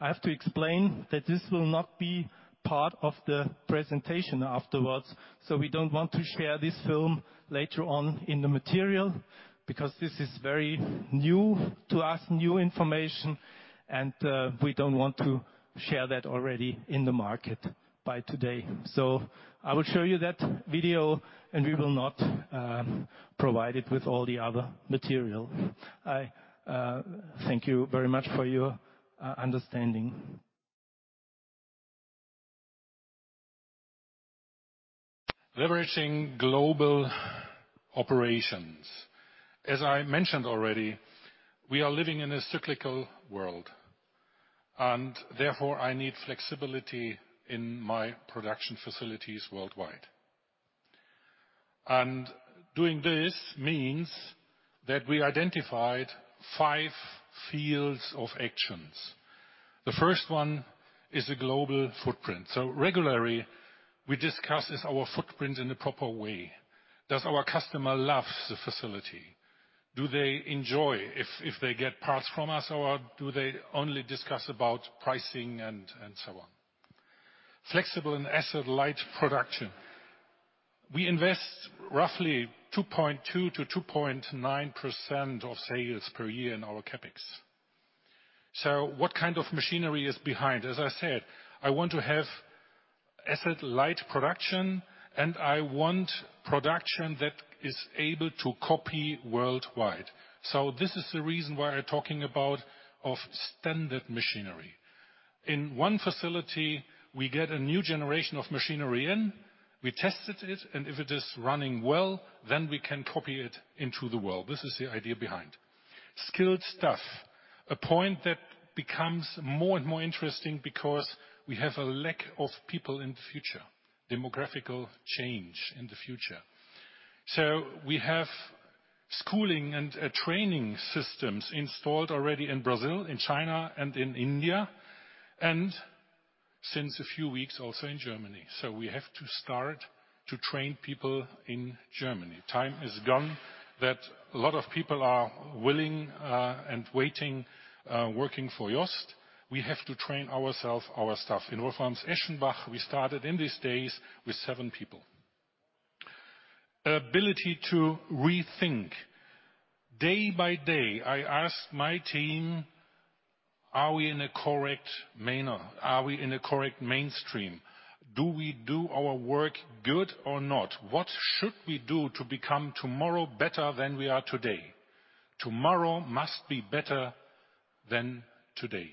I have to explain that this will not be part of the presentation afterwards, so we don't want to share this film later on in the material, because this is very new to us, new information, and we don't want to share that already in the market by today. So I will show you that video, and we will not provide it with all the other material. I thank you very much for your understanding. Leveraging global operations. As I mentioned already, we are living in a cyclical world, and therefore, I need flexibility in my production facilities worldwide, and doing this means that we identified five fields of actions. The first one is a global footprint. regularly, we discuss: Is our footprint in the proper way? Does our customer loves the facility? Do they enjoy if they get parts from us, or do they only discuss about pricing and so on? Flexible and asset-light production. We invest roughly 2.2%-2.9% of sales per year in our CapEx. what kind of machinery is behind? As I said, I want to have asset-light production, and I want production that is able to copy worldwide. this is the reason why we're talking about standard machinery. In one facility, we get a new generation of machinery in, we tested it, and if it is running well, then we can copy it into the world. This is the idea behind. Skilled staff, a point that becomes more and more interesting because we have a lack of people in the future, demographic change in the future, so we have schooling and training systems installed already in Brazil, in China, and in India, and since a few weeks, also in Germany, so we have to start to train people in Germany. Time is gone that a lot of people are willing, and waiting, working for JOST. We have to train ourselves, our staff. In Wolframs-Eschenbach, we started in these days with seven people. Ability to rethink. Day by day, I ask my team: Are we in a correct manner? Are we in a correct mainstream? Do we do our work good or not? What should we do to become tomorrow better than we are today? Tomorrow must be better than today.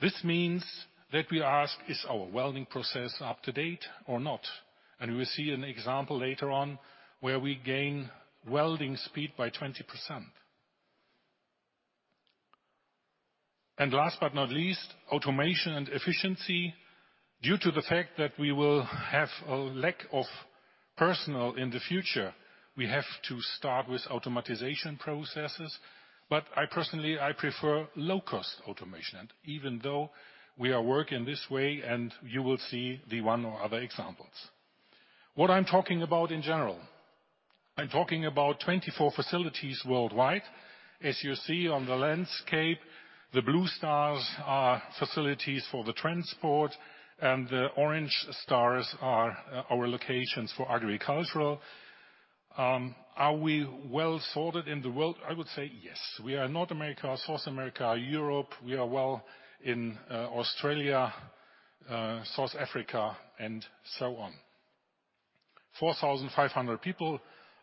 This means that we ask, "Is our welding process up to date or not?" And we will see an example later on where we gain welding speed by 20%. And last but not least, automation and efficiency. Due to the fact that we will have a lack of personnel in the future, we have to start with automation processes. But I personally, I prefer low-cost automation, even though we are working this way, and you will see the one or other examples. What I'm talking about in general, I'm talking about 24 facilities worldwide. As you see on the landscape, the blue stars are facilities for the transport, and the orange stars are our locations for agricultural... Are we well sorted in the world? I would say yes. We are in North America, South America, Europe. We are well in Australia, South Africa, and so on. 4,500 people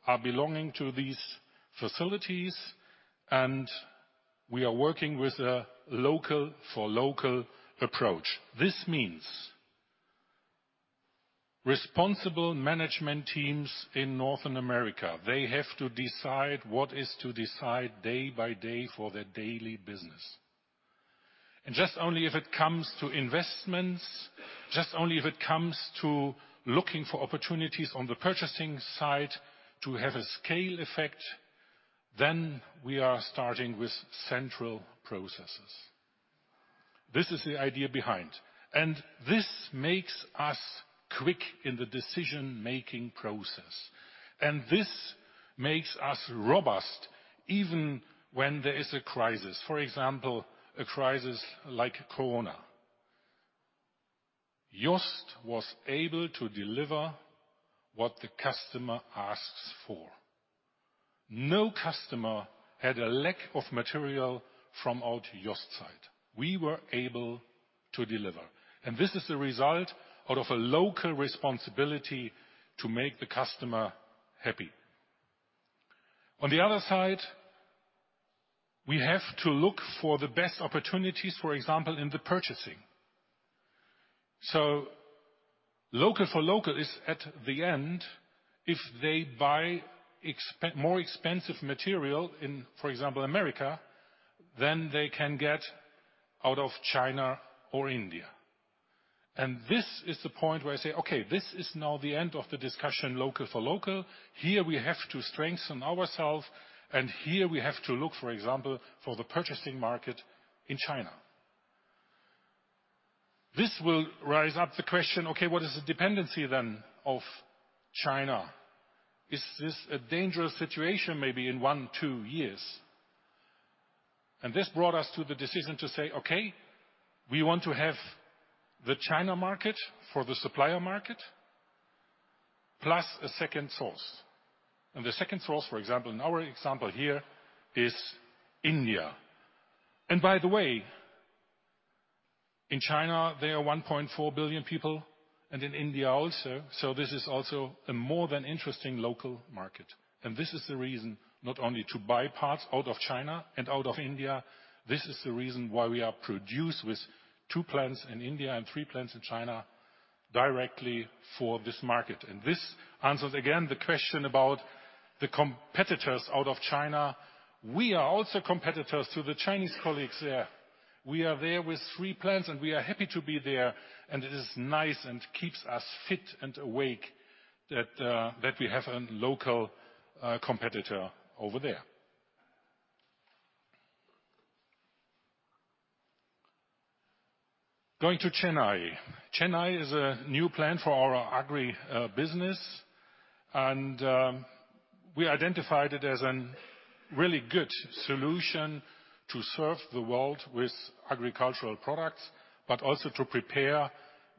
are belonging to these facilities, and we are working with a local for local approach. This means responsible management teams in North America, they have to decide what is to decide day by day for their daily business. Just only if it comes to investments, just only if it comes to looking for opportunities on the purchasing side to have a scale effect, then we are starting with central processes. This is the idea behind, and this makes us quick in the decision-making process, and this makes us robust even when there is a crisis, for example, a crisis like Corona. JOST was able to deliver what the customer asks for. No customer had a lack of material from our JOST's side. We were able to deliver, and this is the result out of a local responsibility to make the customer happy. On the other side, we have to look for the best opportunities, for example, in the purchasing. So local for local is at the end, if they buy more expensive material in, for example, America, then they can get out of China or India. And this is the point where I say, "Okay, this is now the end of the discussion, local for local. Here we have to strengthen ourselves, and here we have to look, for example, for the purchasing market in China." This will raise the question: Okay, what is the dependency then of China? Is this a dangerous situation, maybe in one, two years? And this brought us to the decision to say, "Okay, we want to have the China market for the supplier market, plus a second source." And the second source, for example, in our example here is India. And by the way, in China, there are one point four billion people, and in India also, so this is also a more than interesting local market. And this is the reason not only to buy parts out of China and out of India, this is the reason why we are produced with two plants in India and three plants in China directly for this market. And this answers, again, the question about the competitors out of China. We are also competitors to the Chinese colleagues there. We are there with three plants, and we are happy to be there, and it is nice and keeps us fit and awake that we have a local competitor over there. Going to Chennai. Chennai is a new plant for our agri business, and we identified it as a really good solution to serve the world with agricultural products, but also to prepare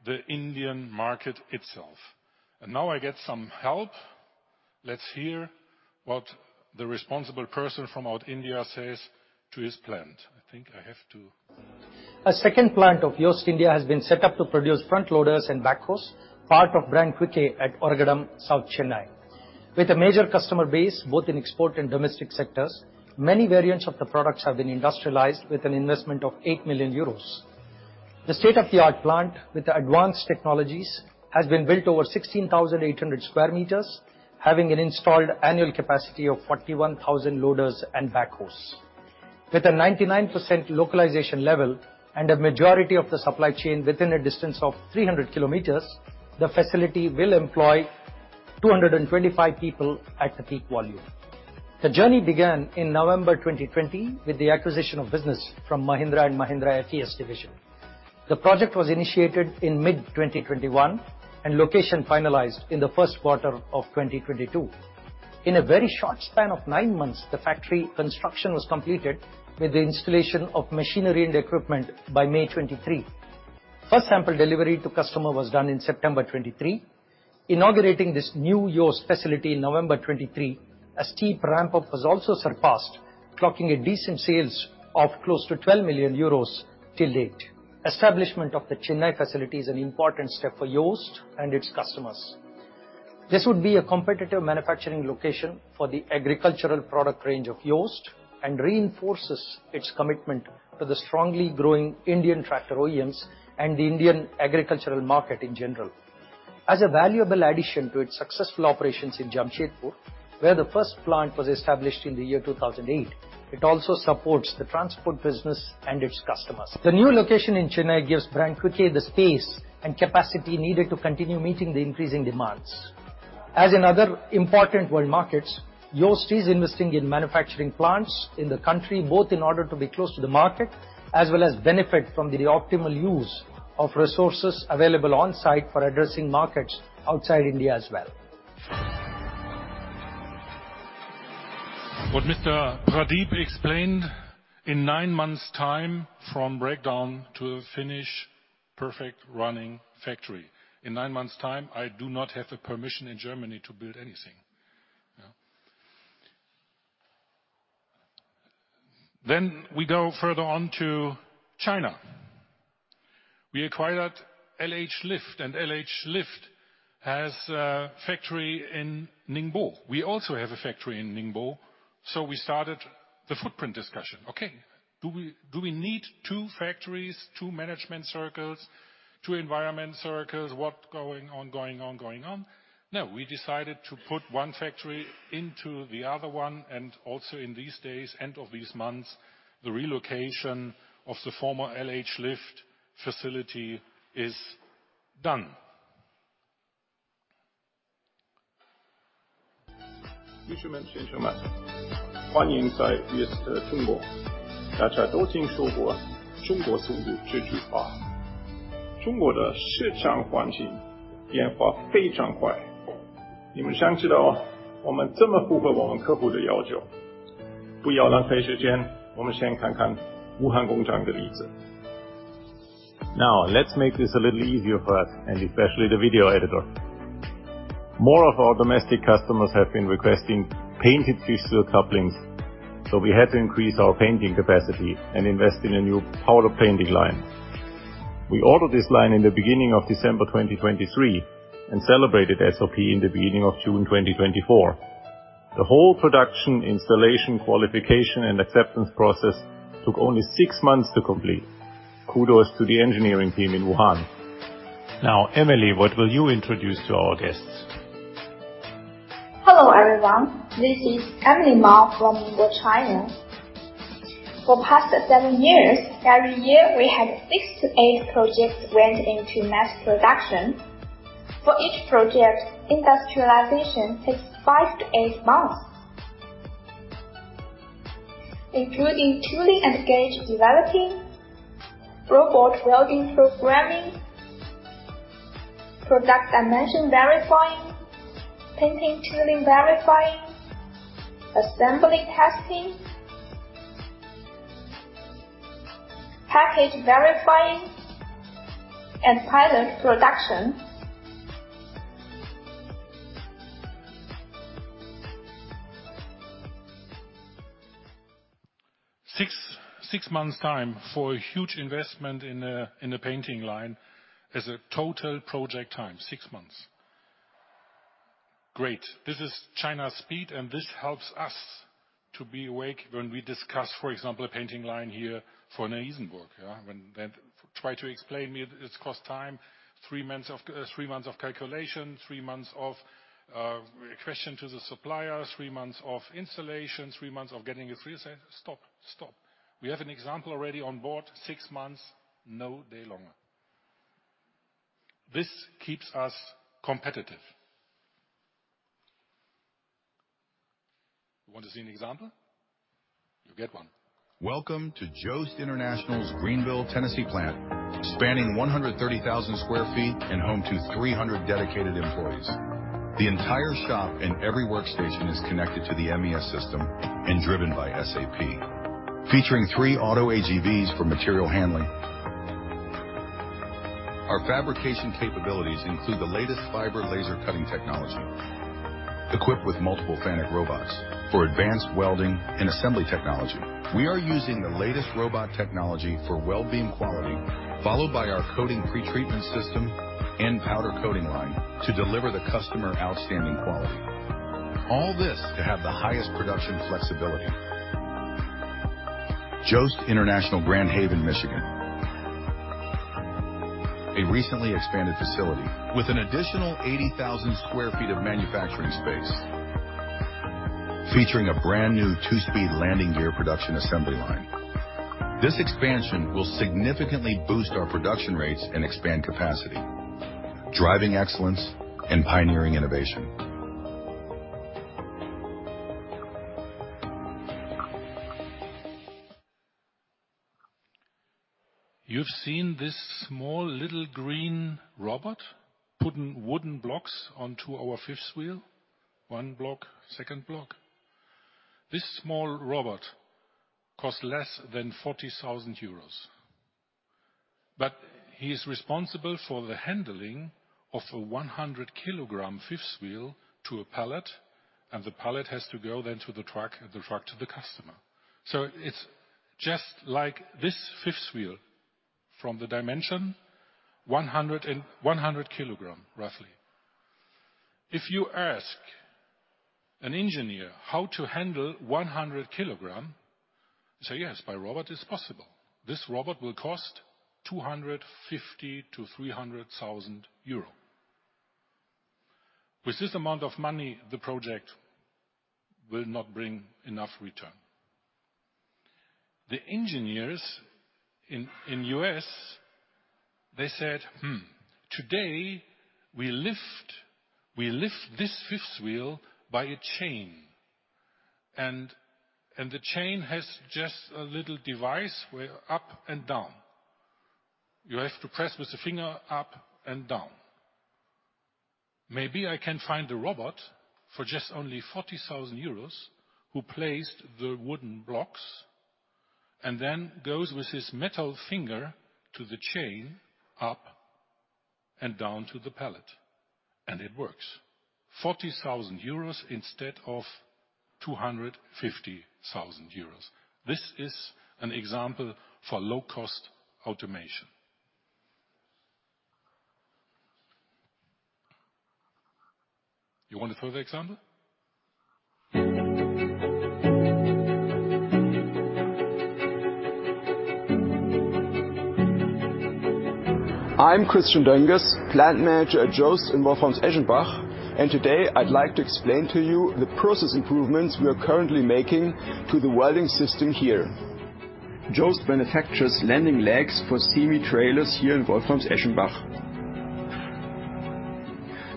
the Indian market itself. And now I get some help. Let's hear what the responsible person from our India says to his plant. I think I have to- A second plant of JOST India has been set up to produce front loaders and backhoes, part of brand Quicke at Oragadam, south Chennai. With a major customer base, both in export and domestic sectors, many variants of the products have been industrialized with an investment of 8 million euros. The state-of-the-art plant, with the advanced technologies, has been built over 16,800 square meters, having an installed annual capacity of 41,000 loaders and backhoes. With a 99% localization level and a majority of the supply chain within a distance of 300 km, the facility will employ 225 people at the peak volume. The journey began in November 2020 with the acquisition of business from Mahindra & Mahindra FES Division. The project was initiated in mid-2021, and location finalized in the first quarter of 2022. In a very short span of nine months, the factory construction was completed with the installation of machinery and equipment by May 2023. First sample delivery to customer was done in September 2023. Inaugurating this new JOST facility in November 2023, a steep ramp-up was also surpassed, clocking a decent sales of close to 12 million euros till date. Establishment of the Chennai facility is an important step for JOST and its customers. This would be a competitive manufacturing location for the agricultural product range of JOST and reinforces its commitment to the strongly growing Indian tractor OEMs and the Indian agricultural market in general. As a valuable addition to its successful operations in Jamshedpur, where the first plant was established in the year 2008, it also supports the transport business and its customers. The new location in Chennai gives brand Quicke the space and capacity needed to continue meeting the increasing demands. As in other important world markets, JOST is investing in manufacturing plants in the country, both in order to be close to the market, as well as benefit from the optimal use of resources available on-site for addressing markets outside India as well. ... What Mr. Pradeep explained, in nine months' time, from breakdown to a finished, perfect running factory. In nine months' time, I do not have the permission in Germany to build anything. Yeah. Then we go further on to China. We acquired LH Lift, and LH Lift has a factory in Ningbo. We also have a factory in Ningbo, so we started the footprint discussion. Okay, do we need two factories, two management circles, two environment circles? What's going on, going on, going on? No, we decided to put one factory into the other one, and also in these days, end of this month, the relocation of the former LH Lift facility is done. Now, let's make this a little easier for us, and especially the video editor. More of our domestic customers have been requesting painted fifth wheel couplings, so we had to increase our painting capacity and invest in a new powder painting line. We ordered this line in the beginning of December 2023, and celebrated SOP in the beginning of June 2024. The whole production, installation, qualification, and acceptance process took only six months to complete. Kudos to the engineering team in Wuhan. Now, Emily, what will you introduce to our guests? Hello, everyone. This is Emily Ma from Ningbo, China. For the past seven years, every year we had six to eight projects went into mass production. For each project, industrialization takes five to eight months, including tooling and gauge developing, robot welding programming, product dimension verifying, painting tooling verifying, assembly testing, package verifying, and pilot production. Six, six months' time for a huge investment in a, in a painting line as a total project time, six months. Great. This is China's speed, and this helps us to be awake when we discuss, for example, a painting line here for a Neu-Isenburg. Yeah, when they try to explain it, it's cost time, three months of calculation, three months of quotation to the supplier, three months of installation, three months of getting it reset. Stop, stop. We have an example already on board. Six months, no day longer. This keeps us competitive. You want to see an example? You'll get one. Welcome to JOST International's Greenville, Tennessee, plant, spanning one hundred and thirty thousand sq ft and home to three hundred dedicated employees. The entire shop and every workstation is connected to the MES system and driven by SAP. Featuring three auto AGVs for material handling. Our fabrication capabilities include the latest fiber laser cutting technology. Equipped with multiple Fanuc robots for advanced welding and assembly technology, we are using the latest robot technology for weld beam quality, followed by our coating pretreatment system and powder coating line to deliver the customer outstanding quality. All this to have the highest production flexibility. JOST International, Grand Haven, Michigan. A recently expanded facility with an additional eighty thousand sq ft of manufacturing space. Featuring a brand-new two-speed landing gear production assembly line. This expansion will significantly boost our production rates and expand capacity, driving excellence and pioneering innovation. You've seen this small, little green robot putting wooden blocks onto our fifth wheel. One block, second block. This small robot costs less than 40,000 euros, but he is responsible for the handling of a 100-kilogram fifth wheel to a pallet, and the pallet has to go then to the truck, and the truck to the customer. So it's just like this fifth wheel from the dimension, 100 and 100 kg, roughly. If you ask an engineer how to handle 100 kg, he say, "Yes, by robot is possible." This robot will cost 250,000-300,000 euro. With this amount of money, the project will not bring enough return. The engineers in U.S., they said, "Hmm, today, we lift this fifth wheel by a chain, and the chain has just a little device with up and down. You have to press with your finger up and down."... Maybe I can find a robot for just only 40,000 euros, who placed the wooden blocks, and then goes with his metal finger to the chain, up and down to the pallet, and it works. 40,000 euros instead of 250,000 euros. This is an example for low-cost automation. You want a further example? I'm Christian Dönges, Plant Manager at Jost in Wolframs-Eschenbach, and today I'd like to explain to you the process improvements we are currently making to the welding system here. Jost manufactures landing legs for semi-trailers here in Wolframs-Eschenbach.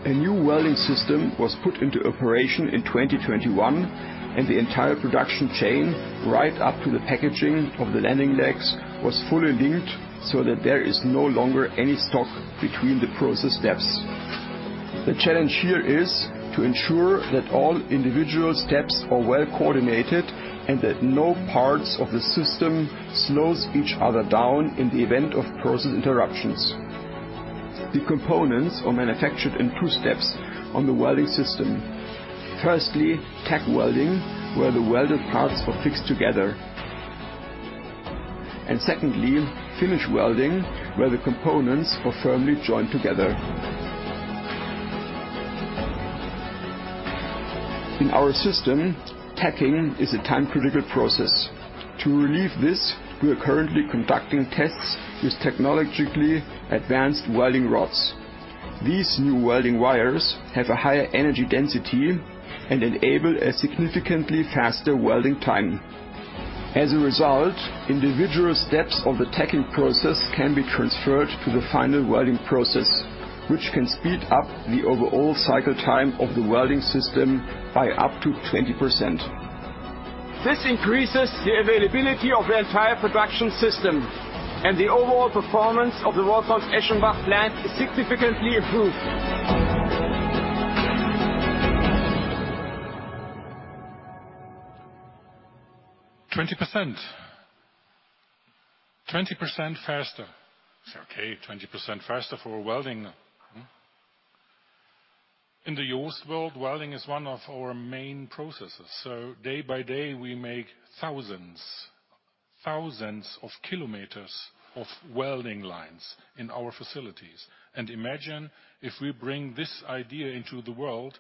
A new welding system was put into operation in twenty twenty-one, and the entire production chain, right up to the packaging of the landing legs, was fully linked so that there is no longer any stock between the process steps. The challenge here is to ensure that all individual steps are well-coordinated, and that no parts of the system slows each other down in the event of process interruptions. The components are manufactured in two steps on the welding system. Firstly, tack welding, where the welded parts are fixed together. Secondly, finish welding, where the components are firmly joined together. In our system, tacking is a time-critical process. To relieve this, we are currently conducting tests with technologically advanced welding rods. These new welding wires have a higher energy density and enable a significantly faster welding time. As a result, individual steps of the tacking process can be transferred to the final welding process, which can speed up the overall cycle time of the welding system by up to 20%. This increases the availability of the entire production system, and the overall performance of the Wolframs-Eschenbach plant is significantly improved. 20%. 20% faster. It's okay, 20% faster for welding. In the JOST world, welding is one of our main processes, so day by day, we make thousands, thousands of kilometers of welding lines in our facilities. And imagine if we bring this idea into the world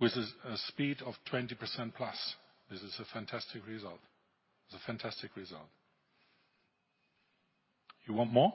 with a speed of 20% plus. This is a fantastic result. It's a fantastic result. You want more?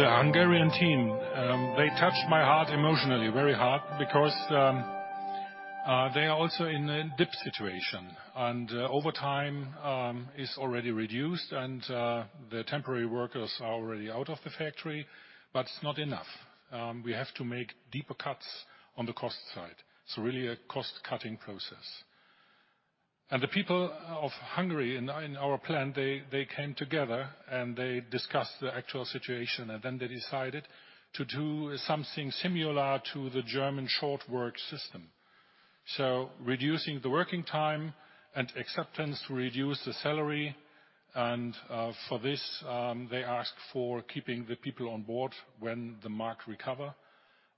The Hungarian team, they touched my heart emotionally, very hard, because, they are also in a dip situation, and, over time, is already reduced, and, the temporary workers are already out of the factory, but it's not enough. We have to make deeper cuts on the cost side. It's really a cost-cutting process. The people of Hungary in our plant, they came together, and they discussed the actual situation, and then they decided to do something similar to the German short work system. So reducing the working time and acceptance to reduce the salary, and for this, they asked for keeping the people on board when the market recover,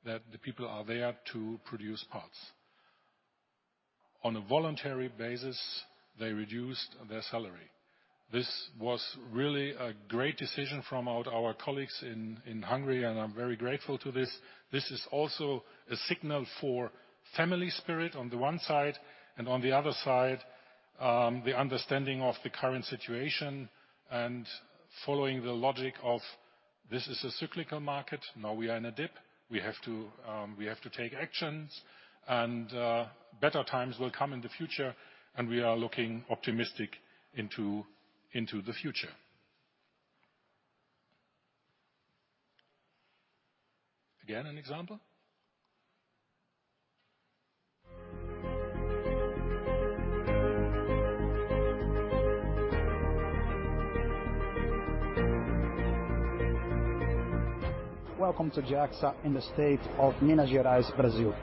that the people are there to produce parts. On a voluntary basis, they reduced their salary. This was really a great decision from our colleagues in Hungary, and I'm very grateful to this. This is also a signal for family spirit on the one side, and on the other side, the understanding of the current situation and following the logic of this is a cyclical market. Now we are in a dip. We have to, we have to take actions and, better times will come in the future, and we are looking optimistic into the future. Again, an example? Welcome to JACSA in the state of Minas Gerais, Brazil.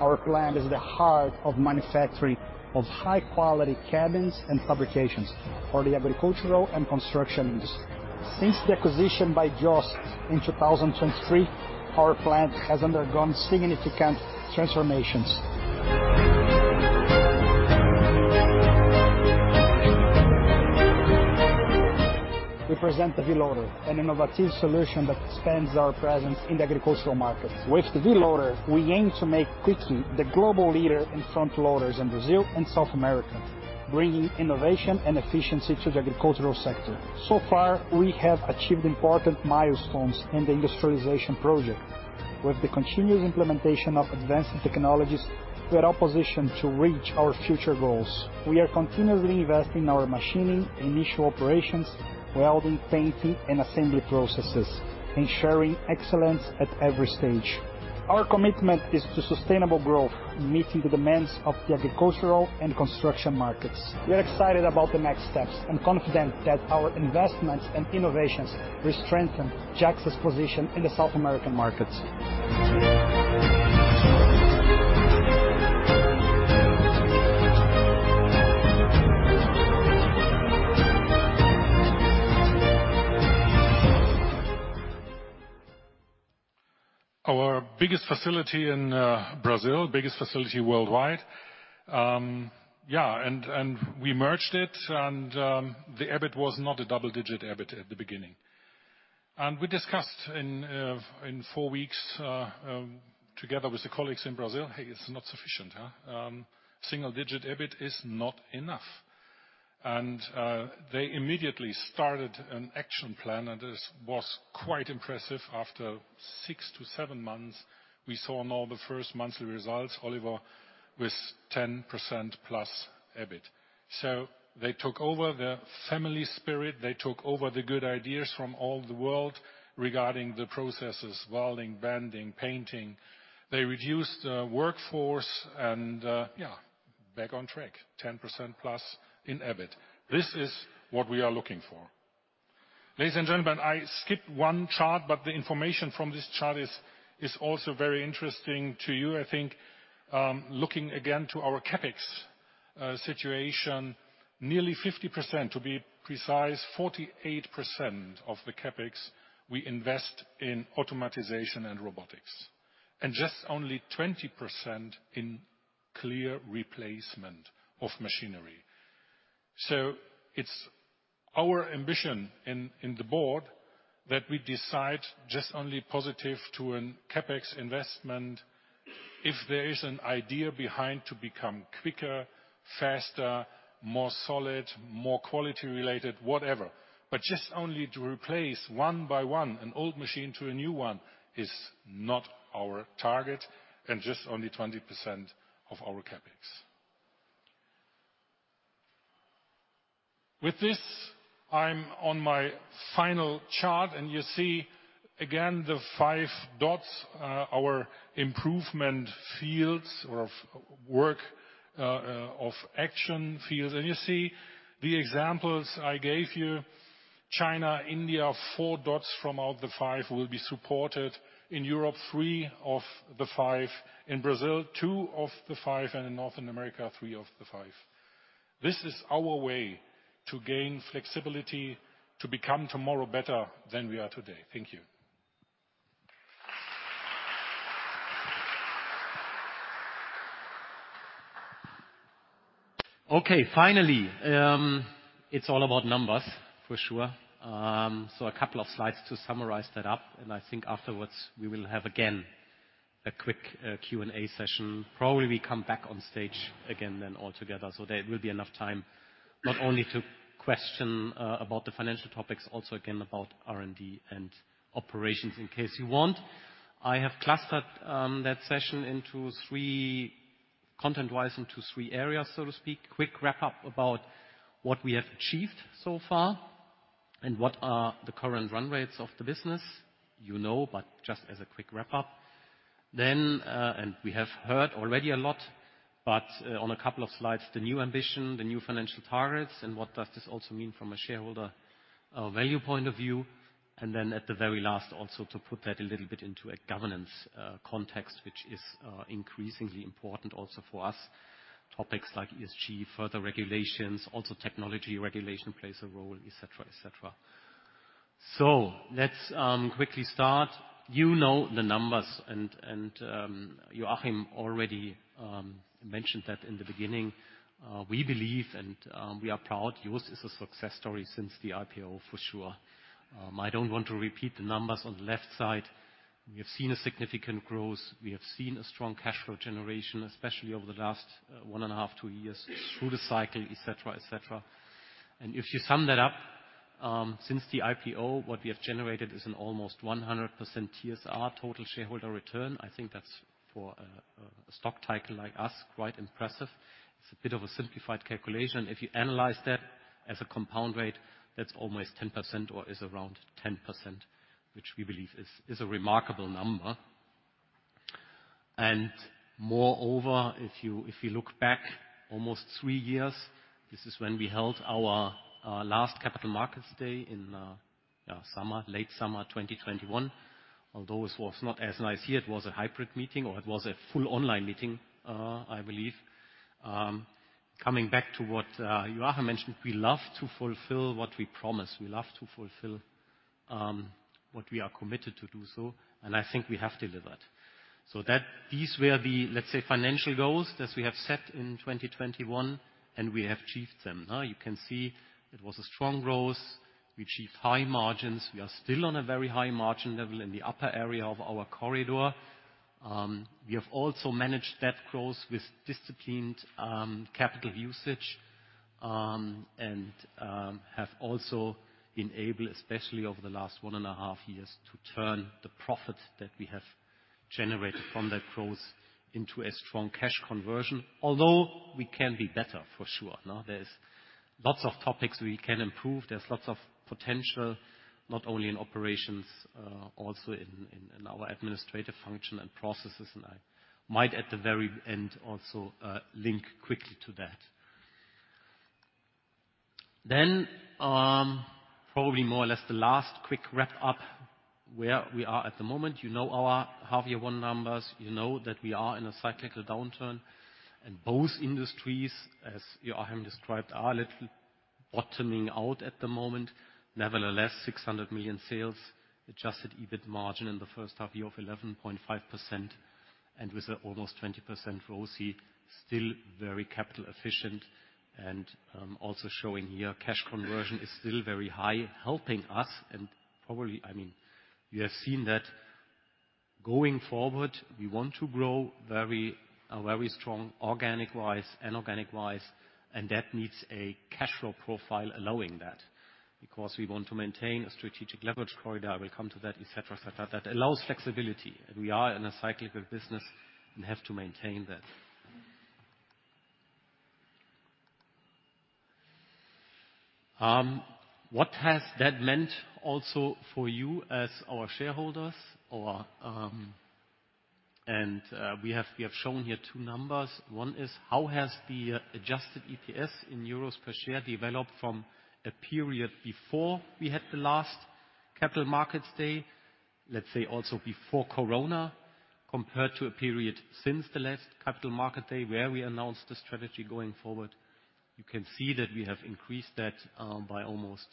Our plant is the heart of manufacturing of high-quality cabins and fabrications for the agricultural and construction industry. Since the acquisition by JOST in 2023, our plant has undergone significant transformations. We present the V-Loader, an innovative solution that expands our presence in the agricultural market. With the V-Loader, we aim to make Quicke the global leader in front loaders in Brazil and South America, bringing innovation and efficiency to the agricultural sector. So far, we have achieved important milestones in the industrialization project. With the continuous implementation of advanced technologies, we are well positioned to reach our future goals. We are continuously investing in our machining, initial operations, welding, painting, and assembly processes, ensuring excellence at every stage. Our commitment is to sustainable growth, meeting the demands of the agricultural and construction markets. We are excited about the next steps and confident that our investments and innovations will strengthen JACSA's position in the South American markets. Our biggest facility in Brazil, biggest facility worldwide. And we merged it, and the EBIT was not a double-digit EBIT at the beginning. And we discussed in four weeks together with the colleagues in Brazil, "Hey, it's not sufficient, huh? Single-digit EBIT is not enough." And they immediately started an action plan, and this was quite impressive. After six to seven months, we saw now the first monthly results, Oliver, with 10% plus EBIT. So they took over the family spirit, they took over the good ideas from all the world regarding the processes, welding, bending, painting. They reduced the workforce and, back on track, 10% plus in EBIT. This is what we are looking for. Ladies and gentlemen, I skipped one chart, but the information from this chart is also very interesting to you. I think, looking again to our CapEx situation, nearly 50%, to be precise, 48% of the CapEx we invest in automation and robotics, and just only 20% in clear replacement of machinery. So it's our ambition in the board, that we decide just only positive to a CapEx investment if there is an idea behind to become quicker, faster, more solid, more quality-related, whatever. But just only to replace one by one an old machine to a new one is not our target, and just only 20% of our CapEx. With this, I'm on my final chart, and you see again the five dots, our improvement fields or of work, of action fields. You see the examples I gave you, China, India, four out of the five will be supported. In Europe, three of the five, in Brazil, two of the five, and in North America, three of the five. This is our way to gain flexibility, to become tomorrow better than we are today. Thank you. Okay. Finally, it's all about numbers, for sure. So a couple of slides to summarize that up, and I think afterwards we will have again, a quick, Q&A session. Probably, we come back on stage again, then all together. So there will be enough time not only to question, about the financial topics, also, again, about R&D and operations in case you want. I have clustered, that session into three... Content-wise, into three areas, so to speak. Quick wrap-up about what we have achieved so far and what are the current run rates of the business. You know, but just as a quick wrap-up. Then, and we have heard already a lot, but, on a couple of slides, the new ambition, the new financial targets, and what does this also mean from a shareholder, value point of view. At the very last, also to put that a little bit into a governance context, which is increasingly important also for us. Topics like ESG, further regulations, also technology regulation plays a role, et cetera, et cetera. Let's quickly start. You know the numbers, and Joachim already mentioned that in the beginning. We believe and we are proud. JOST is a success story since the IPO, for sure. I don't want to repeat the numbers on the left side. We have seen a significant growth. We have seen a strong cash flow generation, especially over the last one and a half, two years, through the cycle, et cetera, et cetera. If you sum that up, since the IPO, what we have generated is an almost 100% TSR, total shareholder return. I think that's for a stock type like us, quite impressive. It's a bit of a simplified calculation. If you analyze that as a compound rate, that's almost 10% or is around 10%, which we believe is a remarkable number. Moreover, if you look back almost three years, this is when we held our last Capital Markets Day in late summer 2021. Although it was not as nice here, it was a hybrid meeting, or it was a full online meeting, I believe. Coming back to what Joachim mentioned, we love to fulfill what we promise. We love to fulfill what we are committed to do so, and I think we have delivered. These were the, let's say, financial goals that we have set in twenty twenty-one, and we have achieved them, huh? You can see it was a strong growth. We achieved high margins. We are still on a very high margin level in the upper area of our corridor. We have also managed debt growth with disciplined capital usage, and have also enabled, especially over the last one and a half years, to turn the profit that we have generated from that growth into a strong cash conversion. Although we can be better for sure, no? There's lots of topics we can improve. There's lots of potential, not only in operations, also in our administrative function and processes, and I might, at the very end, also link quickly to that. Then, probably more or less the last quick wrap-up, where we are at the moment. You know our half year one numbers. You know that we are in a cyclical downturn, and both industries, as Joachim described, are a little bottoming out at the moment. Nevertheless, 600 million sales, adjusted EBIT margin in the first half year of 11.5%, and with an almost 20% ROCE, still very capital efficient and, also showing here, cash conversion is still very high, helping us and probably... I mean, you have seen that going forward, we want to grow very, very strong, organic-wise, inorganic-wise, and that needs a cash flow profile allowing that, because we want to maintain a strategic leverage corridor. I will come to that, et cetera, et cetera. That allows flexibility, and we are in a cyclical business and have to maintain that. What has that meant also for you as our shareholders? Or, and, we have shown here two numbers. One is how has the adjusted EPS in EUR per share developed from a period before we had the last Capital Markets Day, let's say also before Corona, compared to a period since the last Capital Market Day, where we announced the strategy going forward. You can see that we have increased that, by almost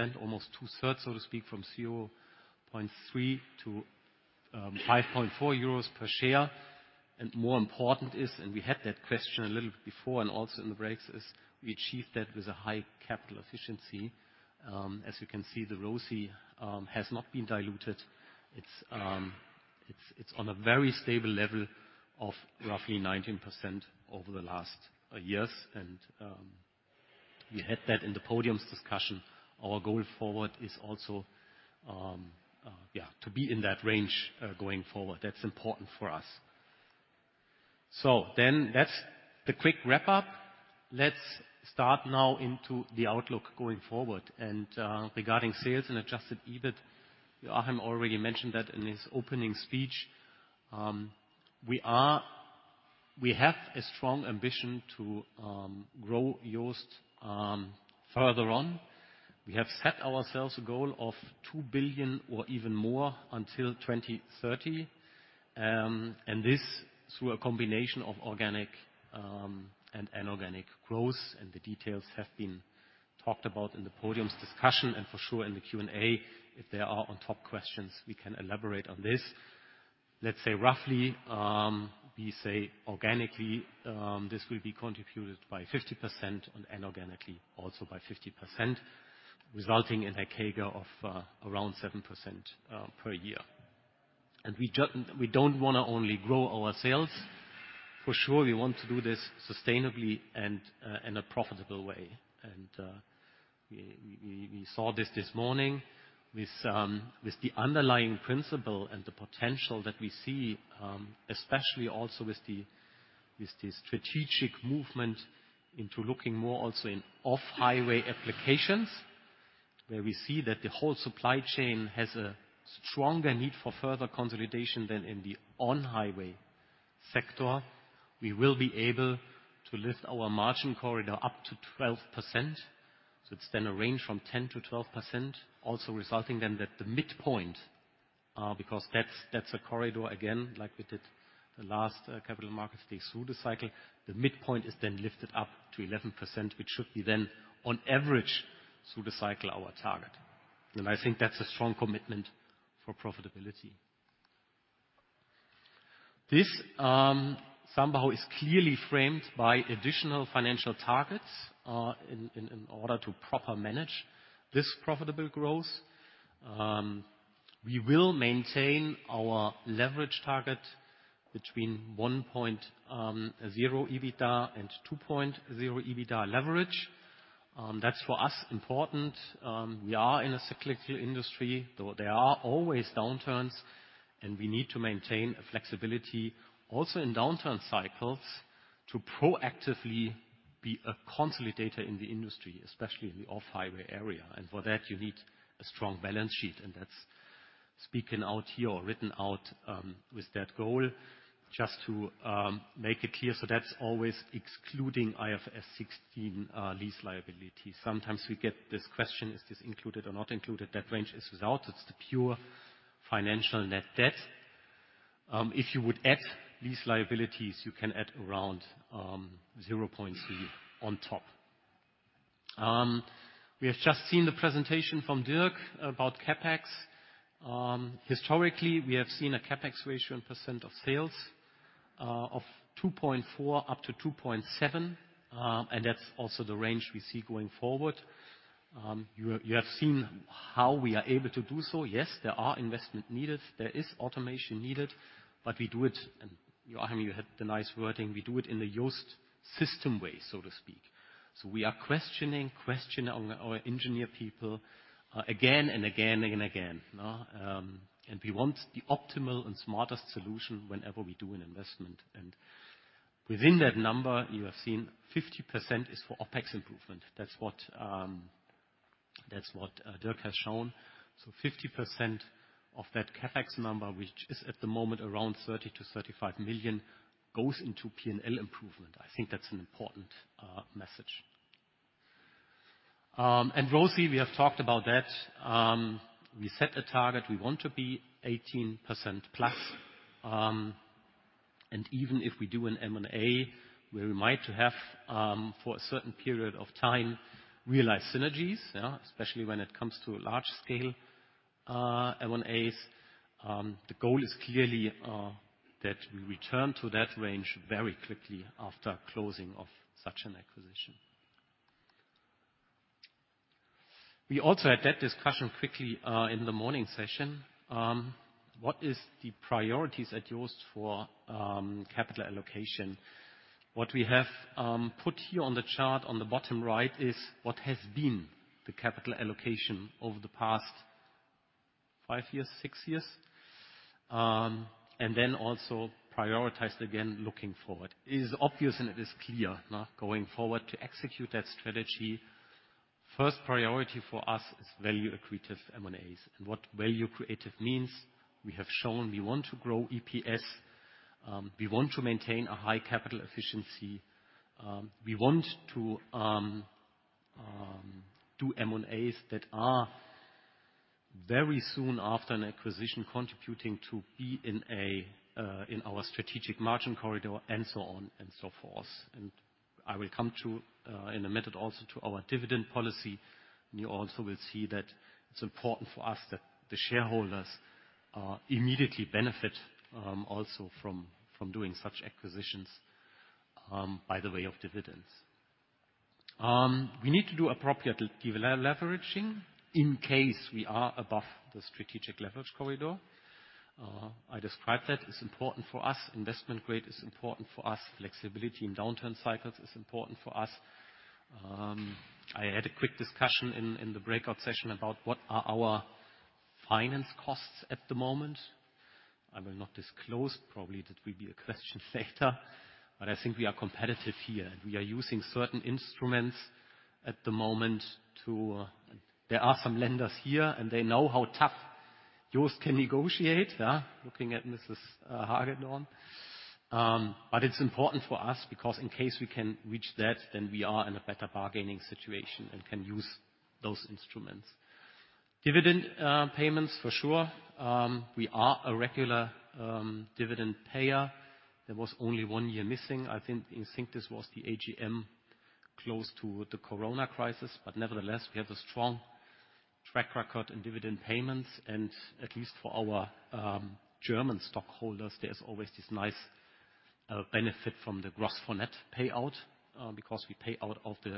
66%, almost two-thirds, so to speak, from 0.3 to 5.4 euros per share. And more important is, and we had that question a little bit before and also in the breaks, is we achieved that with a high capital efficiency. As you can see, the ROCE has not been diluted. It's on a very stable level of roughly 19% over the last years. We had that in the podium's discussion. Our goal forward is also to be in that range going forward. That's important for us. Then that's the quick wrap-up. Let's start now into the outlook going forward. Regarding sales and adjusted EBIT, Joachim already mentioned that in his opening speech. We have a strong ambition to grow JOST further on. We have set ourselves a goal of 2 billion or even more until 2030, and this through a combination of organic and inorganic growth, and the details have been talked about in the podium's discussion, and for sure, in the Q&A. If there are on-top questions, we can elaborate on this. Let's say roughly, we say organically, this will be contributed by 50% and inorganically also by 50%, resulting in a CAGR of around 7% per year. We don't wanna only grow our sales. For sure, we want to do this sustainably and in a profitable way. We saw this morning with the underlying principle and the potential that we see, especially also with the strategic movement into looking more also in off-highway applications, where we see that the whole supply chain has a stronger need for further consolidation than in the on-highway sector. We will be able to lift our margin corridor up to 12%. It's then a range from 10%-12%, also resulting then that the midpoint, because that's a corridor, again, like we did the last Capital Markets Day through the cycle. The midpoint is then lifted up to 11%, which should be then, on average, through the cycle, our target. And I think that's a strong commitment for profitability. This somehow is clearly framed by additional financial targets in order to properly manage this profitable growth. We will maintain our leverage target between 1.0 EBITDA and 2.0 EBITDA leverage. That's, for us, important. We are in a cyclical industry, though there are always downturns, and we need to maintain a flexibility also in downturn cycles. to proactively be a consolidator in the industry, especially in the off-highway area, and for that, you need a strong balance sheet, and that's speaking out here or written out, with that goal. Just to make it clear, so that's always excluding IFRS 16 lease liability. Sometimes we get this question, "Is this included or not included?" That range is without, it's the pure financial net debt. If you would add these liabilities, you can add around 0.3 on top. We have just seen the presentation from Dirk about CapEx. Historically, we have seen a CapEx ratio in percent of sales of 2.4-2.7%, and that's also the range we see going forward. You have seen how we are able to do so. Yes, there are investments needed, there is automation needed, but we do it, and Joachim, you had the nice wording, we do it in the JOST system way, so to speak. So we are questioning our engineer people again and again. And we want the optimal and smartest solution whenever we do an investment. And within that number, you have seen 50% is for OpEx improvement. That's what Dirk has shown. So 50% of that CapEx number, which is at the moment around 30-35 million, goes into P&L improvement. I think that's an important message. And ROCE, we have talked about that. We set a target. We want to be 18% plus. And even if we do an M&A, where we might have, for a certain period of time, realized synergies, especially when it comes to a large scale, M&As, the goal is clearly, that we return to that range very quickly after closing of such an acquisition. We also had that discussion quickly, in the morning session. What is the priorities at JOST for, capital allocation? What we have, put here on the chart on the bottom right is what has been the capital allocation over the past five years, six years. And then also prioritized again, looking forward. It is obvious and it is clear, now, going forward to execute that strategy. First priority for us is value-accretive M&As. What value-accretive means, we have shown we want to grow EPS. We want to maintain a high capital efficiency. We want to do M&As that are very soon after an acquisition, contributing to be in a in our strategic margin corridor, and so on and so forth. I will come to in a minute, also to our dividend policy. You also will see that it's important for us that the shareholders immediately benefit, also from, from doing such acquisitions, by the way of dividends. We need to do appropriate deleveraging in case we are above the strategic leverage corridor. I described that it's important for us. Investment grade is important for us. Flexibility in downturn cycles is important for us. I had a quick discussion in the breakout session about what are our finance costs at the moment. I will not disclose, probably that will be a question later, but I think we are competitive here, and we are using certain instruments at the moment to... There are some lenders here, and they know how tough JOST can negotiate, looking at Mrs. Hagedorn. But it's important for us because in case we can reach that, then we are in a better bargaining situation and can use those instruments. Dividend payments for sure. We are a regular dividend payer. There was only one year missing. I think this was the AGM close to the Corona crisis, but nevertheless, we have a strong track record in dividend payments, and at least for our German stockholders, there's always this nice benefit from the gross for net payout, because we pay out of the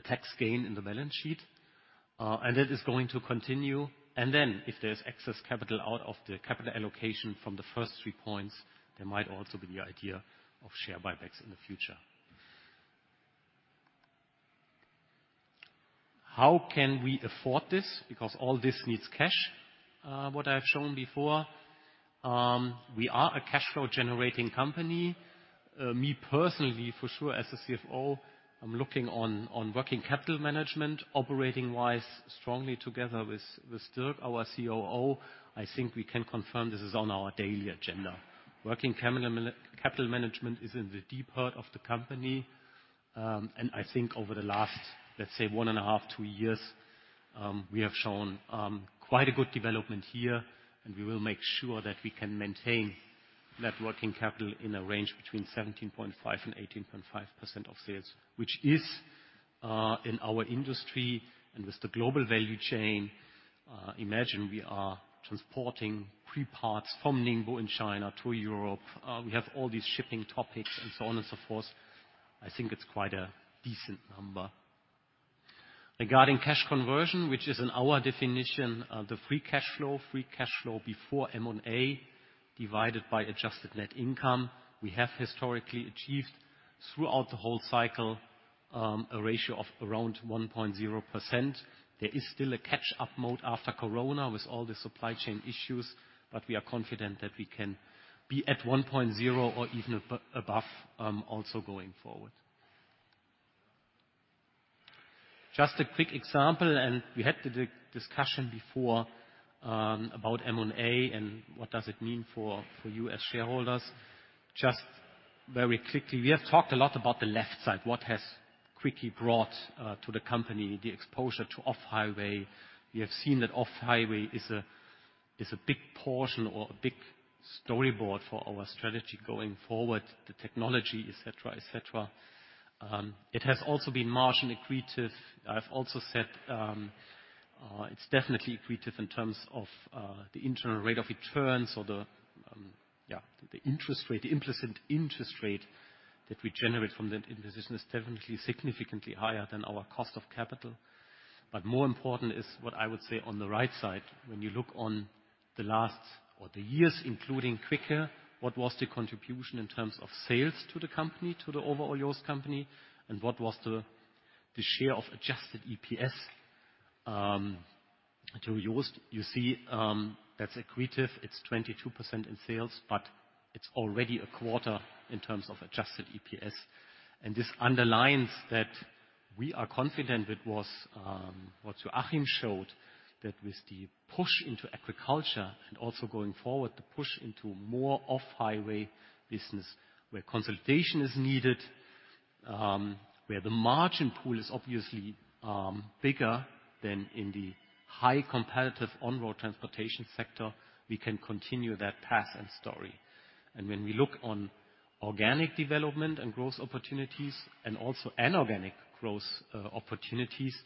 tax gain in the balance sheet, and that is going to continue. And then, if there's excess capital out of the capital allocation from the first three points, there might also be the idea of share buybacks in the future. How can we afford this? Because all this needs cash, what I've shown before. We are a cash flow generating company. Me personally, for sure, as a CFO, I'm looking on working capital management, operating-wise, strongly together with Dirk, our COO. I think we can confirm this is on our daily agenda. Working capital management is in the deep heart of the company, and I think over the last, let's say, one and a half, two years, we have shown quite a good development here, and we will make sure that we can maintain net working capital in a range between 17.5% and 18.5% of sales, which is in our industry and with the global value chain, imagine we are transporting three parts from Ningbo in China to Europe. We have all these shipping topics and so on and so forth. I think it's quite a decent number. Regarding cash conversion, which is in our definition, the free cash flow, free cash flow before M&A, divided by adjusted net income, we have historically achieved-... throughout the whole cycle, a ratio of around 1.0%. There is still a catch-up mode after Corona with all the supply chain issues, but we are confident that we can be at 1.0% or even above, also going forward. Just a quick example, and we had the discussion before, about M&A and what does it mean for, for you as shareholders. Just very quickly, we have talked a lot about the left side, what has quickly brought to the company, the exposure to off-highway. We have seen that off-highway is a big portion or a big storyboard for our strategy going forward, the technology, et cetera, et cetera. It has also been margin accretive. I've also said, it's definitely accretive in terms of the internal rate of returns or the the interest rate, the implicit interest rate that we generate from that investment is definitely significantly higher than our cost of capital. But more important is what I would say on the right side, when you look on the last four years, including Quicke, what was the contribution in terms of sales to the company, to the overall JOST company? And what was the the share of adjusted EPS to JOST? You see, that's accretive. It's 22% in sales, but it's already a quarter in terms of adjusted EPS. And this underlines that we are confident it was, what Joachim showed, that with the push into agriculture and also going forward, the push into more off-highway business, where consultation is needed, where the margin pool is obviously bigger than in the highly competitive on-road transportation sector, we can continue that path and story. And when we look at organic development and growth opportunities and also inorganic growth opportunities,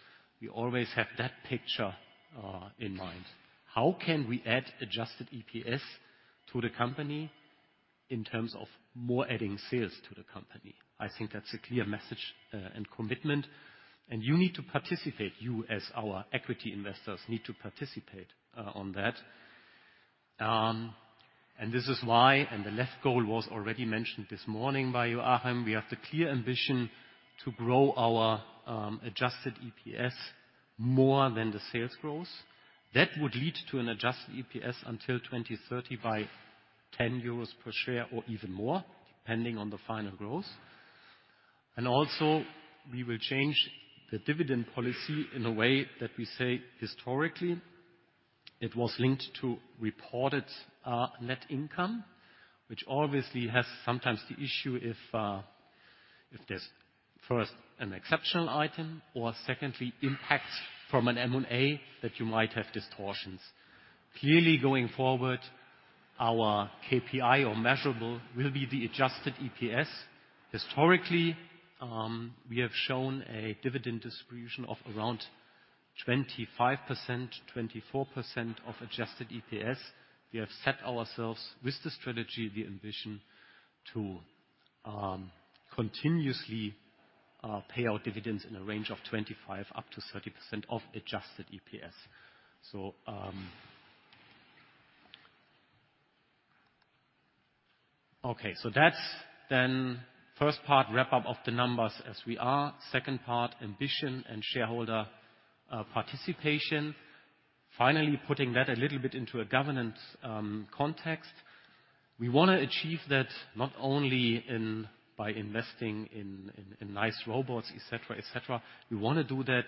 we always have that picture in mind. How can we add adjusted EPS to the company in terms of more adding sales to the company? I think that's a clear message and commitment, and you need to participate. You, as our equity investors, need to participate on that. And this is why, and the long-term goal was already mentioned this morning by Joachim. We have the clear ambition to grow our adjusted EPS more than the sales growth. That would lead to an adjusted EPS until 2030 by 10 euros per share or even more, depending on the final growth. And also, we will change the dividend policy in a way that we say historically, it was linked to reported net income, which obviously has sometimes the issue if, if there's, first, an exceptional item or secondly, impact from an M&A, that you might have distortions. Clearly, going forward, our KPI or measurable will be the adjusted EPS. Historically, we have shown a dividend distribution of around 25%, 24% of adjusted EPS. We have set ourselves with the strategy, the ambition to continuously pay out dividends in a range of 25%-30% of adjusted EPS. So, okay, so that's then first part, wrap up of the numbers as we are. Second part, ambition and shareholder participation. Finally, putting that a little bit into a governance context. We want to achieve that not only in by investing in nice robots, et cetera, et cetera. We want to do that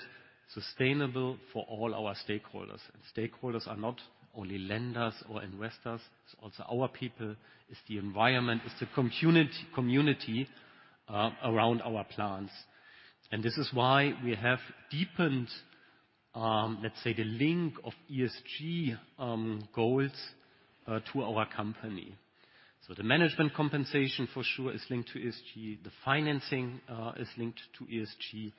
sustainable for all our stakeholders. And stakeholders are not only lenders or investors, it's also our people, it's the environment, it's the community around our plants. And this is why we have deepened, let's say, the link of ESG goals to our company. So the management compensation, for sure, is linked to ESG. The financing is linked to ESG.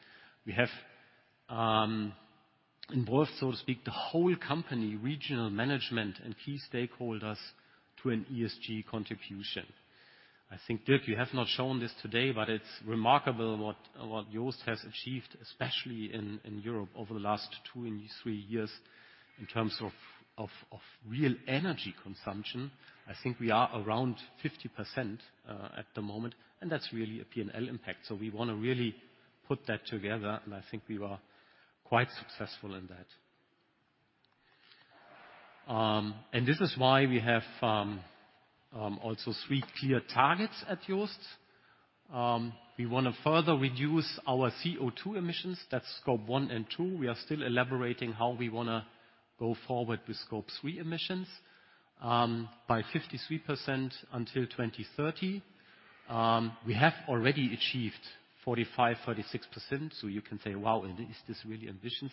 We have involved, so to speak, the whole company, regional management and key stakeholders to an ESG contribution. I think, Dirk, you have not shown this today, but it's remarkable what JOST has achieved, especially in Europe, over the last two and three years in terms of real energy consumption. I think we are around 50% at the moment, and that's really a P&L impact. So we want to really put that together, and I think we were quite successful in that. This is why we have also three clear targets at JOST. We want to further reduce our CO2 emissions, that's Scope 1 and 2. We are still elaborating how we wanna go forward with Scope 3 emissions, by 53% until 2030. We have already achieved 45, 46%, so you can say, "Wow, is this really ambitious?"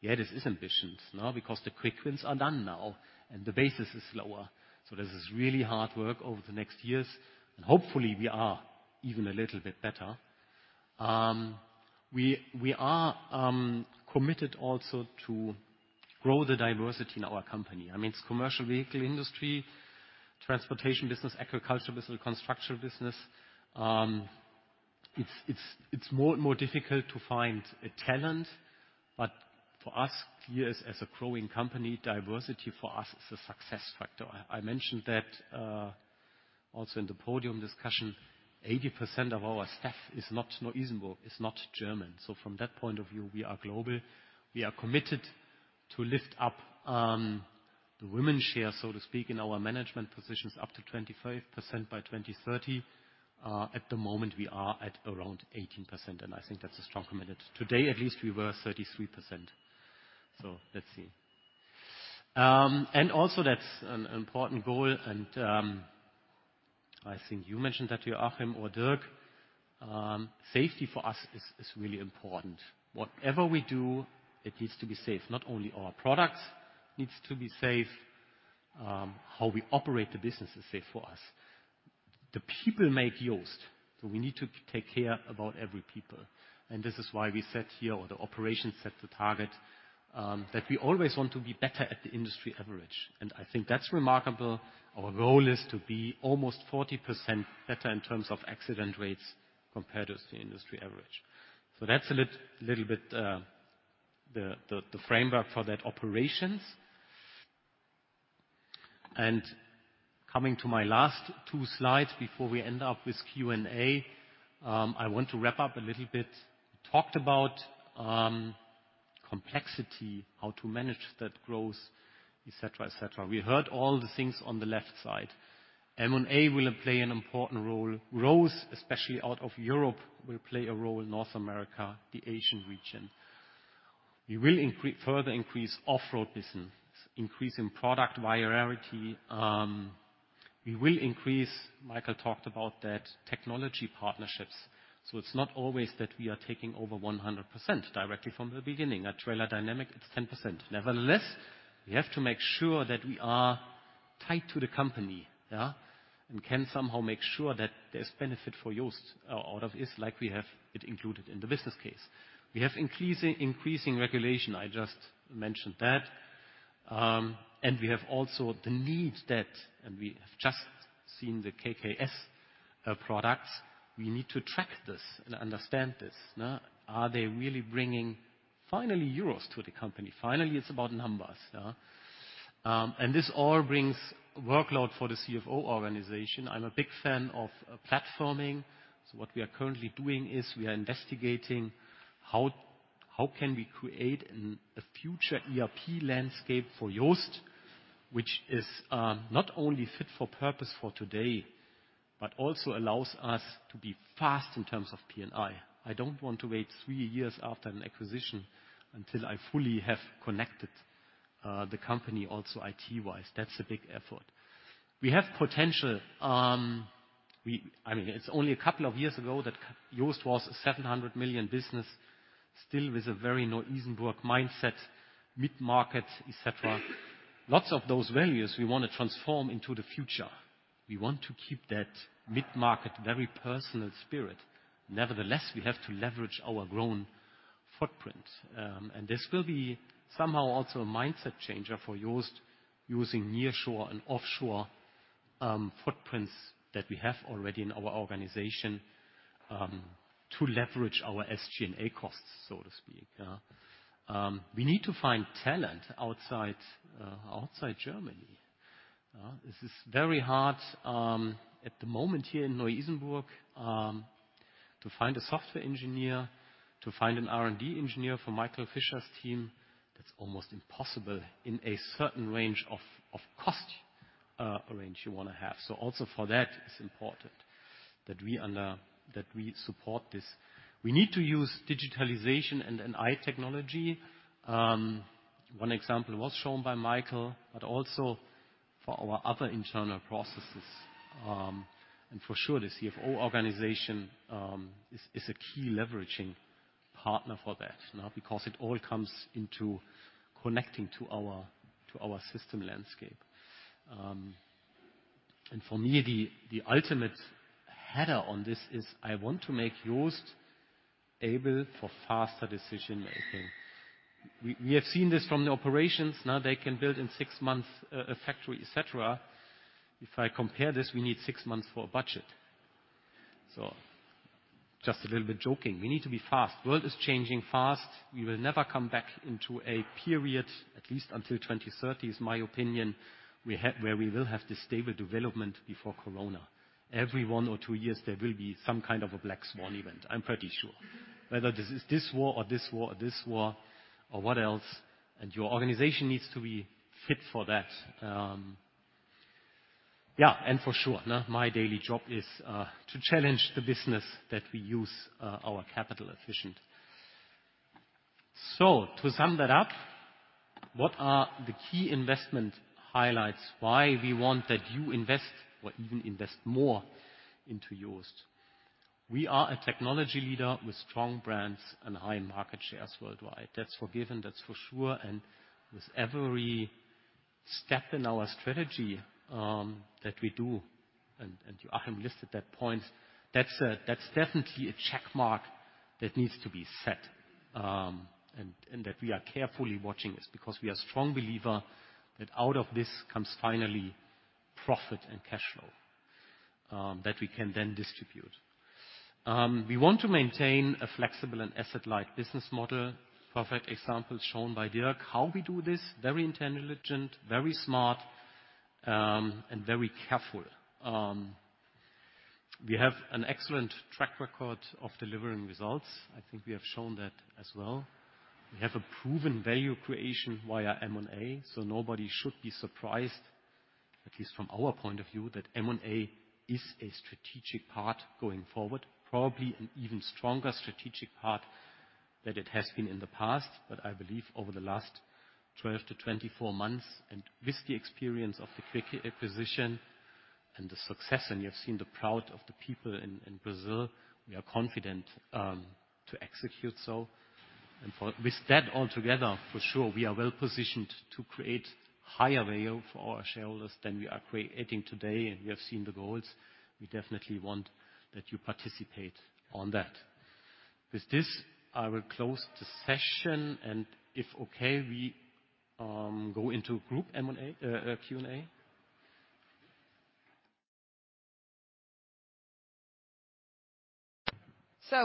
Yeah, this is ambitious, now, because the quick wins are done now and the basis is lower. So this is really hard work over the next years, and hopefully, we are even a little bit better. We are committed also to grow the diversity in our company. I mean, it's commercial vehicle industry, transportation business, agriculture business, construction business. It's more and more difficult to find a talent-... But for us, here as a growing company, diversity for us is a success factor. I mentioned that also in the podium discussion, 80% of our staff is not Neu-Isenburg, is not German. So from that point of view, we are global. We are committed to lift up the women's share, so to speak, in our management positions, up to 25% by 2030. At the moment, we are at around 18%, and I think that's a strong commitment. Today, at least, we were 33%, so let's see. And also that's an important goal, and I think you mentioned that to Joachim or Dirk. Safety for us is really important. Whatever we do, it needs to be safe. Not only our products needs to be safe, how we operate the business is safe for us. The people make JOST, so we need to take care about every people. And this is why we set here, or the operation set the target, that we always want to be better at the industry average, and I think that's remarkable. Our goal is to be almost 40% better in terms of accident rates compared to the industry average. So that's a little bit the framework for that operations. Coming to my last two slides before we end up with Q&A, I want to wrap up a little bit. Talked about complexity, how to manage that growth, et cetera, et cetera. We heard all the things on the left side. M&A will play an important role. Growth, especially out of Europe, will play a role in North America, the Asian region. We will further increase off-highway business, increase in product variety. We will increase, Michael talked about that, technology partnerships, so it's not always that we are taking over 100% directly from the beginning. At Trailer Dynamics, it's 10%. Nevertheless, we have to make sure that we are tied to the company, yeah, and can somehow make sure that there's benefit for JOST out of this, like we have it included in the business case. We have increasing regulation. I just mentioned that. And we have also the need that, and we have just seen the KKS products. We need to track this and understand this, nah? Are they really bringing, finally, euros to the company? Finally, it's about numbers, yeah. And this all brings workload for the CFO organization. I'm a big fan of platforming, so what we are currently doing is we are investigating how can we create a future ERP landscape for JOST, which is not only fit for purpose for today, but also allows us to be fast in terms of PMI. I don't want to wait three years after an acquisition until I fully have connected the company also IT-wise. That's a big effort. We have potential. I mean, it's only a couple of years ago that JOST was a 700 million business, still with a very Neu-Isenburg mindset, mid-market, et cetera. Lots of those values we want to transform into the future. We want to keep that mid-market, very personal spirit. Nevertheless, we have to leverage our grown footprint, and this will be somehow also a mindset changer for JOST, using nearshore and offshore footprints that we have already in our organization to leverage our SG&A costs, so to speak, yeah. We need to find talent outside Germany. This is very hard, at the moment here in Neu-Isenburg, to find a software engineer, to find an R&D engineer for Michael Fischer's team. That's almost impossible in a certain range of cost range you want to have. So also for that, it's important that we support this. We need to use digitalization and an AI technology. One example was shown by Michael, but also for our other internal processes. For sure, the CFO organization is a key leveraging partner for that, now, because it all comes into connecting to our system landscape. For me, the ultimate header on this is I want to make JOST able for faster decision-making. We have seen this from the operations. Now they can build in six months, a factory, et cetera. If I compare this, we need six months for a budget. So just a little bit joking. We need to be fast. World is changing fast. We will never come back into a period, at least until twenty thirty, is my opinion, we have where we will have the stable development before Corona. Every one or two years, there will be some kind of a black swan event, I'm pretty sure. Whether this is this war or this war or this war or what else, and your organization needs to be fit for that. Yeah, and for sure, my daily job is to challenge the business that we use our capital efficiently. So to sum that up, what are the key investment highlights? Why we want that you invest or even invest more into JOST? We are a technology leader with strong brands and high market shares worldwide. That's a given, that's for sure, and with every step in our strategy that we do, and you, Joachim, listed that point. That's definitely a check mark that needs to be set, and that we are carefully watching this because we are strong believer that out of this comes finally profit and cash flow that we can then distribute. We want to maintain a flexible and asset-light business model. Perfect example shown by Dirk, how we do this, very intelligent, very smart, and very careful. We have an excellent track record of delivering results. I think we have shown that as well. We have a proven value creation via M&A, so nobody should be surprised, at least from our point of view, that M&A is a strategic part going forward, probably an even stronger strategic part than it has been in the past. But I believe over the last 12 to 24 months, and with the experience of the Quicke acquisition and the success, and you have seen the pride of the people in Brazil, we are confident to execute so. And with that all together, for sure, we are well-positioned to create higher value for our shareholders than we are creating today, and you have seen the goals. We definitely want that you participate on that. With this, I will close the session, and if okay, we go into group M&A Q&A.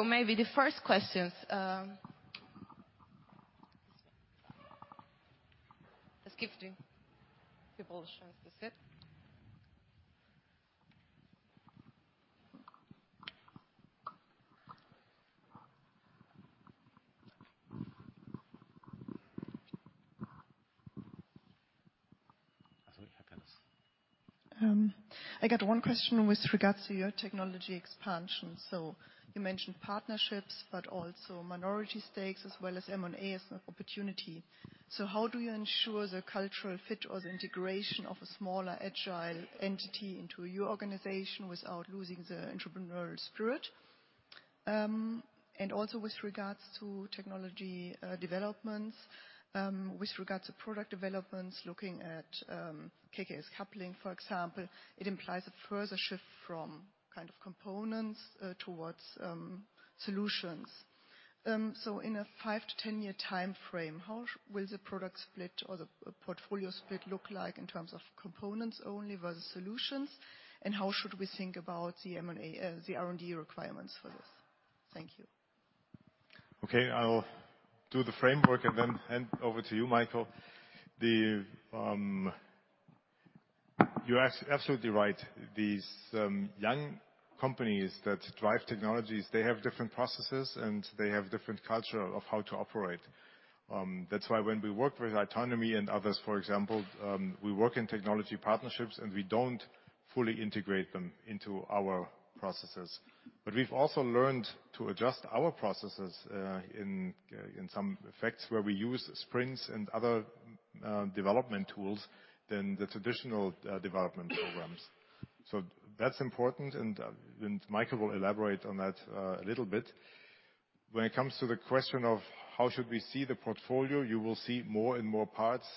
Maybe the first questions. This gives the people a chance to sit. I got one question with regards to your technology expansion. So you mentioned partnerships, but also minority stakes as well as M&A as an opportunity. So how do you ensure the cultural fit or the integration of a smaller, agile entity into your organization without losing the entrepreneurial spirit? And also with regards to technology developments, with regards to product developments, looking at KKS coupling, for example, it implies a further shift from kind of components towards solutions. So in a five to ten-year time frame, how will the product split or the portfolio split look like in terms of components only versus solutions? And how should we think about the M&A, the R&D requirements for this? Thank you. Okay, I'll do the framework and then hand over to you, Michael. You're absolutely right. These young companies that drive technologies, they have different processes, and they have different culture of how to operate. That's why when we work with autonomy and others, for example, we work in technology partnerships, and we don't fully integrate them into our processes. But we've also learned to adjust our processes in some aspects, where we use sprints and other development tools than the traditional development programs. So that's important, and Michael will elaborate on that a little bit. When it comes to the question of how should we see the portfolio, you will see more and more parts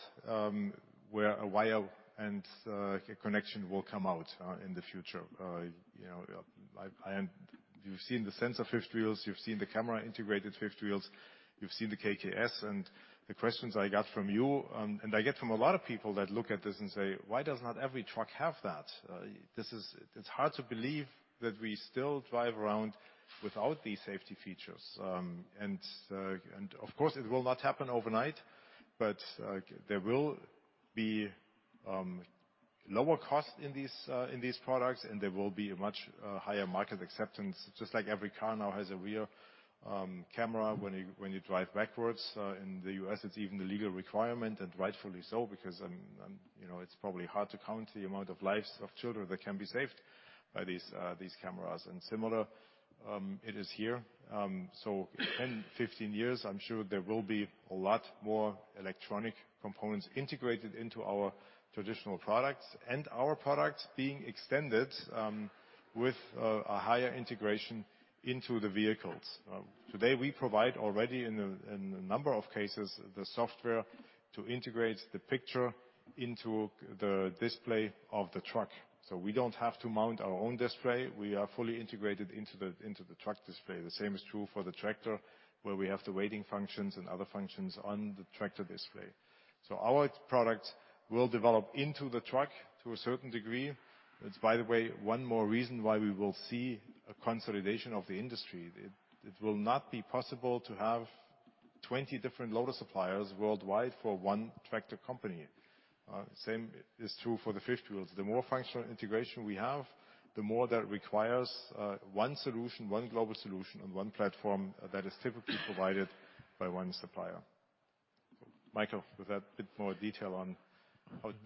where a wire and a connection will come out in the future. You know, and you've seen the sensor fifth wheels, you've seen the camera-integrated fifth wheels, you've seen the KKS, and the questions I got from you, and I get from a lot of people that look at this and say, "Why does not every truck have that?" This is. It's hard to believe that we still drive around without these safety features. And of course, it will not happen overnight, but there will be lower cost in these products, and there will be a much higher market acceptance, just like every car now has a rear camera when you drive backwards. In the U.S., it's even a legal requirement, and rightfully so, because, you know, it's probably hard to count the amount of lives of children that can be saved by these, these cameras. And similar, it is here. So in ten, fifteen years, I'm sure there will be a lot more electronic components integrated into our traditional products, and our products being extended, with a higher integration into the vehicles. Today, we provide already, in a number of cases, the software to integrate the picture into the display of the truck. So we don't have to mount our own display. We are fully integrated into the truck display. The same is true for the tractor, where we have the weighting functions and other functions on the tractor display. So our products will develop into the truck to a certain degree. It's, by the way, one more reason why we will see a consolidation of the industry. It will not be possible to have twenty different loader suppliers worldwide for one tractor company. Same is true for the fifth wheels. The more functional integration we have, the more that requires one solution, one global solution, and one platform that is typically provided by one supplier. Michael, with that bit more detail on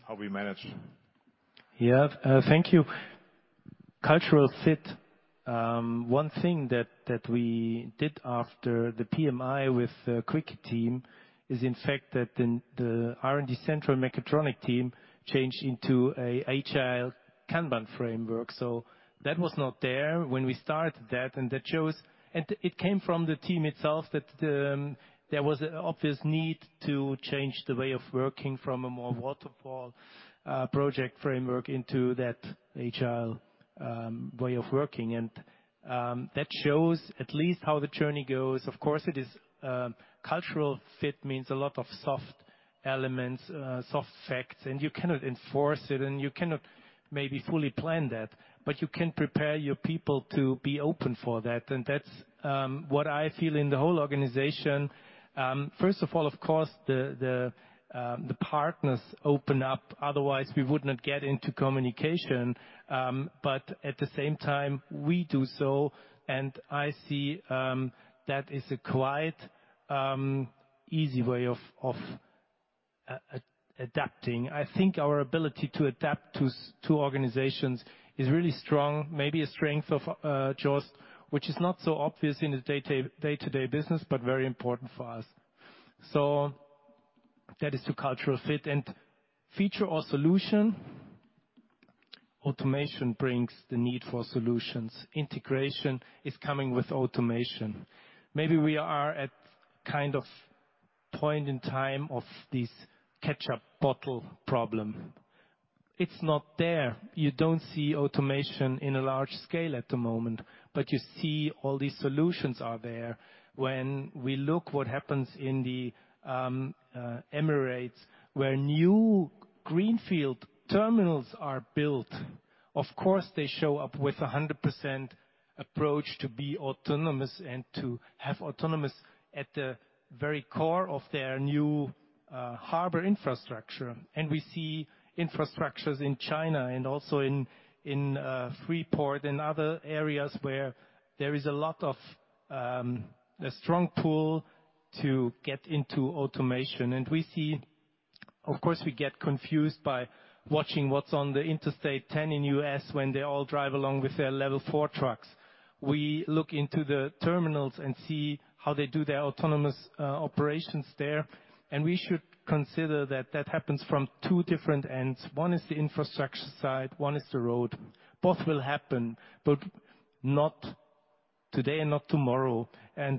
how we manage. Yeah, thank you. Cultural fit, one thing that we did after the PMI with the Quicke team is, in fact, that the R&D central mechatronic team changed into a agile Kanban framework. So that was not there when we started that, and that shows. And it came from the team itself, that there was an obvious need to change the way of working from a more waterfall project framework into that agile way of working. And- That shows at least how the journey goes. Of course, it is, cultural fit means a lot of soft elements, soft facts, and you cannot enforce it, and you cannot maybe fully plan that, but you can prepare your people to be open for that. And that's what I feel in the whole organization. First of all, of course, the partners open up, otherwise we would not get into communication. But at the same time, we do so, and I see that is a quite easy way of adapting. I think our ability to adapt to such two organizations is really strong, maybe a strength of Jost, which is not so obvious in the day-to-day business, but very important for us. So that is the cultural fit. Feature or solution, automation brings the need for solutions. Integration is coming with automation. Maybe we are at kind of point in time of this ketchup bottle problem. It's not there. You don't see automation in a large scale at the moment, but you see all these solutions are there. When we look what happens in the Emirates, where new greenfield terminals are built, of course, they show up with a 100% approach to be autonomous and to have autonomous at the very core of their new harbor infrastructure. We see infrastructures in China and also in Freeport and other areas where there is a lot of a strong pull to get into automation. Of course, we get confused by watching what's on the Interstate 10 in U.S., when they all drive along with their Level 4 trucks. We look into the terminals and see how they do their autonomous operations there, and we should consider that that happens from two different ends. One is the infrastructure side, one is the road. Both will happen, but not today and not tomorrow. The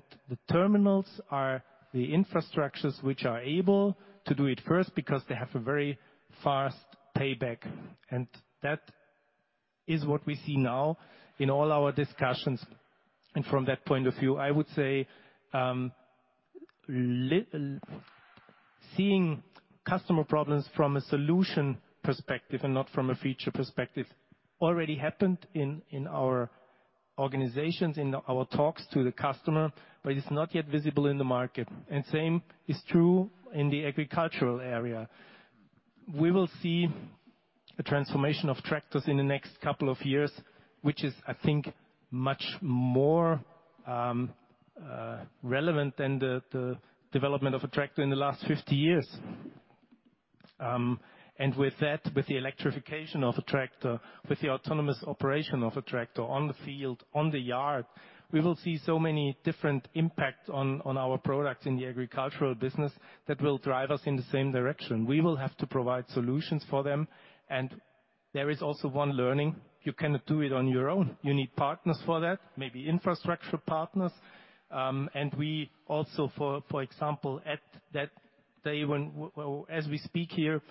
terminals are the infrastructures which are able to do it first because they have a very fast payback, and that is what we see now in all our discussions. From that point of view, I would say, like seeing customer problems from a solution perspective and not from a feature perspective, already happened in our organizations, in our talks to the customer, but it's not yet visible in the market. Same is true in the agricultural area. We will see a transformation of tractors in the next couple of years, which is, I think, much more relevant than the development of a tractor in the last fifty years. And with that, with the electrification of a tractor, with the autonomous operation of a tractor on the field, on the yard, we will see so many different impacts on our products in the agricultural business that will drive us in the same direction. We will have to provide solutions for them, and there is also one learning. You cannot do it on your own. You need partners for that, maybe infrastructure partners. And we also, for example, at that day, when, as we speak here,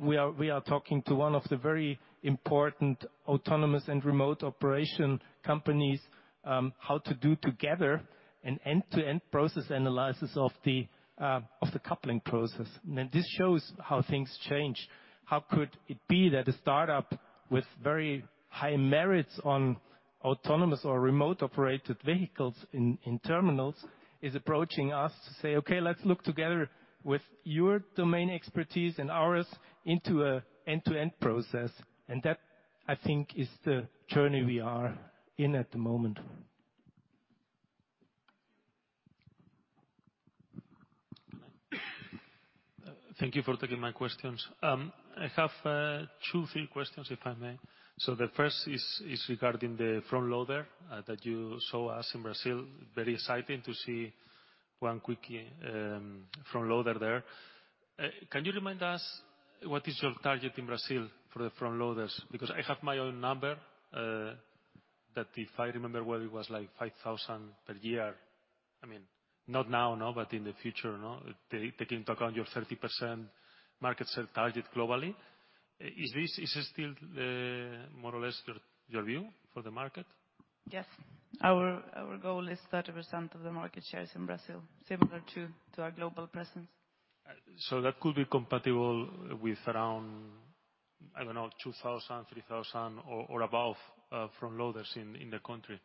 we are talking to one of the very important autonomous and remote operation companies, how to do together an end-to-end process analysis of the coupling process. And this shows how things change. How could it be that a startup with very high merits on autonomous or remote-operated vehicles in terminals is approaching us to say, "Okay, let's look together with your domain expertise and ours into an end-to-end process." And that, I think, is the journey we are in at the moment. Thank you for taking my questions. I have two, three questions, if I may. So the first is regarding the front loader that you show us in Brazil. Very exciting to see one Quicke front loader there. Can you remind us, what is your target in Brazil for the front loaders? Because I have my own number that if I remember well, it was like five thousand per year. I mean, not now, no, but in the future, no? Taking into account your 30% market share target globally. Is this, is it still more or less your view for the market? Yes. Our goal is 30% of the market shares in Brazil, similar to our global presence. So that could be compatible with around, I don't know, 2,000, 3,000, or above, front loaders in the country.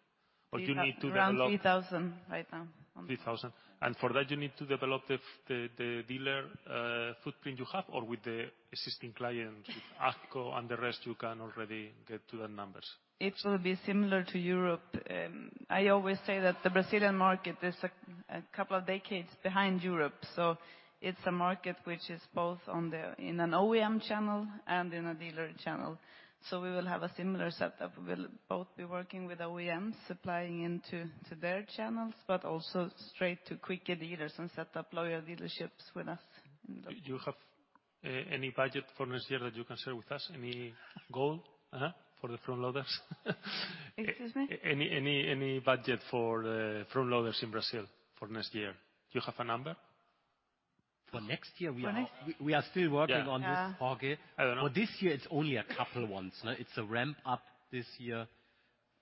But you need to develop- Around three thousand right now. Three thousand. And for that, you need to develop the dealer footprint you have, or with the existing clients, with AGCO and the rest, you can already get to the numbers? It will be similar to Europe. I always say that the Brazilian market is a couple of decades behind Europe, so it's a market which is both on the OEM channel and in a dealer channel. So we will have a similar setup. We'll both be working with OEMs, supplying into their channels, but also straight to Quicke dealers and set up loyal dealerships with us. Do you have any budget for next year that you can share with us? Any goal for the front loaders? Excuse me? Any budget for the front loaders in Brazil for next year? Do you have a number?... For next year, we are still working on this target. I don't know. For this year, it's only a couple ones, no? It's a ramp up this year.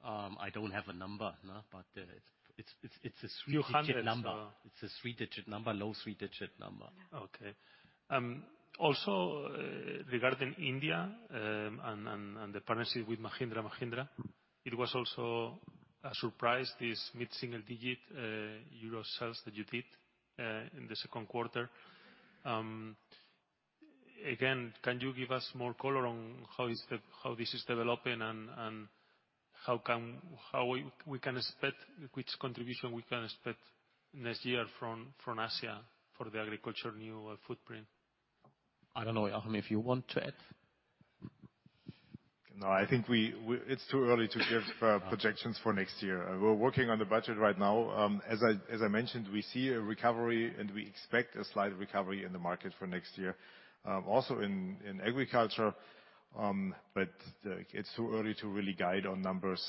I don't have a number, no, but it's a three-digit number. Few hundreds. It's a three-digit number, low three-digit number. Yeah. Okay. Also, regarding India, and the partnership with Mahindra & Mahindra, it was also a surprise, this mid-single digit euro sales that you did in the second quarter. Again, can you give us more color on how this is developing and how we can expect which contribution we can expect next year from Asia for the agriculture new footprint? I don't know, Joachim, if you want to add. No, I think it's too early to give projections for next year. We're working on the budget right now. As I mentioned, we see a recovery, and we expect a slight recovery in the market for next year, also in agriculture, but it's too early to really guide on numbers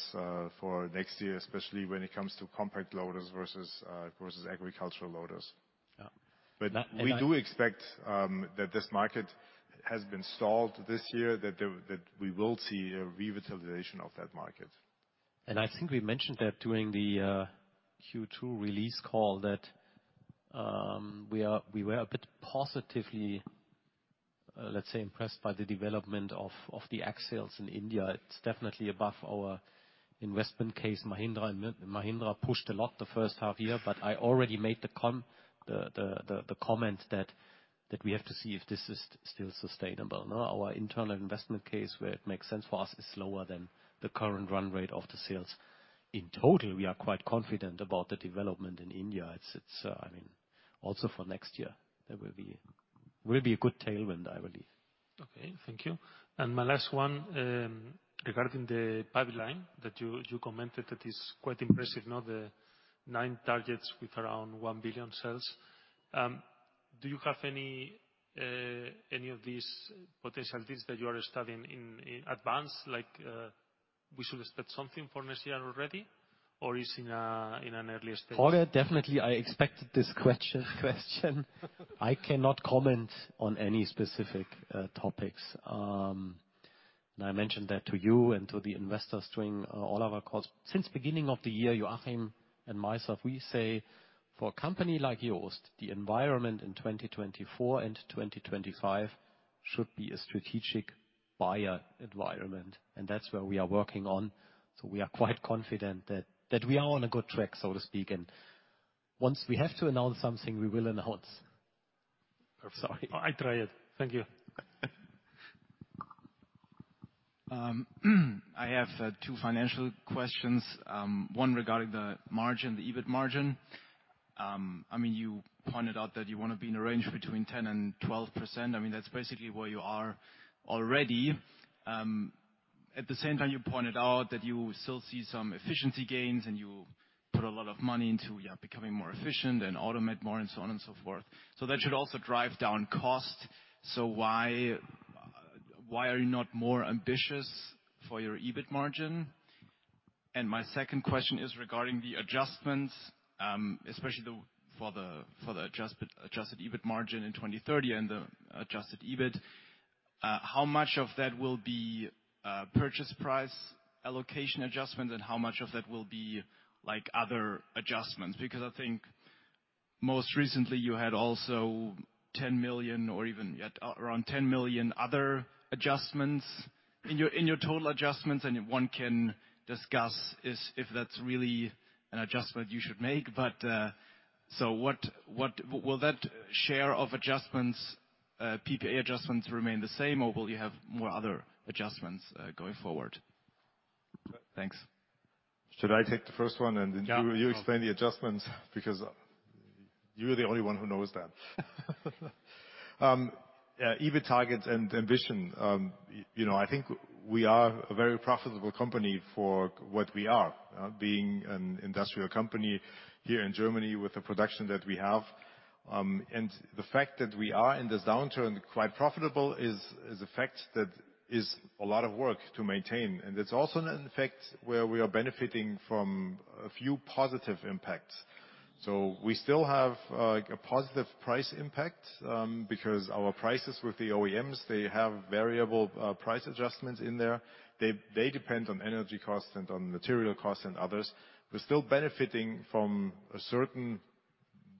for next year, especially when it comes to compact loaders versus agricultural loaders. Yeah. But we do expect that this market has been stalled this year, that we will see a revitalization of that market. I think we mentioned that during the Q2 release call, that we were a bit positively, let's say, impressed by the development of the axles in India. It's definitely above our investment case. Mahindra & Mahindra pushed a lot the first half year, but I already made the comment that we have to see if this is still sustainable, no? Our internal investment case, where it makes sense for us, is slower than the current run rate of the sales. In total, we are quite confident about the development in India. It's, I mean, also for next year, there will be a good tailwind, I believe. Okay, thank you. And my last one, regarding the pipeline that you commented that is quite impressive, the nine targets with around one billion sales. Do you have any of these potential deals that you are studying in advance? Like, we should expect something for next year already, or is it in an early stage? Jorge, definitely, I expected this question. I cannot comment on any specific topics. And I mentioned that to you and to the investors during all of our calls. Since beginning of the year, Joachim and myself, we say, for a company like JOST, the environment in twenty twenty-four and twenty twenty-five should be a strategic buyer environment, and that's where we are working on. So we are quite confident that we are on a good track, so to speak, and once we have to announce something, we will announce. I'm sorry. I try it. Thank you. I have two financial questions. One regarding the margin, the EBIT margin. I mean, you pointed out that you wanna be in a range between 10% and 12%. I mean, that's basically where you are already. At the same time, you pointed out that you still see some efficiency gains, and you put a lot of money into, yeah, becoming more efficient and automate more and so on and so forth. So that should also drive down cost. So why, why are you not more ambitious for your EBIT margin? And my second question is regarding the adjustments, especially the, for the, for the adjusted EBIT margin in 2030 and the adjusted EBIT. How much of that will be purchase price allocation adjustment, and how much of that will be, like, other adjustments? Because I think most recently you had also 10 million or even at around 10 million other adjustments in your, in your total adjustments, and one can discuss is, if that's really an adjustment you should make. But, so what will that share of adjustments, PPA adjustments remain the same, or will you have more other adjustments, going forward? Thanks. Should I take the first one, and then- Yeah... you explain the adjustments? Because you are the only one who knows that. Yeah, EBIT targets and ambition. You know, I think we are a very profitable company for what we are, being an industrial company here in Germany with the production that we have, and the fact that we are, in this downturn, quite profitable is a fact that is a lot of work to maintain, and it's also an effect where we are benefiting from a few positive impacts. So we still have a positive price impact, because our prices with the OEMs, they have variable price adjustments in there. They depend on energy costs and on material costs and others. We're still benefiting from a certain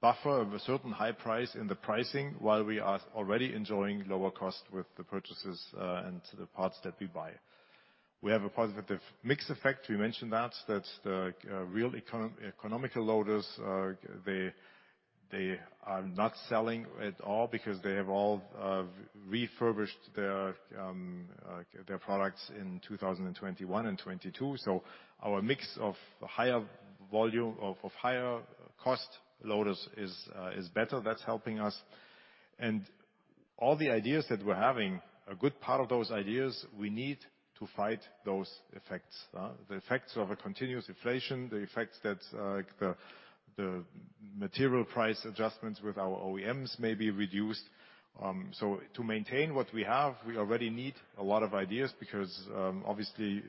buffer of a certain high price in the pricing, while we are already enjoying lower costs with the purchases, and the parts that we buy. We have a positive mix effect. We mentioned that the real economical loaders, they are not selling at all because they have all refurbished their products in two thousand and twenty-one and twenty-two. So our mix of higher volume of higher cost loaders is better. That's helping us. And all the ideas that we're having, a good part of those ideas, we need to fight those effects. The effects of a continuous inflation, the effects that the material price adjustments with our OEMs may be reduced. So to maintain what we have, we already need a lot of ideas because, obviously,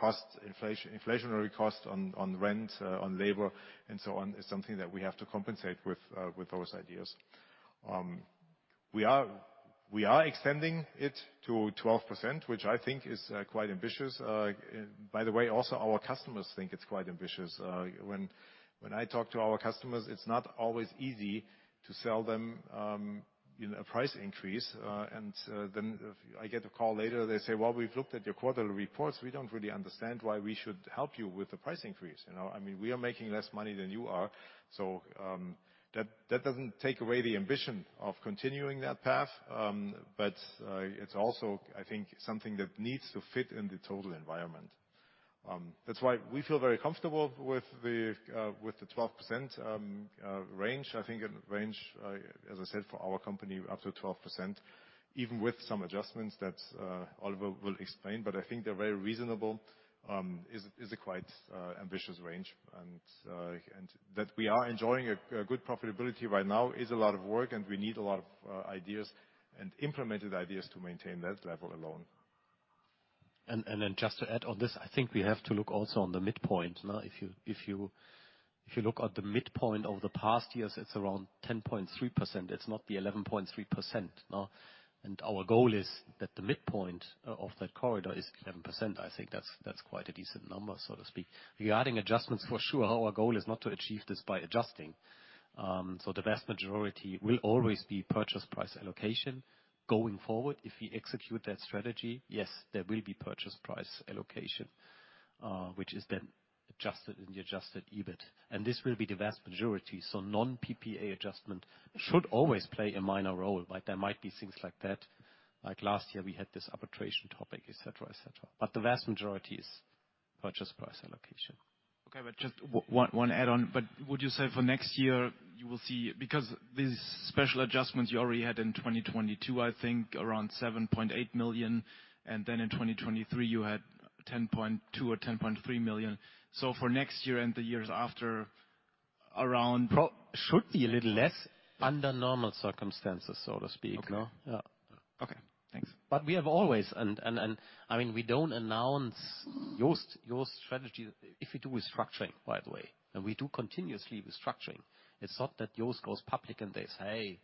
costs, inflationary costs on rent, on labor, and so on, is something that we have to compensate with those ideas. We are extending it to 12%, which I think is quite ambitious. By the way, also our customers think it's quite ambitious. When I talk to our customers, it's not always easy to sell them, you know, a price increase. And then I get a call later, they say, "Well, we've looked at your quarterly reports, we don't really understand why we should help you with the price increase. You know, I mean, we are making less money than you are." So, that doesn't take away the ambition of continuing that path, but it's also, I think, something that needs to fit in the total environment. That's why we feel very comfortable with the 12% range. I think a range, as I said, for our company, up to 12%, even with some adjustments that Oliver will explain, but I think they're very reasonable, is a quite ambitious range. And that we are enjoying a good profitability right now is a lot of work, and we need a lot of ideas and implemented ideas to maintain that level alone. Then just to add on this, I think we have to look also on the midpoint. Now, if you look at the midpoint over the past years, it's around 10.3%. It's not the 11.3%, no? Our goal is that the midpoint of that corridor is 11%. I think that's quite a decent number, so to speak. Regarding adjustments, for sure, our goal is not to achieve this by adjusting. So the vast majority will always be purchase price allocation. Going forward, if we execute that strategy, yes, there will be purchase price allocation, which is then adjusted in the adjusted EBIT, and this will be the vast majority. So non-PPA adjustment should always play a minor role. Like, there might be things like that. Like, last year, we had this arbitration topic, et cetera, et cetera, but the vast majority is purchase price allocation. Okay, but just one add-on. Would you say for next year, you will see? Because these special adjustments you already had in 2022, I think, around 7.8 million, and then in 2023, you had 10.2 or 10.3 million. So for next year and the years after, around- Should be a little less under normal circumstances, so to speak. Okay. Yeah. Okay, thanks. We have always, I mean, we don't announce our strategy. If you do restructuring, by the way, and we do continuously restructuring, it's not that ours goes public and they say, "Hey,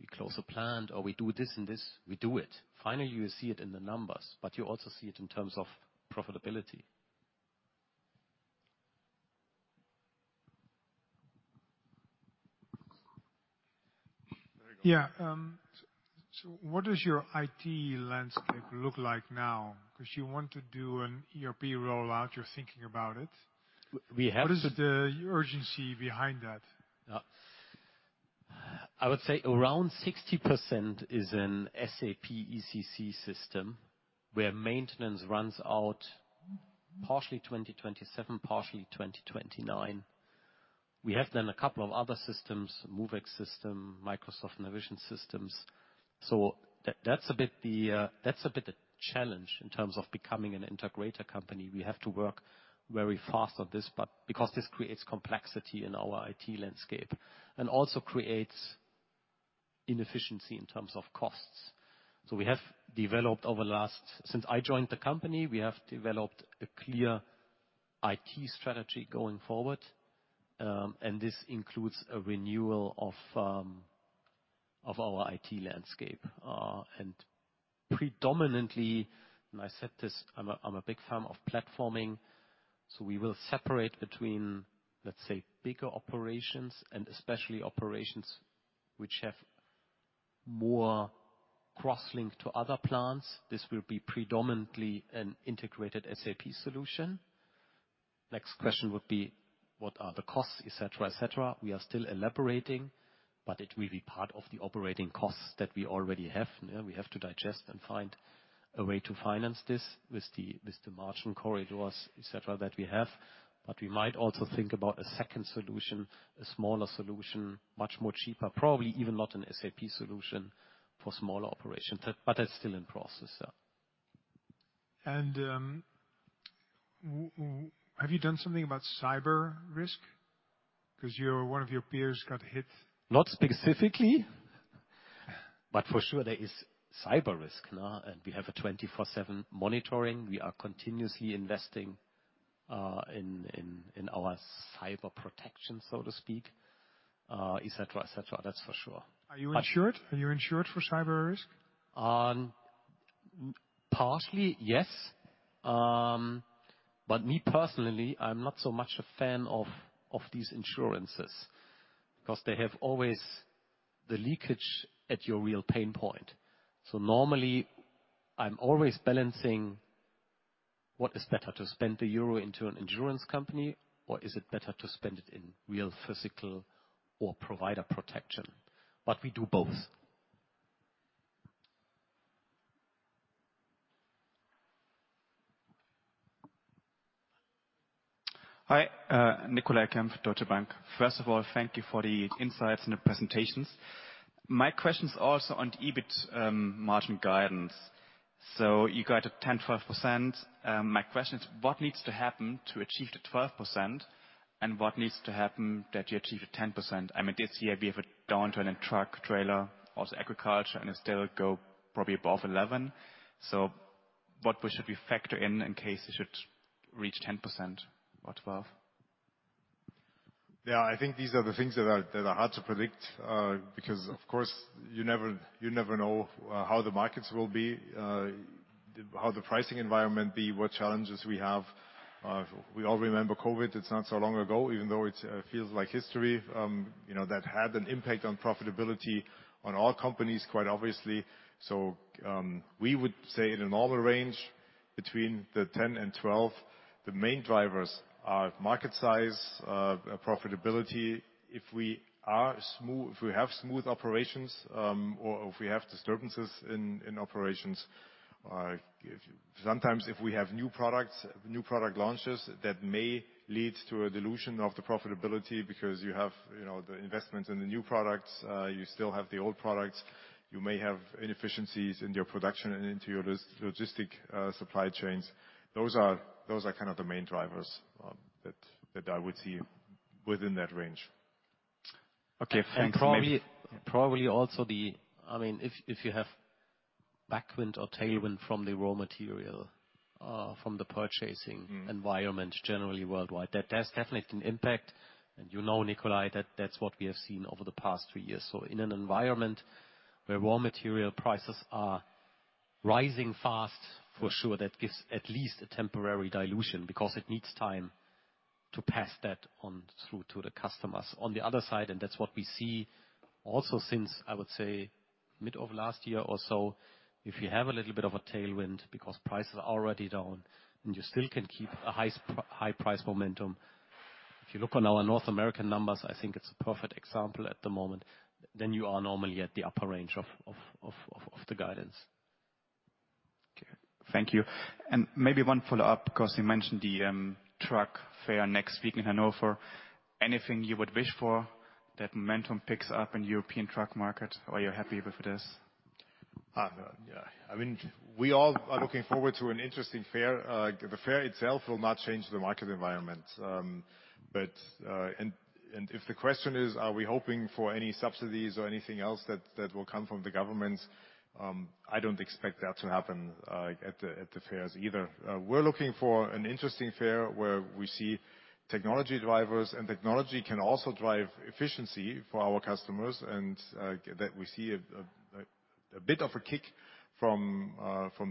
we closed a plant," or, "We do this and this." We do it. Finally, you will see it in the numbers, but you also see it in terms of profitability. Yeah, so what does your IT landscape look like now? 'Cause you want to do an ERP rollout, you're thinking about it. We have- What is the urgency behind that? I would say around 60% is an SAP ECC system, where maintenance runs out partially 2027, partially 2029. We have then a couple of other systems, Movex system, Microsoft Navision systems. So that's a bit the challenge in terms of becoming an integrator company. We have to work very fast on this, but because this creates complexity in our IT landscape and also creates inefficiency in terms of costs. So we have developed over the last. Since I joined the company, we have developed a clear IT strategy going forward, and this includes a renewal of our IT landscape. And predominantly, and I said this, I'm a big fan of platforming, so we will separate between, let's say, bigger operations and especially operations which have more cross-link to other plants. This will be predominantly an integrated SAP solution. Next question would be: What are the costs? Et cetera, et cetera. We are still elaborating, but it will be part of the operating costs that we already have. We have to digest and find a way to finance this with the margin corridors, et cetera, that we have. But we might also think about a second solution, a smaller solution, much more cheaper, probably even not an SAP solution for smaller operations. But that's still in process, so. Have you done something about cyber risk? 'Cause one of your peers got hit. Not specifically, but for sure, there is cyber risk, no? And we have a 24/7 monitoring. We are continuously investing in our cyber protection, so to speak, et cetera, et cetera. That's for sure. Are you insured? Are you insured for cyber risk? Partially, yes. But me personally, I'm not so much a fan of these insurances, because they have always the leakage at your real pain point. So normally, I'm always balancing what is better, to spend the euro into an insurance company, or is it better to spend it in real physical or provider protection? But we do both. Hi, Nicolai Kempf, Deutsche Bank. First of all, thank you for the insights and the presentations. My question is also on the EBIT margin guidance. So you got a 10%-12%. My question is, what needs to happen to achieve the 12%, and what needs to happen that you achieve a 10%? I mean, this year, we have a downturn in truck, trailer, also agriculture, and it still go probably above 11%. So what should we factor in, in case it should reach 10% or 12%? Yeah, I think these are the things that are hard to predict, because of course, you never know how the markets will be, how the pricing environment be, what challenges we have. We all remember COVID. It's not so long ago, even though it feels like history. You know, that had an impact on profitability on all companies, quite obviously. So, we would say in a normal range between 10 and 12, the main drivers are market size, profitability. If we have smooth operations, or if we have disturbances in operations, if sometimes we have new products, new product launches, that may lead to a dilution of the profitability because you have, you know, the investment in the new products, you still have the old products. You may have inefficiencies in your production and in your logistics supply chains. Those are kind of the main drivers that I would see within that range. Okay, thanks. Probably also, I mean, if you have headwind or tailwind from the raw material from the purchasing- Mm. environment, generally worldwide, that has definitely an impact. And you know, Nicolai, that that's what we have seen over the past two years. So in an environment where raw material prices are rising fast, for sure, that gives at least a temporary dilution because it needs time to pass that on through to the customers. On the other side, and that's what we see also since, I would say, mid of last year or so, if you have a little bit of a tailwind because prices are already down and you still can keep a high price momentum. If you look on our North American numbers, I think it's a perfect example at the moment, then you are normally at the upper range of the guidance. Okay. Thank you, and maybe one follow-up, because you mentioned the truck fair next week in Hanover. Anything you would wish for that momentum picks up in European truck market, or you're happy with this? Yeah. I mean, we all are looking forward to an interesting fair. The fair itself will not change the market environment. But, if the question is, are we hoping for any subsidies or anything else that will come from the government? I don't expect that to happen at the fairs either. We're looking for an interesting fair, where we see technology drivers, and technology can also drive efficiency for our customers, and that we see a bit of a kick from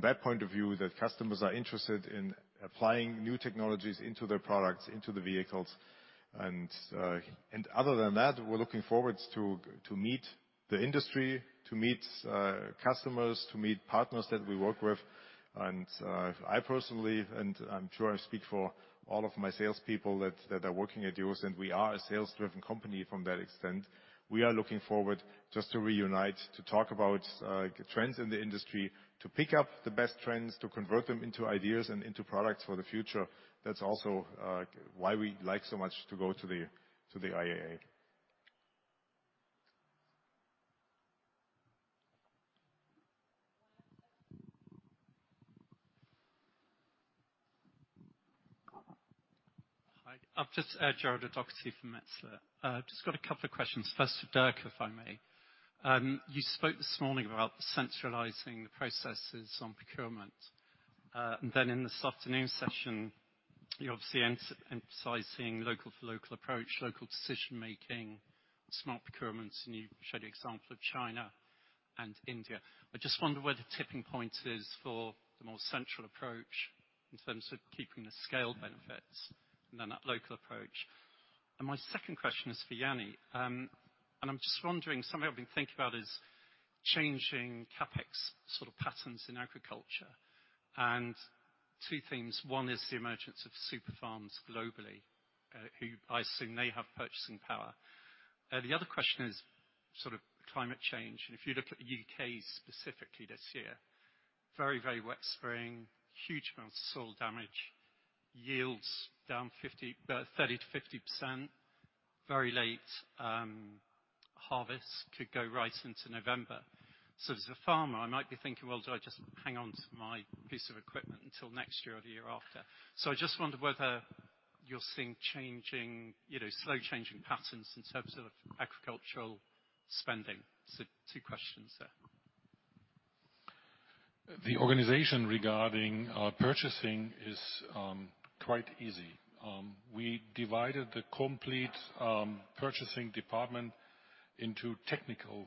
that point of view, that customers are interested in applying new technologies into their products, into the vehicles. And other than that, we're looking forward to meet the industry, to meet customers, to meet partners that we work with. I personally, and I'm sure I speak for all of my salespeople that are working at JOST, and we are a sales-driven company to that extent. We are looking forward just to reunite, to talk about trends in the industry, to pick up the best trends, to convert them into ideas and into products for the future. That's also why we like so much to go to the IAA. Hi, I'm just Gerard O'Doherty from Metzler. Just got a couple of questions. First, to Dirk, if I may. You spoke this morning about centralizing the processes on procurement. And then in this afternoon session, you're obviously emphasizing local for local approach, local decision-making, smart procurements, and you showed the example of China and India. I just wonder where the tipping point is for the more central approach in terms of keeping the scale benefits than that local approach. And my second question is for Jenny. And I'm just wondering, something I've been thinking about is changing CapEx sort of patterns in agriculture. And two things: One is the emergence of super farms globally, who I assume they have purchasing power. The other question is sort of climate change, and if you look at the U.K. specifically this year, very, very wet spring, huge amounts of soil damage, yields down 50, 30-50%, very late. Harvest could go right into November, so as a farmer, I might be thinking, well, do I just hang on to my piece of equipment until next year or the year after? So I just wonder whether you're seeing changing, you know, slow-changing patterns in terms of agricultural spending, so two questions there. The organization regarding purchasing is quite easy. We divided the complete purchasing department into technical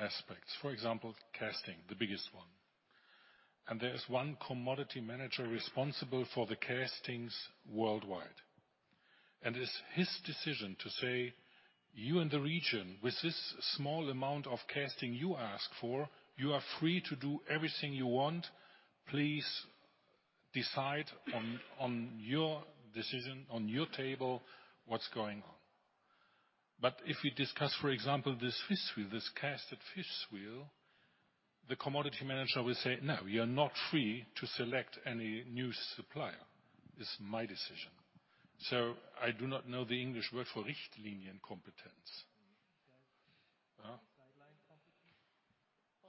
aspects. For example, casting, the biggest one, and there is one commodity manager responsible for the castings worldwide, and it's his decision to say: "You, in the region, with this small amount of casting you ask for, you are free to do everything you want. Please decide on your decision, on your table, what's going on," but if we discuss, for example, this fifth wheel, this cast fifth wheel, the commodity manager will say: "No, you're not free to select any new supplier. It's my decision," so I do not know the English word for Richtlinienkompetenz.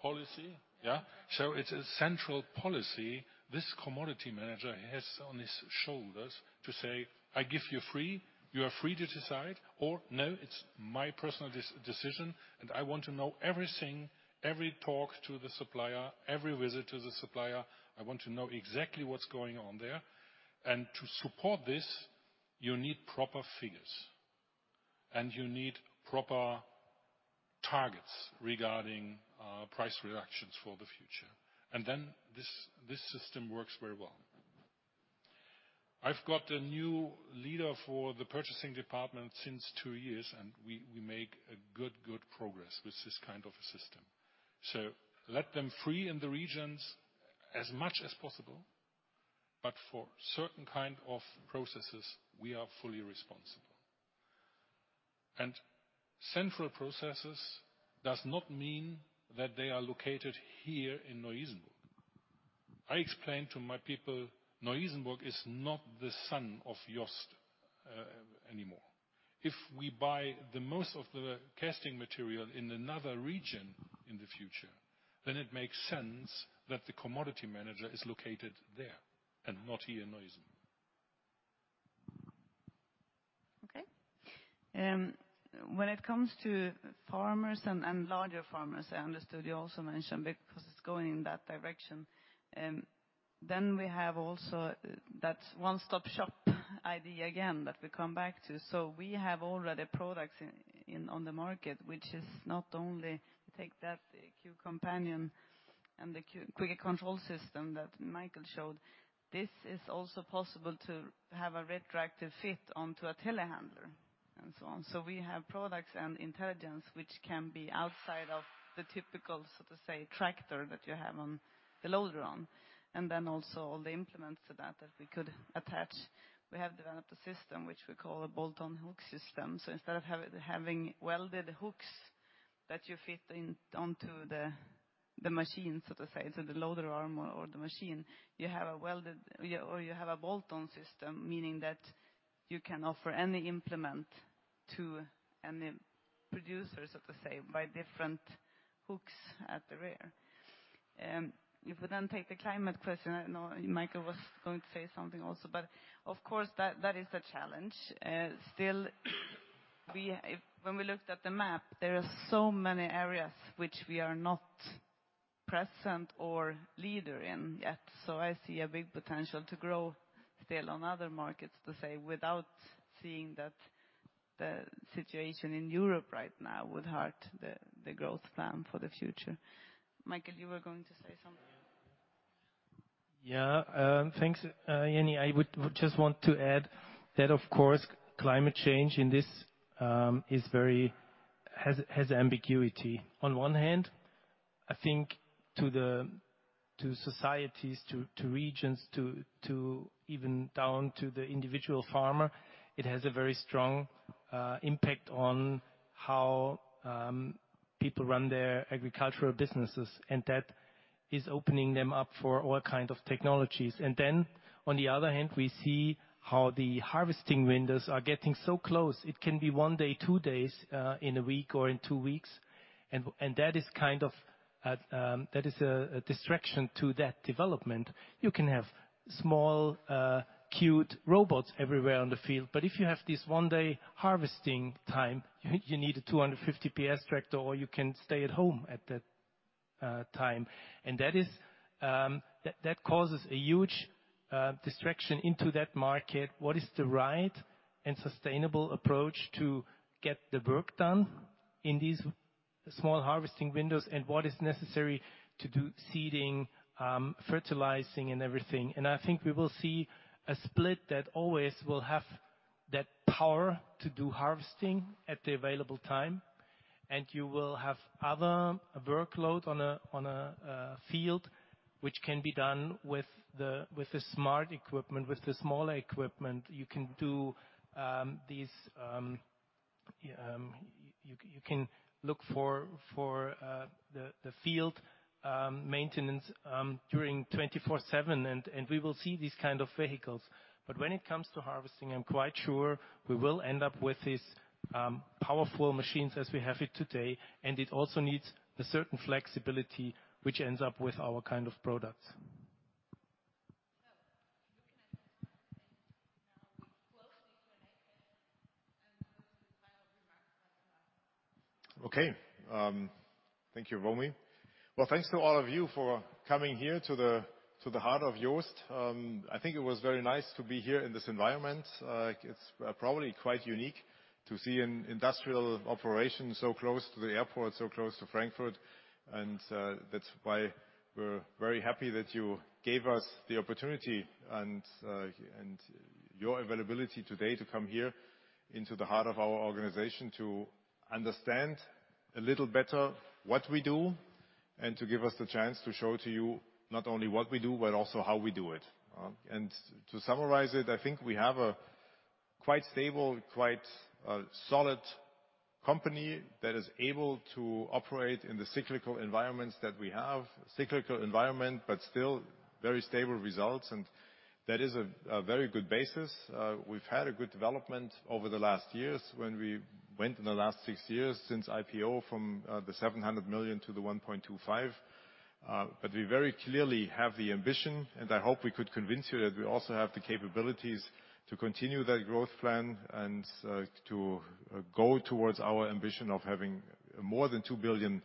policy? Yeah. So it's a central policy this commodity manager has on his shoulders to say, "I give you free, you are free to decide," or, "No, it's my personal decision, and I want to know everything, every talk to the supplier, every visit to the supplier. I want to know exactly what's going on there." And to support this, you need proper figures, and you need proper targets regarding price reductions for the future. And then this system works very well. I've got a new leader for the purchasing department since two years, and we make a good progress with this kind of a system. So let them free in the regions as much as possible, but for certain kind of processes, we are fully responsible. And central processes does not mean that they are located here in Neu-Isenburg. I explained to my people, Neusäß is not the son of JOST anymore. If we buy the most of the casting material in another region in the future, then it makes sense that the commodity manager is located there and not here in Neusäß. Okay. When it comes to farmers and larger farmers, I understood you also mentioned, because it's going in that direction, then we have also that one-stop shop idea again that we come back to. So we have already products in on the market, which is not only take that Q-Companion and the Quicke control system that Michael showed. This is also possible to have a retroactive fit onto a telehandler, and so on. So we have products and intelligence which can be outside of the typical, so to say, tractor that you have on the loader on, and then also all the implements to that, that we could attach. We have developed a system which we call a bolt-on hook system. So instead of having welded hooks that you fit in onto the machine, so to say, so the loader arm or the machine, you have a welded... Yeah, or you have a bolt-on system, meaning that you can offer any implement to any producer, so to say, by different hooks at the rear. If we then take the climate question, I know Michael was going to say something also, but of course, that is a challenge. Still, when we looked at the map, there are so many areas which we are not present or leader in yet. I see a big potential to grow still on other markets, to say, without seeing that the situation in Europe right now would hurt the growth plan for the future. Michael, you were going to say something? Yeah, thanks, Jenny. I would just want to add that, of course, climate change in this is very, has ambiguity. On one hand, I think to the societies, even down to the individual farmer, it has a very strong impact on how people run their agricultural businesses, and that is opening them up for all kind of technologies. And then, on the other hand, we see how the harvesting windows are getting so close. It can be one day, two days in a week or in two weeks, and that is kind of a distraction to that development. You can have small, cute robots everywhere on the field, but if you have this one-day harvesting time, you need a 250 PS tractor, or you can stay at home at that time, and that is, that causes a huge distraction into that market. What is the right and sustainable approach to get the work done in these small harvesting windows, and what is necessary to do seeding, fertilizing and everything? And I think we will see a split that always will have that power to do harvesting at the available time, and you will have other workload on a field which can be done with the smart equipment, with the smaller equipment. You can do these... You can look for the field maintenance during 24/7, and we will see these kind of vehicles. But when it comes to harvesting, I'm quite sure we will end up with these powerful machines as we have it today, and it also needs a certain flexibility, which ends up with our kind of products. Okay, thank you, Romi. Well, thanks to all of you for coming here to the heart of JOST. I think it was very nice to be here in this environment. It's probably quite unique to see an industrial operation so close to the airport, so close to Frankfurt, and that's why we're very happy that you gave us the opportunity and your availability today to come here into the heart of our organization, to understand a little better what we do, and to give us the chance to show to you not only what we do, but also how we do it. And to summarize it, I think we have a quite stable, quite solid company that is able to operate in the cyclical environments that we have. Cyclical environment, but still very stable results, and that is a very good basis. We've had a good development over the last years when we went in the last six years since IPO from 700 million to 1.25 billion.... but we very clearly have the ambition, and I hope we could convince you that we also have the capabilities to continue that growth plan and to go towards our ambition of having more than 2 billion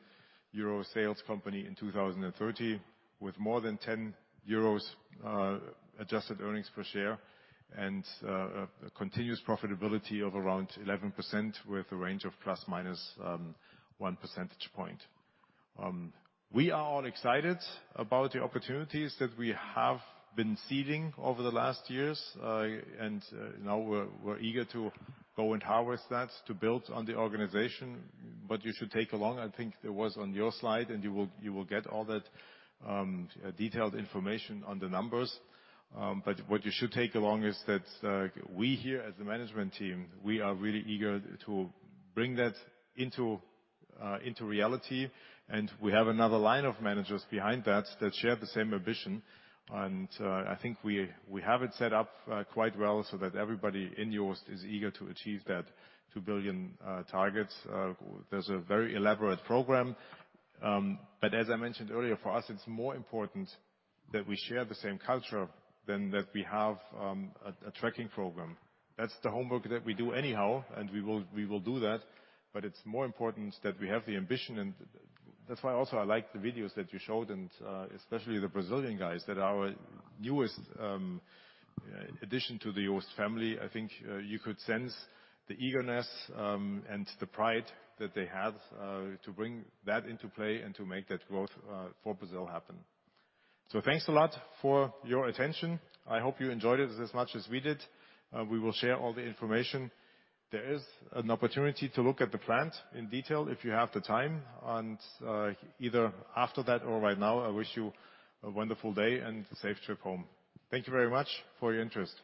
euro sales company in 2030, with more than 10 euros adjusted earnings per share, and a continuous profitability of around 11%, with a range of plus minus one percentage point. We are all excited about the opportunities that we have been seeding over the last years. And now we're eager to go and harvest that, to build on the organization. But you should take along. I think that was on your slide, and you will get all that detailed information on the numbers. But what you should take along is that, we here as a management team, we are really eager to bring that into reality. And we have another line of managers behind that that share the same ambition. And I think we have it set up quite well, so that everybody in JOST's is eager to achieve that two billion targets. There's a very elaborate program, but as I mentioned earlier, for us, it's more important that we share the same culture than that we have a tracking program. That's the homework that we do anyhow, and we will do that, but it's more important that we have the ambition. And that's why also I like the videos that you showed, and especially the Brazilian guys that are our newest addition to the JOST family. I think you could sense the eagerness and the pride that they have to bring that into play and to make that growth for Brazil happen, so thanks a lot for your attention. I hope you enjoyed it as much as we did. We will share all the information. There is an opportunity to look at the plant in detail, if you have the time, and either after that or right now, I wish you a wonderful day and a safe trip home. Thank you very much for your interest.